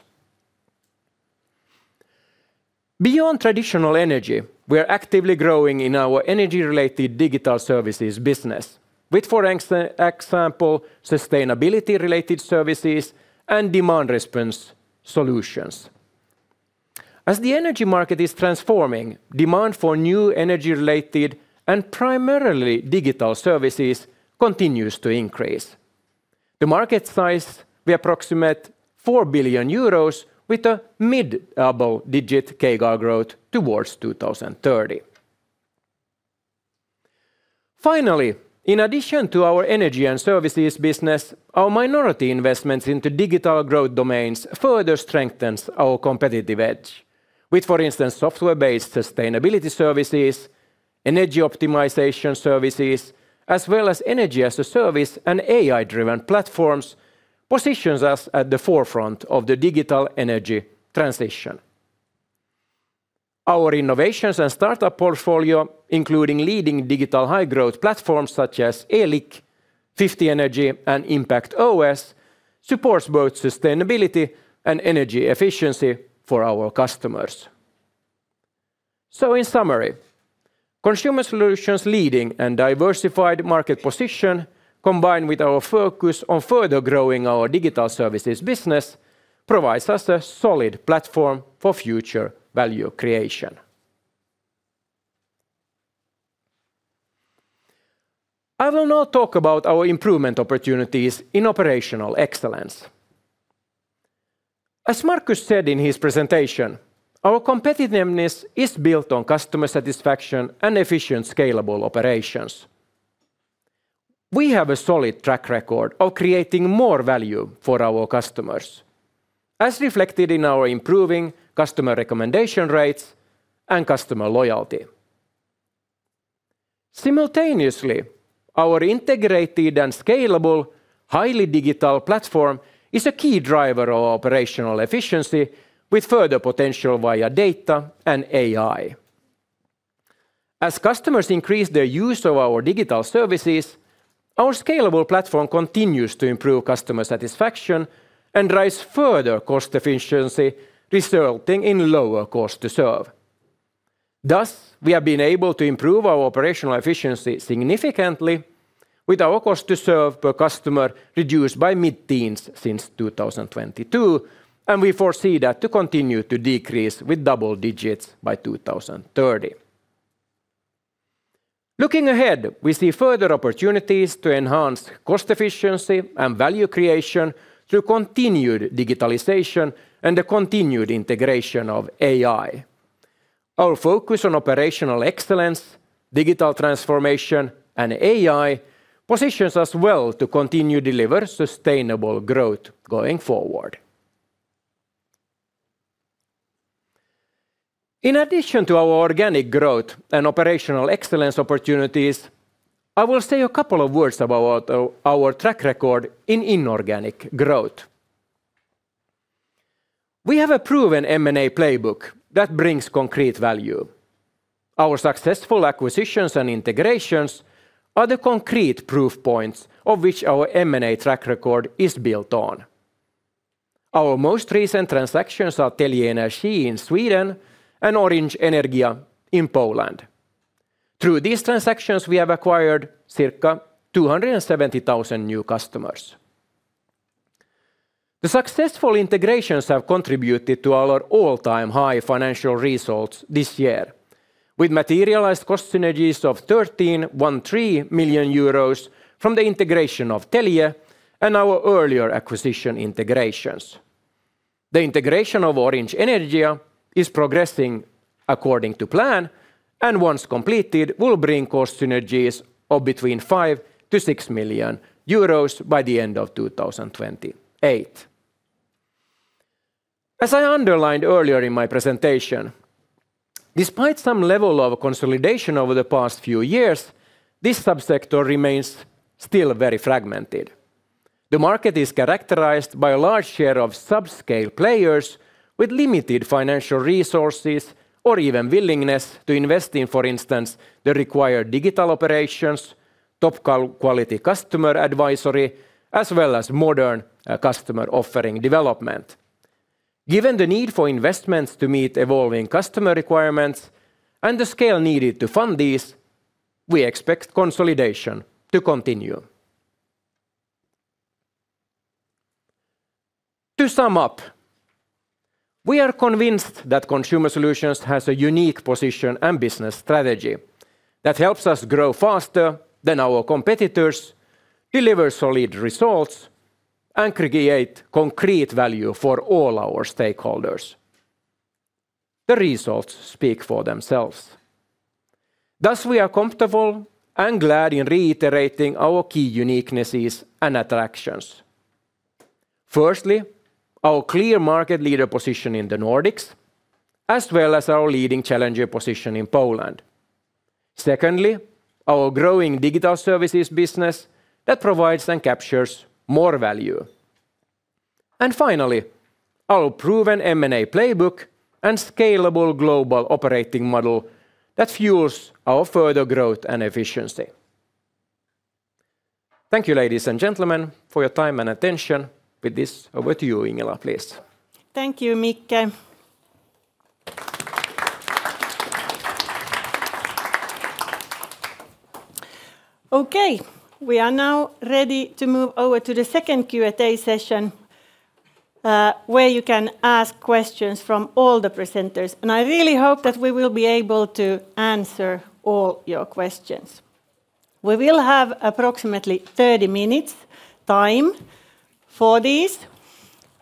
Beyond traditional energy, we are actively growing in our energy-related digital services business, with, for example, sustainability-related services and demand response solutions. As the energy market is transforming, demand for new energy-related and primarily digital services continues to increase. The market size is approximately 4 billion euros, with a mid-double-digit CAGR growth towards 2030. Finally, in addition to our energy and services business, our minority investments into digital growth domains further strengthen our competitive edge, with, for instance, software-based sustainability services, energy optimization services, as well as energy as a service and AI-driven platforms positioning us at the forefront of the digital energy transition. Our innovations and startup portfolio, including leading digital high-growth platforms such as Eliq, Fifty Energy, and ImpactOS, supports both sustainability and energy efficiency for our customers. In summary, consumer solutions' leading and diversified market position, combined with our focus on further growing our digital services business, provides us a solid platform for future value creation. I will now talk about our improvement opportunities in operational excellence. As Markus said in his presentation, our competitiveness is built on customer satisfaction and efficient scalable operations. We have a solid track record of creating more value for our customers, as reflected in our improving customer recommendation rates and customer loyalty. Simultaneously, our integrated and scalable highly digital platform is a key driver of operational efficiency, with further potential via data and AI. As customers increase their use of our digital services, our scalable platform continues to improve customer satisfaction and drives further cost efficiency, resulting in lower cost to serve. Thus, we have been able to improve our operational efficiency significantly, with our cost to serve per customer reduced by mid-teens since 2022, and we foresee that to continue to decrease with double digits by 2030. Looking ahead, we see further opportunities to enhance cost efficiency and value creation through continued digitalization and the continued integration of AI. Our focus on operational excellence, digital transformation, and AI positions us well to continue to deliver sustainable growth going forward. In addition to our organic growth and operational excellence opportunities, I will say a couple of words about our track record in inorganic growth. We have a proven M&A playbook that brings concrete value. Our successful acquisitions and integrations are the concrete proof points of which our M&A track record is built on. Our most recent transactions Telge Energi in Sweden and Orange Energia in Poland. Through these transactions, we have acquired circa 270,000 new customers. The successful integrations have contributed to our all-time high financial results this year, with materialized cost synergies of 13.13 million euros from the integration of Telge and our earlier acquisition integrations. The integration of Orange Energia is progressing according to plan, and once completed, will bring cost synergies of between 5 million-6 million euros by the end of 2028. As I underlined earlier in my presentation, despite some level of consolidation over the past few years, this subsector remains still very fragmented. The market is characterized by a large share of subscale players with limited financial resources or even willingness to invest in, for instance, the required digital operations, top quality customer advisory, as well as modern customer offering development. Given the need for investments to meet evolving customer requirements and the scale needed to fund these, we expect consolidation to continue. To sum up, we are convinced that consumer solutions have a unique position and business strategy that helps us grow faster than our competitors, deliver solid results, and create concrete value for all our stakeholders. The results speak for themselves. Thus, we are comfortable and glad in reiterating our key uniquenesses and attractions. Firstly, our clear market leader position in the Nordics, as well as our leading challenger position in Poland. Secondly, our growing digital services business that provides and captures more value. Finally, our proven M&A playbook and scalable global operating model that fuels our further growth and efficiency. Thank you, ladies and gentlemen, for your time and attention. With this, over to you, Ingela, please. Thank you, Mikael. Okay, we are now ready to move over to the second Q&A session, where you can ask questions from all the presenters. I really hope that we will be able to answer all your questions. We will have approximately 30 minutes' time for these.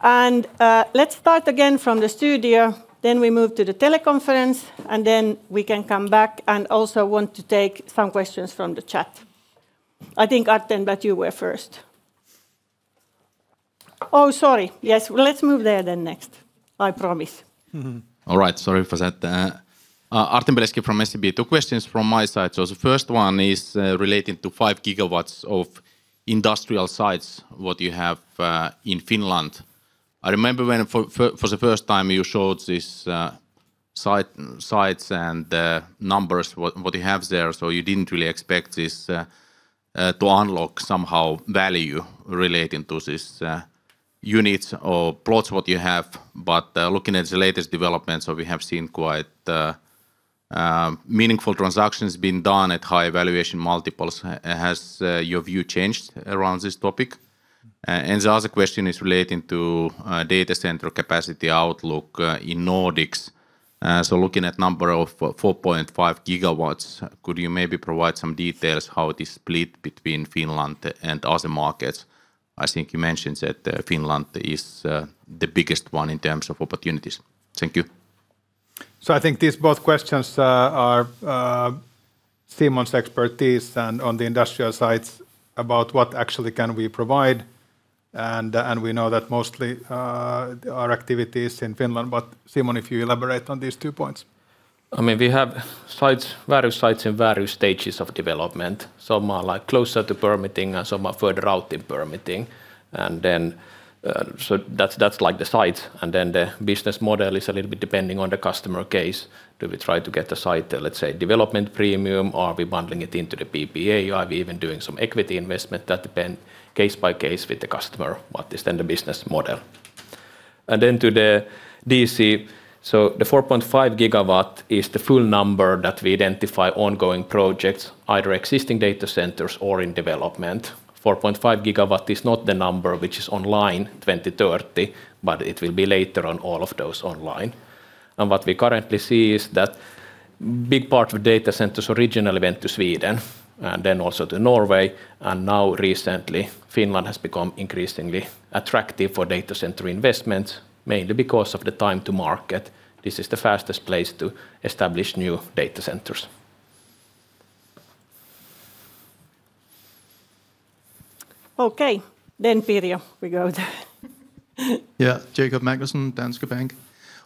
Let's start again from the studio. We move to the teleconference, and then we can come back and also want to take some questions from the chat. I think, Artem, that you were first. Oh, sorry. Yes, let's move there then next. I promise. All right, sorry for that. Artem Beletski from SEB. Two questions from my side. The first one is related to 5 GW of industrial sites what you have in Finland. I remember when for the first time you showed these sites and the numbers what you have there. You didn't really expect this to unlock somehow value relating to these units or plots what you have. Looking at the latest developments, we have seen quite meaningful transactions being done at high evaluation multiples. Has your view changed around this topic? The other question is relating to data center capacity outlook in Nordics. Looking at a number of 4.5 GW, could you maybe provide some details how it is split between Finland and other markets? I think you mentioned that Finland is the biggest one in terms of opportunities. Thank you. I think these both questions are Simon's expertise and on the industrial sites about what actually can we provide. We know that mostly our activity is in Finland. Simon, if you elaborate on these two points. I mean, we have various sites in various stages of development. Some are closer to permitting and some are further out in permitting. That is like the sites. The business model is a little bit depending on the customer case. Do we try to get a site, let's say, development premium? Are we bundling it into the PPA? Are we even doing some equity investment? That depends case by case with the customer, what is then the business model. To the DC, the 4.5 GW is the full number that we identify ongoing projects, either existing data centers or in development. 4.5 GW is not the number which is online 2030, but it will be later on all of those online. What we currently see is that a big part of data centers originally went to Sweden and then also to Norway. Now recently, Finland has become increasingly attractive for data center investments, mainly because of the time to market. This is the fastest place to establish new data centers. Okay, Pirjo, we go there. Yeah, Jakob Magnussen, Danske Bank.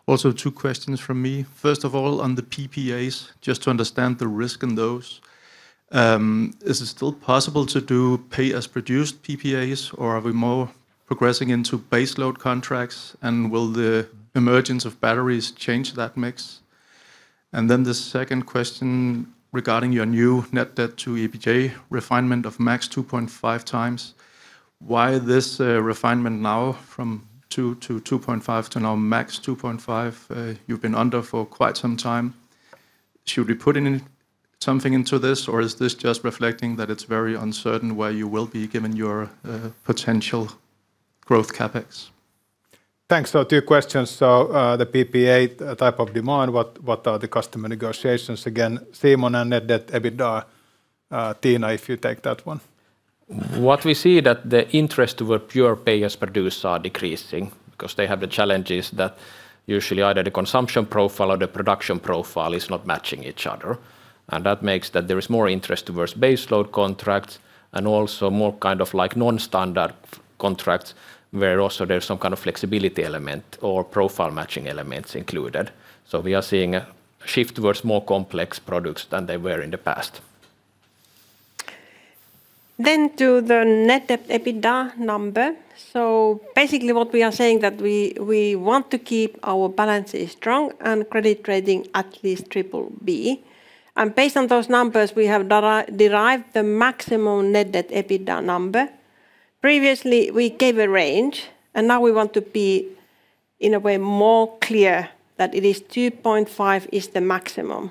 Also two questions from me. First of all, on the PPAs, just to understand the risk in those. Is it still possible to do pay-as-produced PPAs, or are we more progressing into base load contracts, and will the emergence of batteries change that mix? The second question regarding your new net debt to EBITDA refinement of max 2.5x. Why this refinement now from 2.5 to now max 2.5? You have been under for quite some time. Should we put in something into this, or is this just reflecting that it is very uncertain where you will be given your potential growth CapEx? Thanks for two questions. The PPA type of demand, what are the customer negotiations? Again, Simon and net debt, EBITDA, Tiina, if you take that one. What we see is that the interest toward pure pay-as-produced are decreasing because they have the challenges that usually either the consumption profile or the production profile is not matching each other. That makes that there is more interest towards base load contracts and also more kind of like non-standard contracts where also there's some kind of flexibility element or profile matching elements included. We are seeing a shift towards more complex products than they were in the past. To the net debt EBITDA number. Basically what we are saying is that we want to keep our balance strong and credit rating at least BBB. Based on those numbers, we have derived the maximum net debt EBITDA number. Previously, we gave a range, and now we want to be in a way more clear that it is 2.5 is the maximum.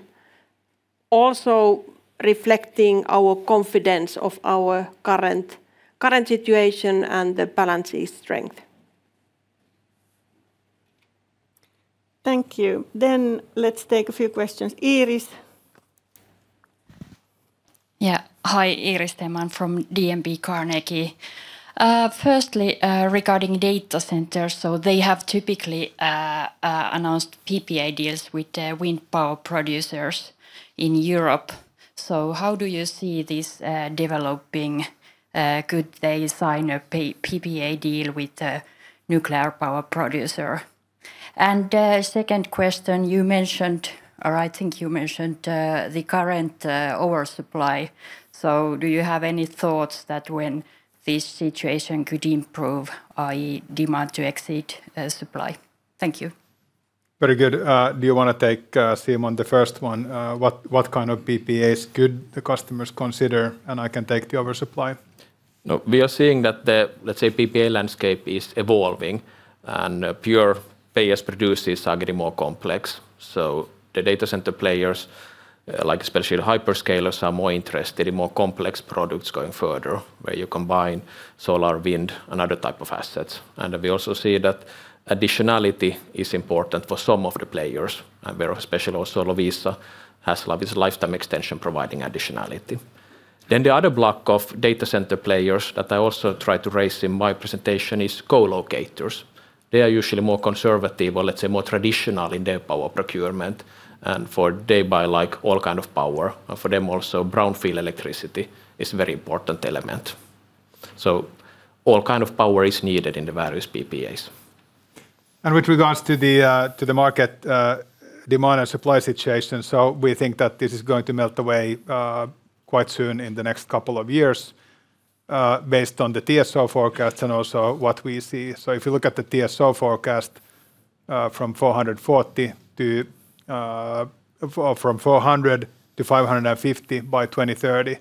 Also reflecting our confidence of our current situation and the balance strength. Thank you. Let's take a few questions. Iiris. Yeah, hi, Iiris Theman from DNB Carnegie. Firstly, regarding data centers, they have typically announced PPA deals with the wind power producers in Europe. How do you see this developing? Could they sign a PPA deal with a nuclear power producer? The second question, you mentioned, or I think you mentioned the current oversupply. Do you have any thoughts that when this situation could improve, i.e., demand to exceed supply? Thank you. Very good. Do you want to take Simon the first one? What kind of PPAs could the customers consider? I can take the oversupply. We are seeing that the, let's say, PPA landscape is evolving, and pure pay-as-produced is getting more complex. The data center players, like especially the hyperscalers, are more interested in more complex products going further, where you combine solar, wind, and other types of assets. We also see that additionality is important for some of the players, and especially also Loviisa has a lifetime extension providing additionality. The other block of data center players that I also tried to raise in my presentation is co-locators. They are usually more conservative or, let's say, more traditional in their power procurement. For day-by-like, all kinds of power, for them also brownfield electricity is a very important element. All kinds of power is needed in the various PPAs. With regards to the market demand and supply situation, we think that this is going to melt away quite soon in the next couple of years based on the TSO forecasts and also what we see. If you look at the TSO forecast from 440-550 by 2030,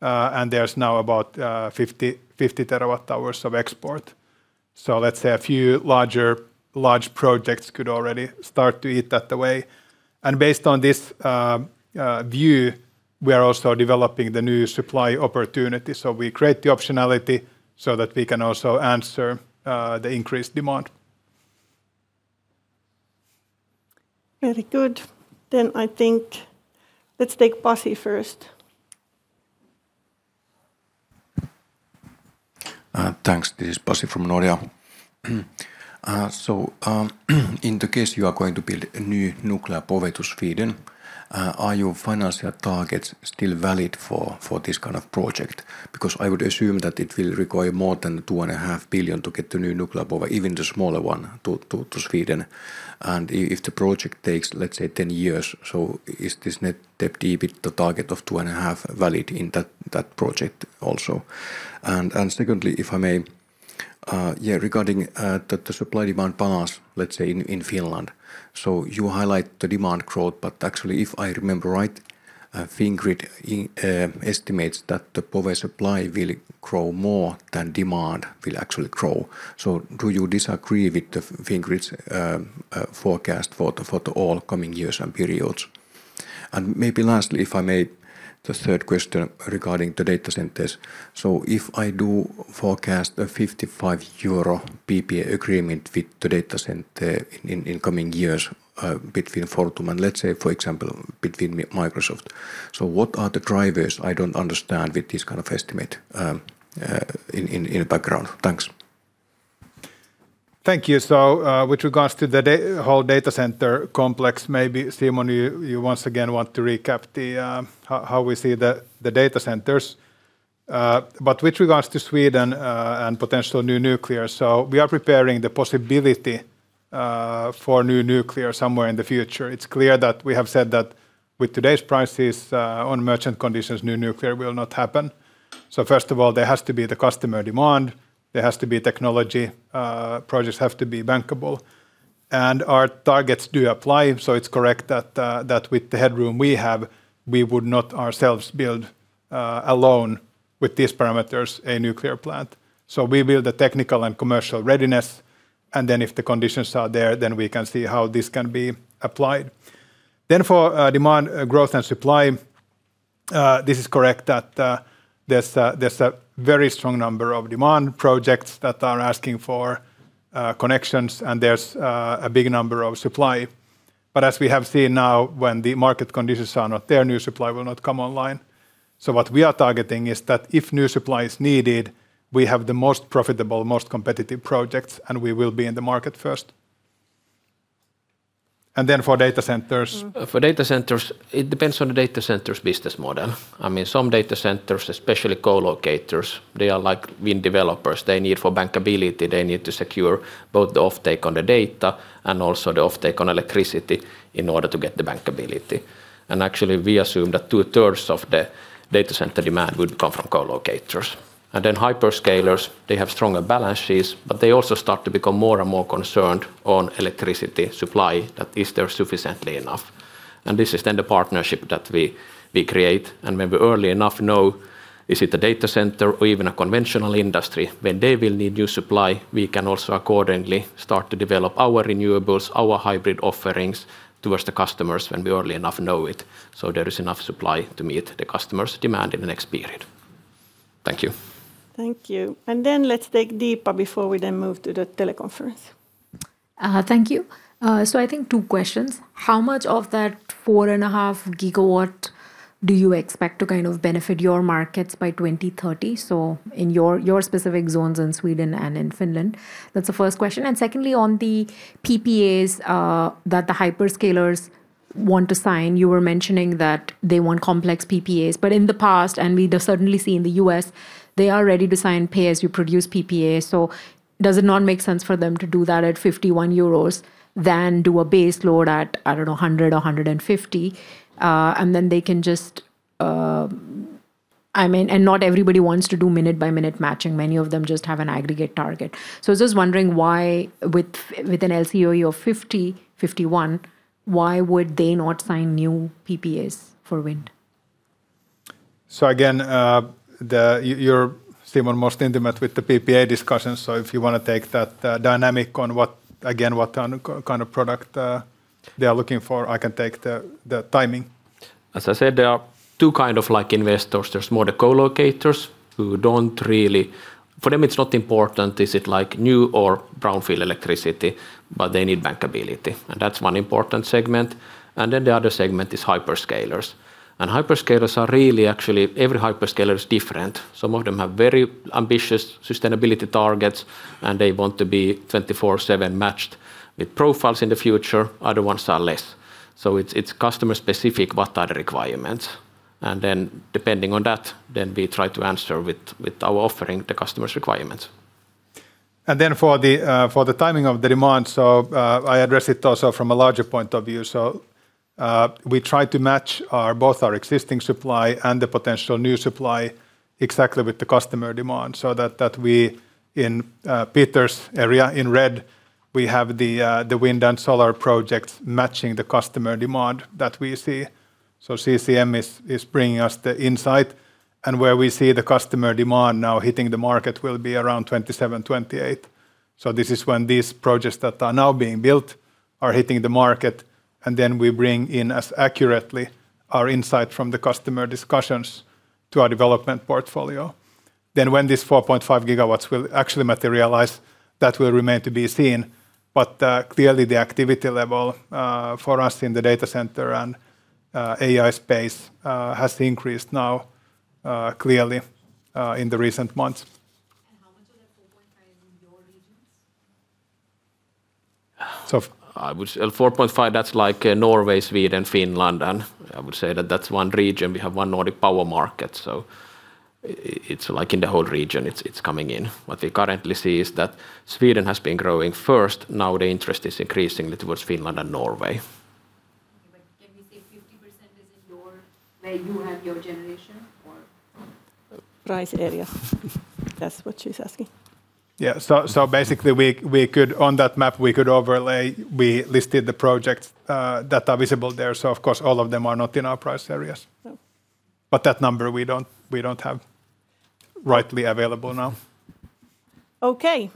and there is now about 50 TWh of export. A few larger projects could already start to eat that away. Based on this view, we are also developing the new supply opportunity. We create the optionality so that we can also answer the increased demand. Very good. I think let's take Pasi first. Thanks, this is Pasi from Nordea. In the case you are going to build a new nuclear power to Sweden, are your financial targets still valid for this kind of project? Because I would assume that it will require more than 2.5 billion to get the new nuclear power, even the smaller one, to Sweden. If the project takes, let's say, 10 years, is this net debt EBIT target of 2.5 billion valid in that project also? Secondly, if I may, regarding the supply demand balance, let's say in Finland. You highlight the demand growth, but actually, if I remember right, Fingrid estimates that the power supply will grow more than demand will actually grow. Do you disagree with Fingrid's forecast for all coming years and periods? Maybe lastly, if I may, the third question regarding the data centers. If I do forecast a 55 euro PPA agreement with the data center in coming years between Fortum and, for example, between Microsoft, what are the drivers? I don't understand with this kind of estimate in the background. Thanks. Thank you. With regards to the whole data center complex, maybe Simon, you once again want to recap how we see the data centers. With regards to Sweden and potential new nuclear, we are preparing the possibility for new nuclear somewhere in the future. It's clear that we have said that with today's prices on merchant conditions, new nuclear will not happen. First of all, there has to be the customer demand. There has to be technology. Projects have to be bankable. Our targets do apply. It's correct that with the headroom we have, we would not ourselves build alone with these parameters a nuclear plant. We build the technical and commercial readiness. If the conditions are there, we can see how this can be applied. For demand growth and supply, this is correct that there's a very strong number of demand projects that are asking for connections, and there's a big number of supply. As we have seen now, when the market conditions are not there, new supply will not come online. What we are targeting is that if new supply is needed, we have the most profitable, most competitive projects, and we will be in the market first. For data centers, it depends on the data centers' business model. I mean, some data centers, especially co-locators, they are like wind developers. They need for bankability. They need to secure both the offtake on the data and also the offtake on electricity in order to get the bankability. Actually, we assume that two-thirds of the data center demand would come from co-locators. Then hyperscalers, they have stronger balance sheets, but they also start to become more and more concerned on electricity supply, that is there sufficiently enough. This is then the partnership that we create. When we early enough know is it a data center or even a conventional industry, when they will need new supply, we can also accordingly start to develop our renewables, our hybrid offerings towards the customers when we early enough know it. There is enough supply to meet the customers' demand in the next period. Thank you. Thank you. Let's take Deepa before we then move to the teleconference. Thank you. I think two questions. How much of that 4.5 GW do you expect to kind of benefit your markets by 2030? In your specific zones in Sweden and in Finland. That is the first question. Secondly, on the PPAs that the hyperscalers want to sign, you were mentioning that they want complex PPAs. In the past, and we certainly see in the U.S., they are ready to sign pay as you produce PPAs. Does it not make sense for them to do that at 51 euros, then do a base load at, I don't know, 100 or 150, and then they can just, I mean, not everybody wants to do minute-by-minute matching. Many of them just have an aggregate target. I was just wondering why with an LCOE of 50-51, why would they not sign new PPAs for wind? Again, you're, Simon, most intimate with the PPA discussion. If you want to take that dynamic on what, again, what kind of product they are looking for, I can take the timing. As I said, there are two kinds of investors. There's more the co-locators who don't really, for them it's not important, is it like new or brownfield electricity, but they need bankability. That's one important segment. The other segment is hyperscalers. Hyperscalers are really actually, every hyperscaler is different. Some of them have very ambitious sustainability targets, and they want to be 24/7 matched with profiles in the future. Other ones are less. It is customer-specific what are the requirements. Depending on that, we try to answer with our offering the customer's requirements. For the timing of the demand, I address it also from a larger point of view. We try to match both our existing supply and the potential new supply exactly with the customer demand so that in Peter's area in red, we have the wind and solar projects matching the customer demand that we see. CCM is bringing us the insight. Where we see the customer demand now hitting the market will be around 2027-2028. This is when these projects that are now being built are hitting the market. We bring in as accurately our insight from the customer discussions to our development portfolio. When this 4.5 GW will actually materialize, that will remain to be seen. Clearly the activity level for us in the data center and AI space has increased now clearly in the recent months. How much of that 4.5 is in your regions? I would say 4.5, that's like Norway, Sweden, Finland. I would say that that's one region. We have one Nordic power market. It's like in the whole region it's coming in. What we currently see is that Sweden has been growing first. Now the interest is increasingly towards Finland and Norway. Can we say 50% is in your, where you have your generation or? Price area. That's what she's asking. Yeah, so basically we could, on that map, we could overlay, we listed the projects that are visible there. Of course all of them are not in our price areas. That number we don't have rightly available now. Okay,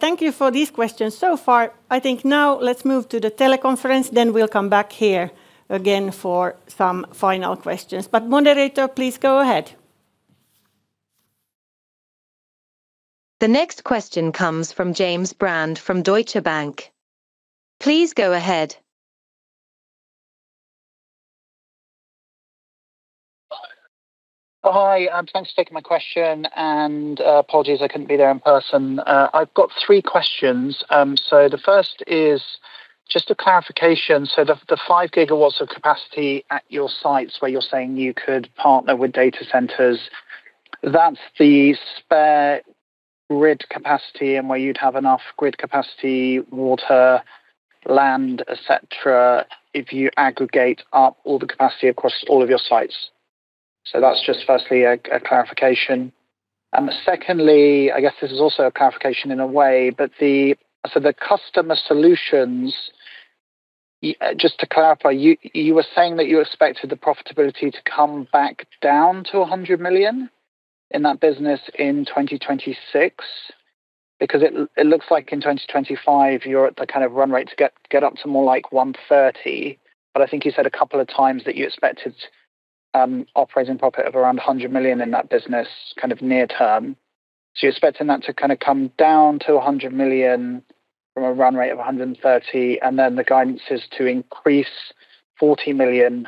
thank you for these questions so far. I think now let's move to the teleconference. We'll come back here again for some final questions. Moderator, please go ahead. The next question comes from James Brand from Deutsche Bank. Please go ahead. Hi, I'm trying to take my question and apologies I couldn't be there in person. I've got three questions. The first is just a clarification. The 5 GW of capacity at your sites where you're saying you could partner with data centers, that's the spare grid capacity and where you'd have enough grid capacity, water, land, etc., if you aggregate up all the capacity across all of your sites. That's just firstly a clarification. Secondly, I guess this is also a clarification in a way, but the customer solutions, just to clarify, you were saying that you expected the profitability to come back down to 100 million in that business in 2026 because it looks like in 2025 you're at the kind of run rate to get up to more like 130 million. I think you said a couple of times that you expected operating profit of around 100 million in that business kind of near term. You are expecting that to kind of come down to 100 million from a run rate of 130 million and then the guidance is to increase 40 million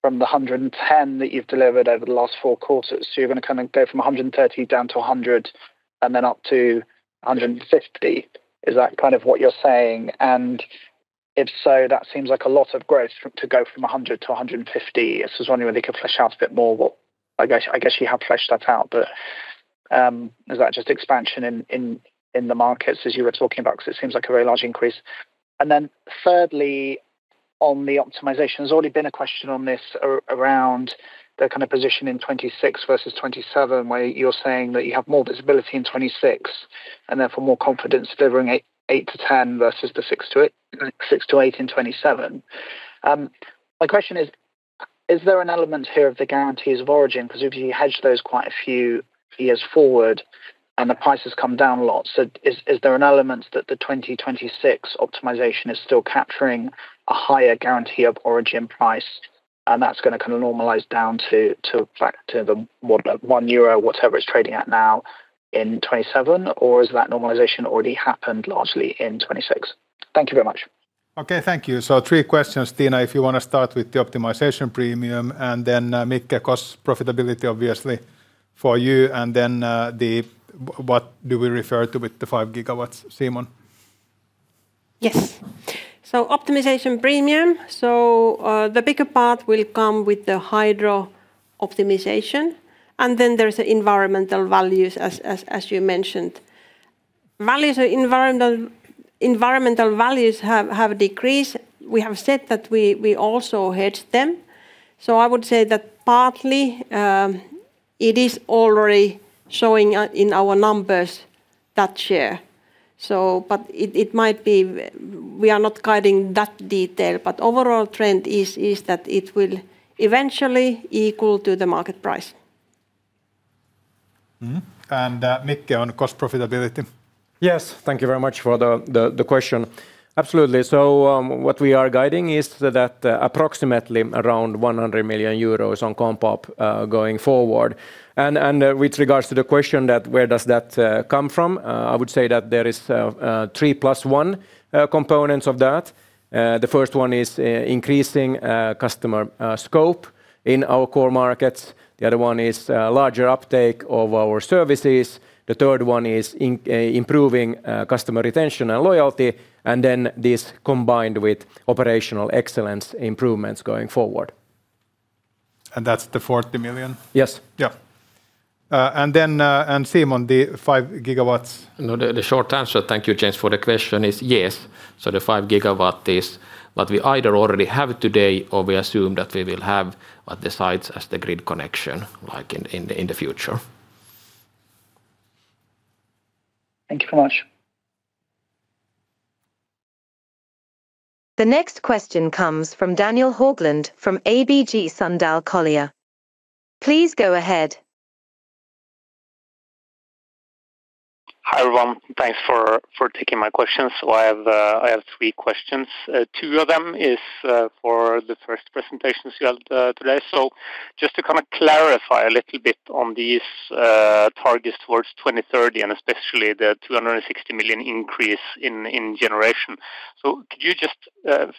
from the 110 million that you have delivered over the last four quarters. You are going to kind of go from 130 million down to 100 million and then up to 150 million. Is that kind of what you are saying? If so, that seems like a lot of growth to go from 100 million to 150 million. I was wondering whether you could flesh out a bit more. I guess you have fleshed that out, but is that just expansion in the markets as you were talking about? Because it seems like a very large increase. Thirdly, on the optimization, there has already been a question on this around the kind of position in 2026 versus 2027 where you are saying that you have more visibility in 2026 and therefore more confidence delivering 8-10 versus the 6-8 in 2027. My question is, is there an element here of the guarantees of origin? Because we have hedged those quite a few years forward and the price has come down a lot. Is there an element that the 2026 optimization is still capturing a higher guarantees of origin price and that is going to kind of normalize down to the 1 euro, whatever it is trading at now in 2027? Or has that normalization already happened largely in 2026? Thank you very much. Okay, thank you. Three questions, Tiina, if you want to start with the optimization premium and then Mikael, cost profitability obviously for you. What do we refer to with the 5 GW, Simon? Yes. Optimization premium. The bigger part will come with the hydro optimization. Then there are environmental values, as you mentioned. Environmental values have decreased. We have said that we also hedged them. I would say that partly it is already showing in our numbers, that share. It might be we are not guiding that detail. Overall trend is that it will eventually equal to the market price. Mikael on cost profitability. Yes, thank you very much for the question. Absolutely. What we are guiding is that approximately around 100 million euros on comp op going forward. With regards to the question that where does that come from, I would say that there are 3 + 1 components of that. The first one is increasing customer scope in our core markets. The other one is larger uptake of our services. The third one is improving customer retention and loyalty. This is combined with operational excellence improvements going forward. That is the EUR 40 million? Yes. Yeah. Simon, the 5 GW. The short answer, thank you James for the question, is yes. The 5 GW is what we either already have today or we assume that we will have at the sites as the grid connection in the future. Thank you very much. The next question comes from Daniel Haugland from ABG Sundal Collier. Please go ahead. Hi everyone. Thanks for taking my questions. I have three questions. Two of them is for the first presentations you had today. Just to kind of clarify a little bit on these targets towards 2030 and especially the 260 million increase in generation. Could you just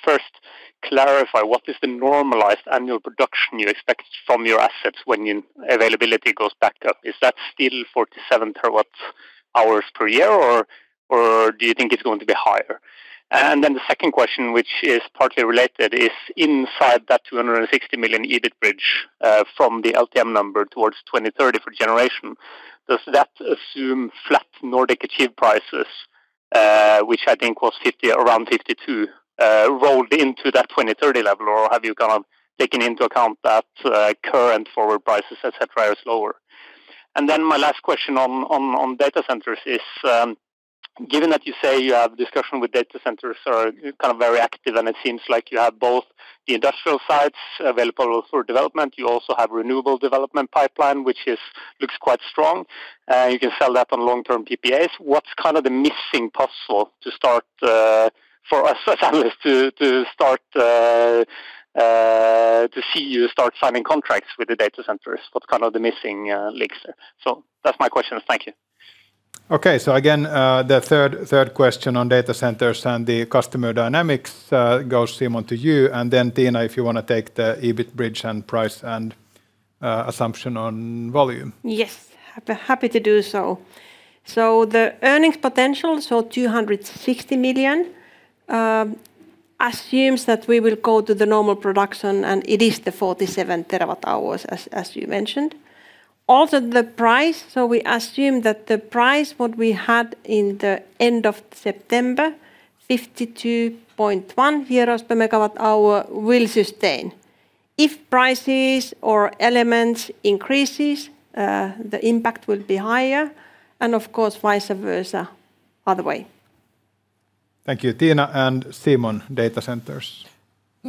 first clarify what is the normalized annual production you expect from your assets when your availability goes back up? Is that still 47 TWh per year or do you think it's going to be higher? The second question, which is partly related, is inside that 260 million EBIT bridge from the LTM number towards 2030 for generation. Does that assume flat Nordic achieved prices, which I think was around 52, rolled into that 2030 level or have you kind of taken into account that current forward prices, etc., are slower? Then my last question on data centers is, given that you say you have discussion with data centers are kind of very active and it seems like you have both the industrial sites available for development, you also have renewable development pipeline, which looks quite strong. You can sell that on long-term PPAs. What's kind of the missing puzzle to start for us as analysts to start to see you start signing contracts with the data centers? What's kind of the missing links there? That is my question. Thank you. Okay, again, the third question on data centers and the customer dynamics goes, Simon, to you. Then Tiina, if you want to take the EBIT bridge and price and assumption on volume. Yes, happy to do so. The earnings potential, so 260 million, assumes that we will go to the normal production and it is the 47 TWh, as you mentioned. Also the price, so we assume that the price what we had in the end of September, 52.1 euros per megawatt-hour, will sustain. If prices or elements increase, the impact will be higher. And of course, vice versa other way. Thank you. Tiina and Simon, data centers.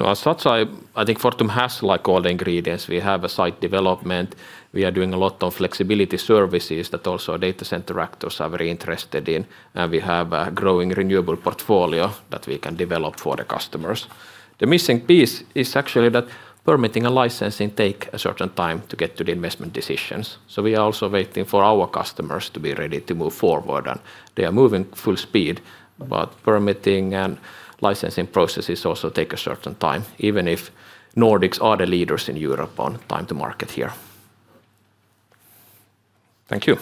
As such, I think Fortum has like all the ingredients. We have a site development. We are doing a lot of flexibility services that also data center actors are very interested in. And we have a growing renewable portfolio that we can develop for the customers. The missing piece is actually that permitting and licensing take a certain time to get to the investment decisions. We are also waiting for our customers to be ready to move forward. They are moving full speed. Permitting and licensing processes also take a certain time, even if Nordics are the leaders in Europe on time to market here. Thank you.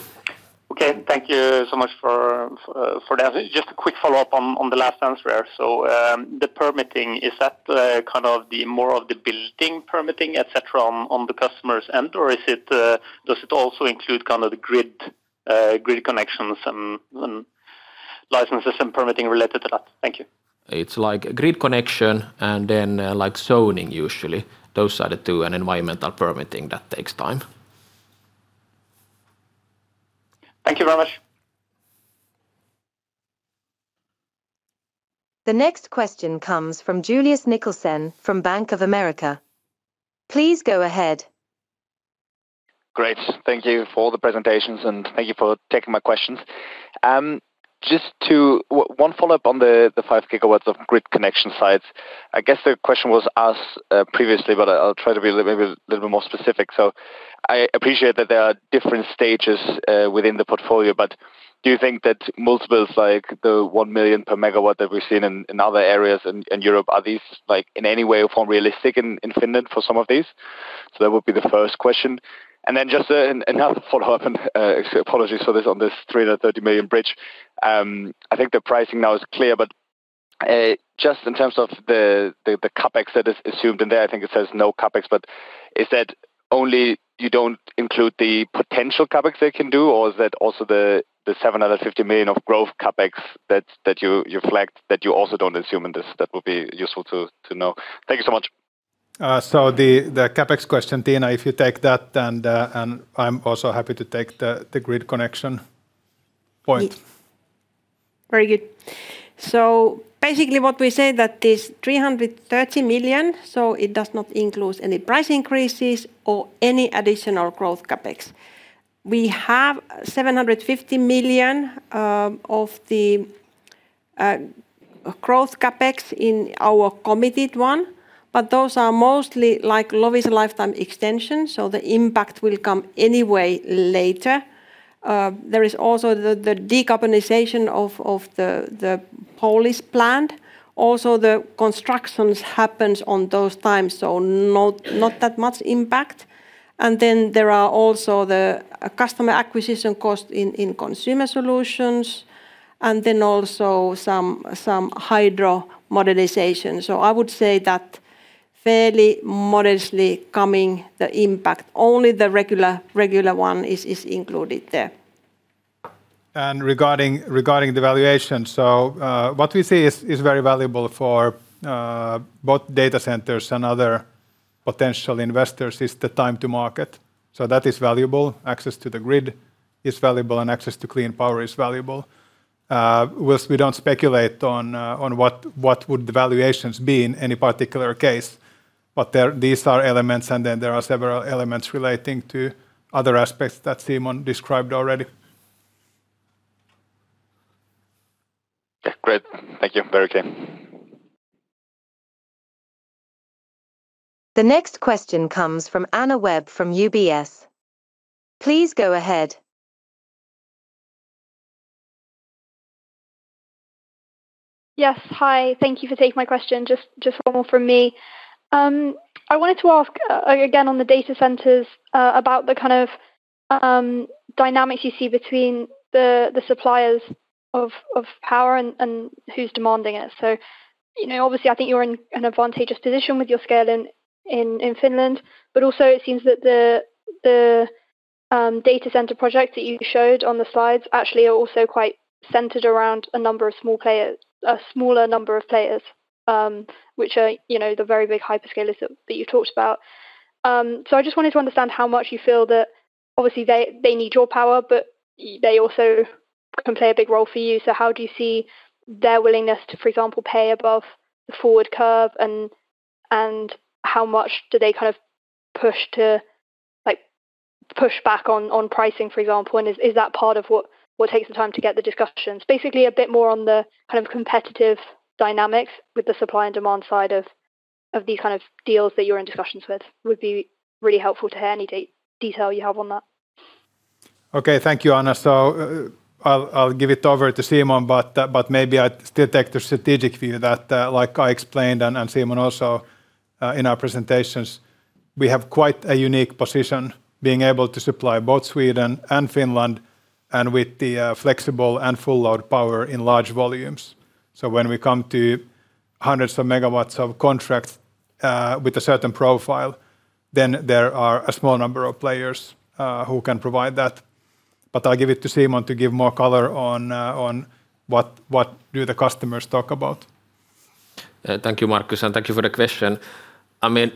Okay, thank you so much for that. Just a quick follow-up on the last answer. The permitting, is that kind of more of the building permitting, etc., on the customer's end, or does it also include the grid connections and licenses and permitting related to that? Thank you. It is like grid connection and then zoning usually. Those are the two and environmental permitting that takes time. Thank you very much. The next question comes from Julius Nickelsen from Bank of America. Please go ahead. Great. Thank you for all the presentations and thank you for taking my questions. Just one follow-up on the 5 GW of grid connection sites. I guess the question was asked previously, but I'll try to be a little bit more specific. I appreciate that there are different stages within the portfolio, but do you think that multiples like the one million per megawatt that we've seen in other areas in Europe, are these in any way form realistic in Finland for some of these? That would be the first question. Just another follow-up, and apologies for this on this 330 million bridge. I think the pricing now is clear, but just in terms of the CapEx that is assumed in there, I think it says no CapEx, but is that only you do not include the potential CapEx they can do, or is that also the 750 million of growth CapEx that you flagged that you also do not assume in this? That would be useful to know. Thank you so much. The CapEx question, Tiina, if you take that, and I am also happy to take the grid connection point. Very good. Basically what we say is that this 330 million does not include any price increases or any additional growth CapEx. We have 750 million of the growth CapEx in our committed one, but those are mostly like lifetime extensions. The impact will come anyway later. There is also the decarbonization of the Polish plant. Also the constructions happens on those times, so not that much impact. There are also the customer acquisition cost in consumer solutions. There is also some hydro modernization. I would say that fairly modestly coming the impact, only the regular one is included there. Regarding the valuation, what we see is very valuable for both data centers and other potential investors is the time to market. That is valuable. Access to the grid is valuable and access to clean power is valuable. We do not speculate on what would the valuations be in any particular case, but these are elements and then there are several elements relating to other aspects that Simon described already. Great. Thank you. Very clear. The next question comes from Anna Webb from UBS. Please go ahead. Yes. Hi. Thank you for taking my question. Just one more from me. I wanted to ask again on the data centers about the kind of dynamics you see between the suppliers of power and who's demanding it. Obviously, I think you're in an advantageous position with your scale in Finland, but also it seems that the data center project that you showed on the slides actually are also quite centered around a smaller number of players, which are the very big hyperscalers that you've talked about. I just wanted to understand how much you feel that obviously they need your power, but they also can play a big role for you. How do you see their willingness to, for example, pay above the forward curve and how much do they kind of push back on pricing, for example? Is that part of what takes the time to get the discussions? Basically a bit more on the kind of competitive dynamics with the supply and demand side of these kind of deals that you're in discussions with would be really helpful to hear any detail you have on that. Okay, thank you, Anna. I will give it over to Simon, but maybe I still take the strategic view that like I explained and Simon also in our presentations, we have quite a unique position being able to supply both Sweden and Finland and with the flexible and full load power in large volumes. When we come to hundreds of megawatts of contract with a certain profile, there are a small number of players who can provide that. I will give it to Simon to give more color on what do the customers talk about. Thank you, Markus. And thank you for the question. I mean,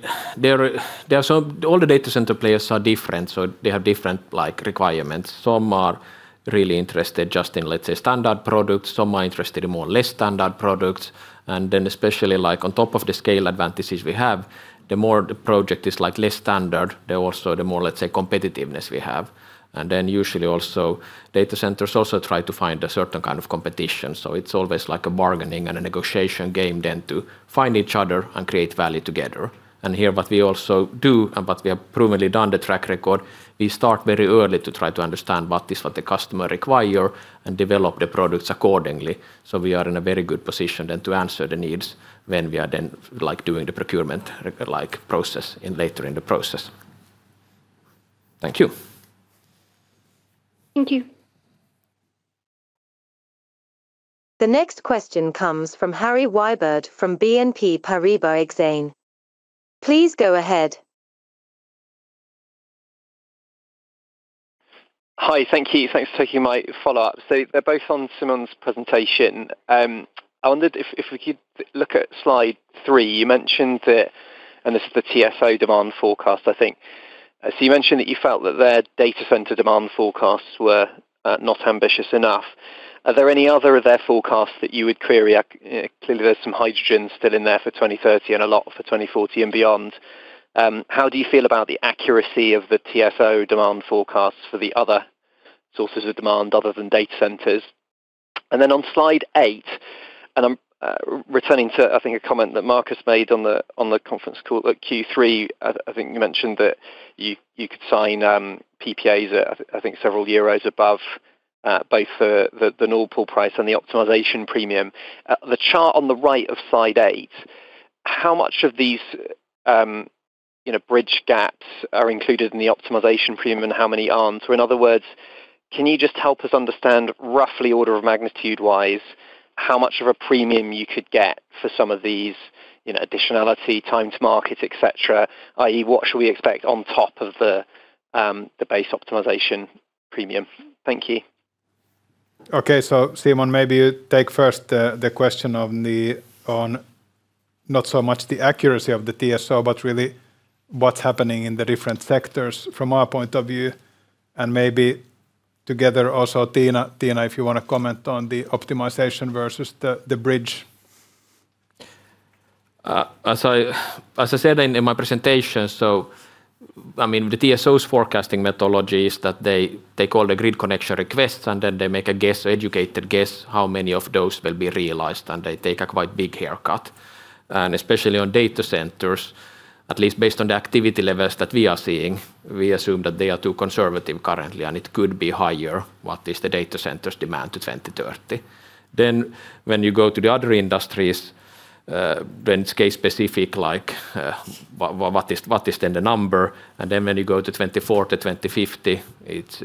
all the data center players are different, so they have different requirements. Some are really interested just in, let's say, standard products. Some are interested in more less standard products. Especially on top of the scale advantages we have, the more the project is less standard, the more competitiveness we have. Usually also data centers also try to find a certain kind of competition. It is always like a bargaining and a negotiation game then to find each other and create value together. Here what we also do and what we have proven we've done the track record, we start very early to try to understand what is what the customer requires and develop the products accordingly. We are in a very good position then to answer the needs when we are then doing the procurement process later in the process. Thank you. Thank you. The next question comes from Harry Wyburd from BNP Paribas Exane. Please go ahead. Hi, thank you. Thanks for taking my follow-up. They're both on Simon's presentation. I wondered if we could look at slide three. You mentioned that, and this is the TSO demand forecast, I think. You mentioned that you felt that their data center demand forecasts were not ambitious enough. Are there any other of their forecasts that you would query? Clearly, there's some hydrogen still in there for 2030 and a lot for 2040 and beyond. How do you feel about the accuracy of the TSO demand forecasts for the other sources of demand other than data centers? On slide eight, I am returning to, I think, a comment that Markus made on the conference call at Q3. I think you mentioned that you could sign PPAs, I think, several euros above both the normal pool price and the optimization premium. The chart on the right of slide eight, how much of these bridge gaps are included in the optimization premium and how many are not? In other words, can you just help us understand roughly order of magnitude-wise how much of a premium you could get for some of these additionality, time to market, etc., i.e., what should we expect on top of the base optimization premium? Thank you. Okay, Simon, maybe you take first the question on not so much the accuracy of the TSO, but really what is happening in the different sectors from our point of view. Maybe together also, Tiina, if you want to comment on the optimization versus the bridge. As I said in my presentation, I mean, the TSOs' forecasting methodology is that they call the grid connection requests and then they make a guess, educated guess, how many of those will be realized and they take a quite big haircut. Especially on data centers, at least based on the activity levels that we are seeing, we assume that they are too conservative currently and it could be higher what is the data centers demand to 2030. When you go to the other industries, then it's case specific like what is then the number. When you go to 2040-2050,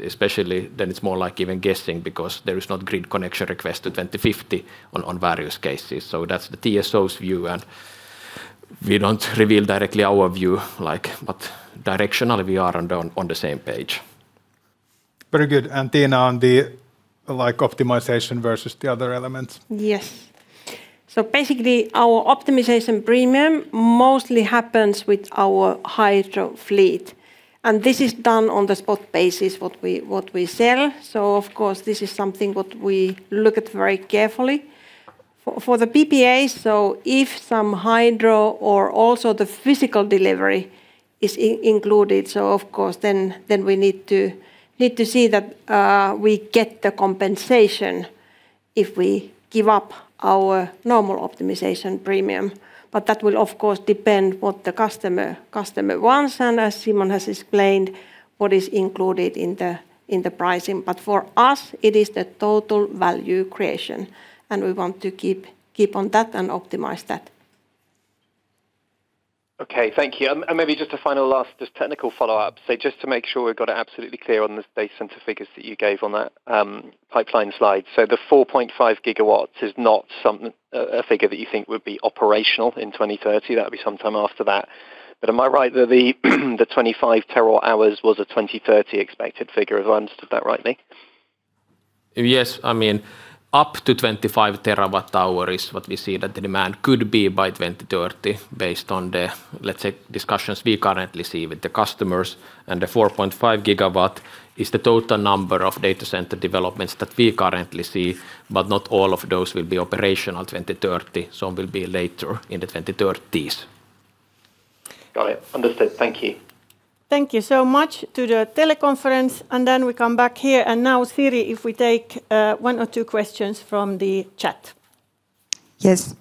especially then it's more like even guessing because there is not grid connection request to 2050 on various cases. That is the TSO's view and we do not reveal directly our view, but directionally we are on the same page. Very good. And Tiina on the optimization versus the other elements. Yes. Basically our optimization premium mostly happens with our hydro fleet. This is done on the spot basis, what we sell. Of course, this is something we look at very carefully. For the PPA, if some hydro or also the physical delivery is included, then we need to see that we get the compensation if we give up our normal optimization premium. That will of course depend on what the customer wants and as Simon has explained, what is included in the pricing. For us, it is the total value creation. We want to keep on that and optimize that. Okay, thank you. Maybe just a final last just technical follow-up. Just to make sure we've got it absolutely clear on the data center figures that you gave on that pipeline slide. The 4.5 GW is not a figure that you think would be operational in 2030. That would be sometime after that. Am I right that the 25 TWh was a 2030 expected figure? Have I understood that rightly? Yes. I mean, up to 25 TWh is what we see that the demand could be by 2030 based on the, let's say, discussions we currently see with the customers. The 4.5 GW is the total number of data center developments that we currently see, but not all of those will be operational 2030, some will be later in the 2030s. Got it. Understood. Thank you. Thank you so much to the teleconference. Then we come back here. Now Siri, if we take one or two questions from the chat. Yes.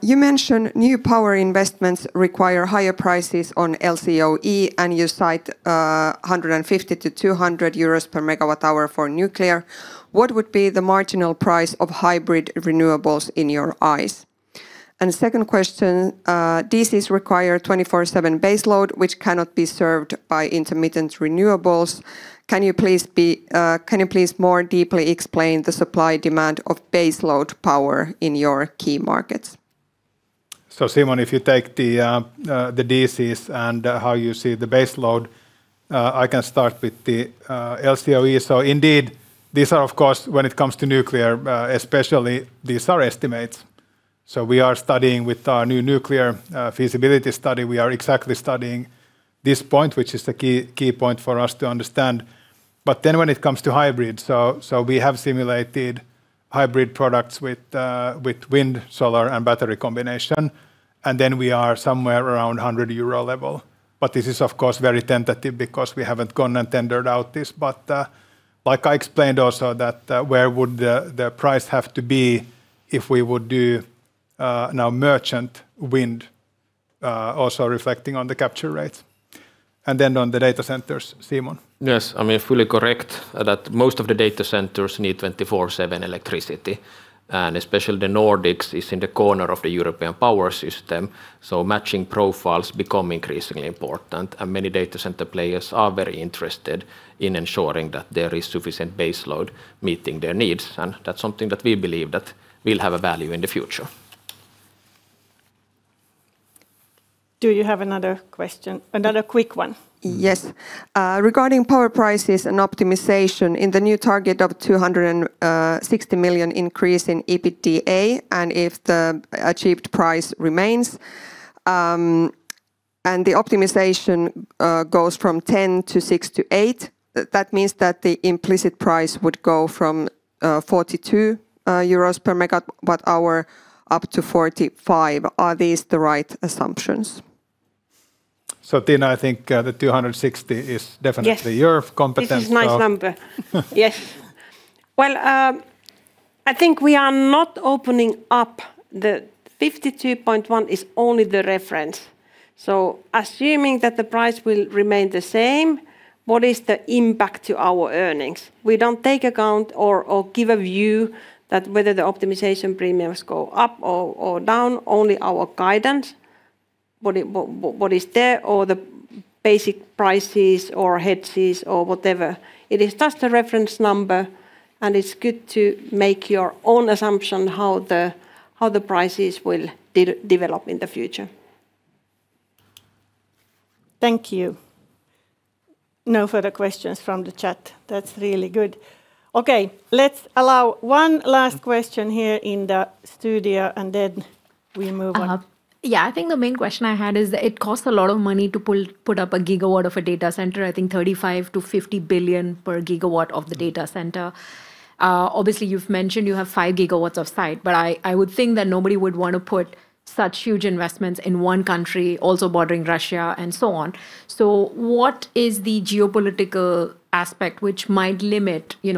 You mentioned new power investments require higher prices on LCOE and you cite 150-200 euros per megawatt hour for nuclear. What would be the marginal price of hybrid renewables in your eyes? Second question, DCs require 24/7 baseload, which cannot be served by intermittent renewables. Can you please more deeply explain the supply demand of baseload power in your key markets? Simon, if you take the DCs and how you see the baseload, I can start with the LCOE. Indeed, these are of course, when it comes to nuclear, especially these are estimates. We are studying with our new nuclear feasibility study. We are exactly studying this point, which is a key point for us to understand. When it comes to hybrid, we have simulated hybrid products with wind, solar, and battery combination. We are somewhere around the 100 euro level. This is of course very tentative because we have not gone and tendered out this. Like I explained also, where would the price have to be if we would do now merchant wind, also reflecting on the capture rates. On the data centers, Simon, yes, I mean fully correct that most of the data centers need 24/7 electricity. Especially the Nordics is in the corner of the European power system, so matching profiles become increasingly important. Many data center players are very interested in ensuring that there is sufficient baseload meeting their needs. That is something that we believe will have a value in the future. Do you have another question? Another quick one. Yes. Regarding power prices and optimization in the new target of 260 million increase in EBITDA and if the achieved price remains. The optimization goes from 10 to 6-8. That means that the implicit price would go from 42 euros per megawatt hour up to 45. Are these the right assumptions? Tina, I think the 260 million is definitely your competence. This is a nice number. Yes. I think we are not opening up. The 52.1 is only the reference. Assuming that the price will remain the same, what is the impact to our earnings? We do not take account or give a view that whether the optimization premiums go up or down, only our guidance. What is there or the basic prices or hedges or whatever. It is just a reference number and it's good to make your own assumption how the prices will develop in the future. Thank you. No further questions from the chat. That's really good. Okay, let's allow one last question here in the studio and then we move on. Yeah, I think the main question I had is that it costs a lot of money to put up a gigawatt of a data center. I think 35 billion-50 billion per gigawatt of the data center. Obviously, you've mentioned you have 5 GW of site, but I would think that nobody would want to put such huge investments in one country, also bordering Russia and so on. What is the geopolitical aspect which might limit the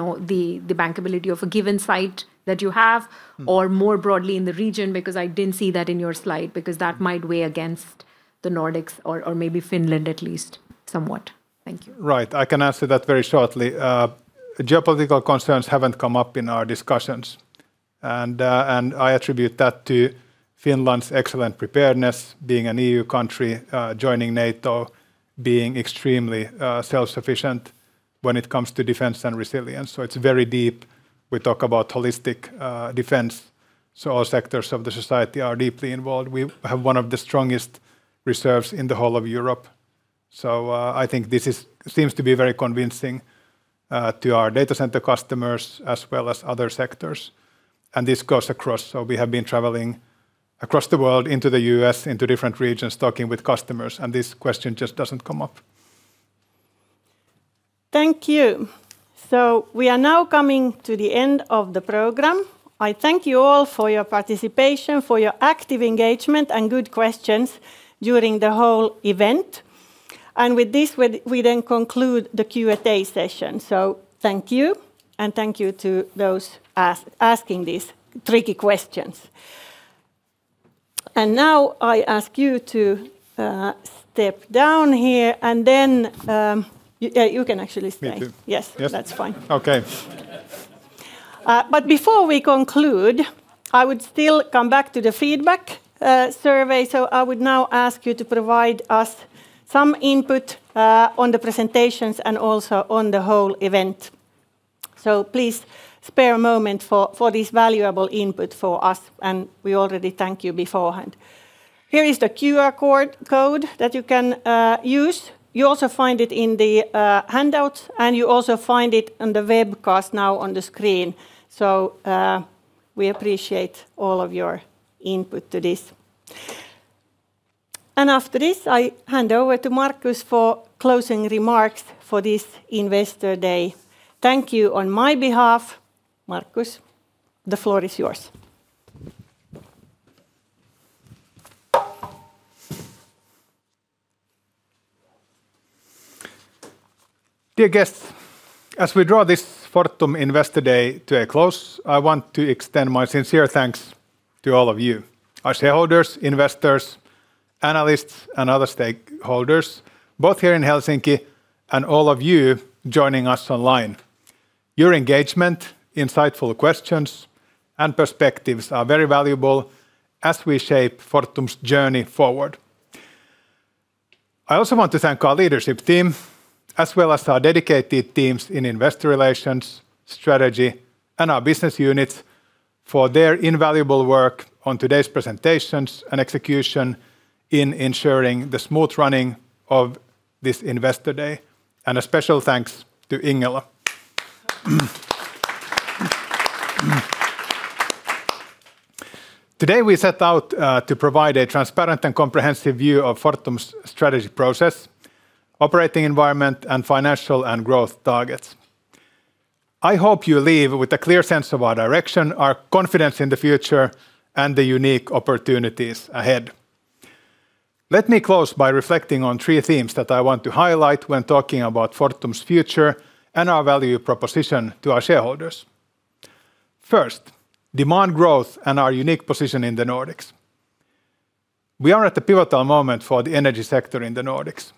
bankability of a given site that you have or more broadly in the region? Because I didn't see that in your slide, because that might weigh against the Nordics or maybe Finland at least somewhat. Thank you. Right. I can answer that very shortly. Geopolitical concerns haven't come up in our discussions. I attribute that to Finland's excellent preparedness, being an EU country, joining NATO, being extremely self-sufficient when it comes to defense and resilience. It is very deep. We talk about holistic defense. All sectors of the society are deeply involved. We have one of the strongest reserves in the whole of Europe. I think this seems to be very convincing to our data center customers as well as other sectors. This goes across. We have been traveling across the world into the U.S., into different regions, talking with customers. This question just doesn't come up. Thank you. We are now coming to the end of the program. I thank you all for your participation, for your active engagement and good questions during the whole event. With this, we then conclude the Q&A session. Thank you. Thank you to those asking these tricky questions. I ask you to step down here and then you can actually stay. Yes, that's fine. Before we conclude, I would still come back to the feedback survey. I would now ask you to provide us some input on the presentations and also on the whole event. Please spare a moment for this valuable input for us. We already thank you beforehand. Here is the QR code that you can use. You also find it in the handouts and you also find it on the webcast now on the screen. We appreciate all of your input to this. After this, I hand over to Markus for closing remarks for this Investor Day. Thank you on my behalf, Markus. The floor is yours. Dear guests, as we draw this Fortum Investor Day to a close, I want to extend my sincere thanks to all of you, our shareholders, investors, analysts, and other stakeholders, both here in Helsinki and all of you joining us online. Your engagement, insightful questions, and perspectives are very valuable as we shape Fortum's journey forward. I also want to thank our leadership team, as well as our dedicated teams in investor relations, strategy, and our business units for their invaluable work on today's presentations and execution in ensuring the smooth running of this Investor Day. A special thanks to Ingela. Today we set out to provide a transparent and comprehensive view of Fortum's strategy process, operating environment, and financial and growth targets. I hope you leave with a clear sense of our direction, our confidence in the future, and the unique opportunities ahead. Let me close by reflecting on three themes that I want to highlight when talking about Fortum's future and our value proposition to our shareholders. First, demand growth and our unique position in the Nordics. We are at a pivotal moment for the energy sector in the Nordics.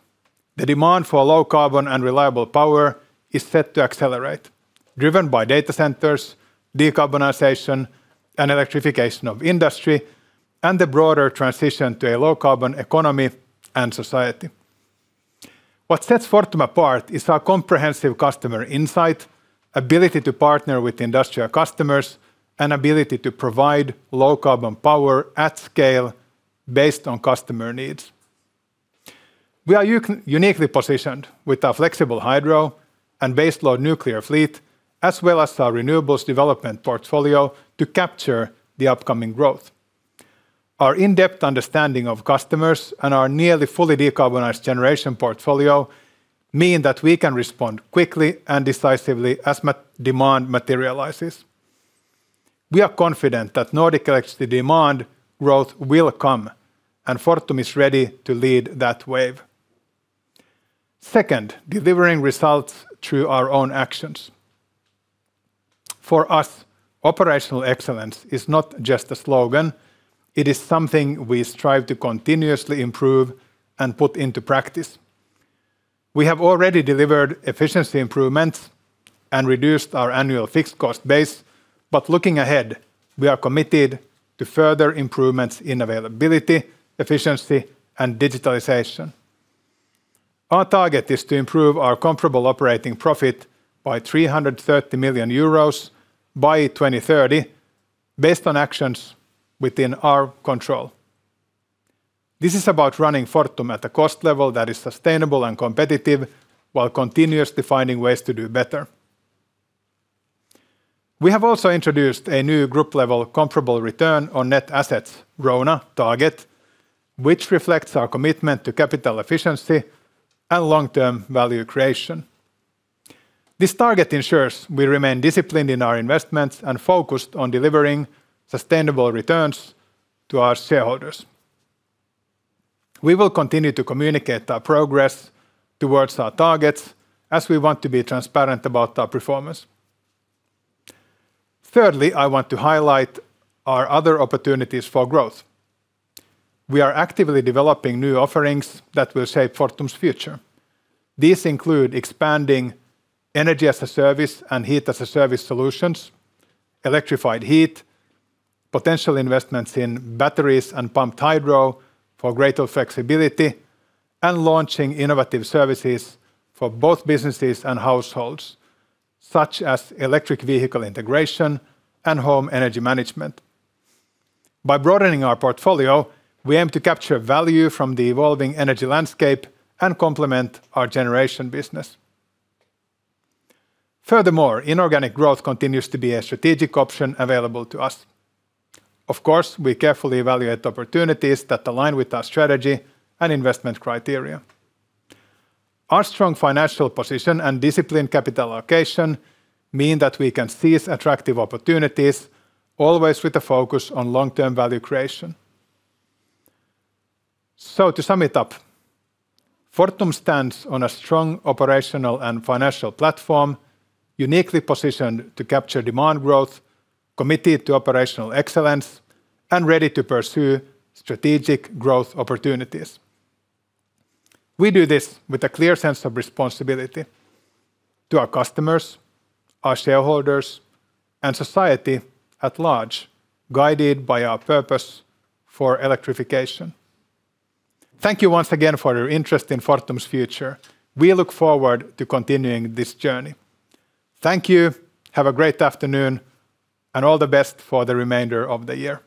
The demand for low carbon and reliable power is set to accelerate, driven by data centers, decarbonization, and electrification of industry, and the broader transition to a low carbon economy and society. What sets Fortum apart is our comprehensive customer insight, ability to partner with industrial customers, and ability to provide low carbon power at scale based on customer needs. We are uniquely positioned with our flexible hydro and baseload nuclear fleet, as well as our renewables development portfolio to capture the upcoming growth. Our in-depth understanding of customers and our nearly fully decarbonized generation portfolio mean that we can respond quickly and decisively as demand materializes. We are confident that Nordic electricity demand growth will come, and Fortum is ready to lead that wave. Second, delivering results through our own actions. For us, operational excellence is not just a slogan. It is something we strive to continuously improve and put into practice. We have already delivered efficiency improvements and reduced our annual fixed cost base. Looking ahead, we are committed to further improvements in availability, efficiency, and digitalization. Our target is to improve our comparable operating profit by 330 million euros by 2030 based on actions within our control. This is about running Fortum at a cost level that is sustainable and competitive while continuously finding ways to do better. We have also introduced a new group-level comparable return on net assets, RONA target, which reflects our commitment to capital efficiency and long-term value creation. This target ensures we remain disciplined in our investments and focused on delivering sustainable returns to our shareholders. We will continue to communicate our progress towards our targets as we want to be transparent about our performance. Thirdly, I want to highlight our other opportunities for growth. We are actively developing new offerings that will shape Fortum's future. These include expanding energy as a service and heat as a service solutions, electrified heat, potential investments in batteries and pumped hydro for greater flexibility, and launching innovative services for both businesses and households, such as electric vehicle integration and home energy management. By broadening our portfolio, we aim to capture value from the evolving energy landscape and complement our generation business. Furthermore, inorganic growth continues to be a strategic option available to us. Of course, we carefully evaluate opportunities that align with our strategy and investment criteria. Our strong financial position and disciplined capital allocation mean that we can seize attractive opportunities, always with a focus on long-term value creation. To sum it up, Fortum stands on a strong operational and financial platform, uniquely positioned to capture demand growth, committed to operational excellence, and ready to pursue strategic growth opportunities. We do this with a clear sense of responsibility to our customers, our shareholders, and society at large, guided by our purpose for electrification. Thank you once again for your interest in Fortum's future. We look forward to continuing this journey. Thank you. Have a great afternoon and all the best for the remainder of the year.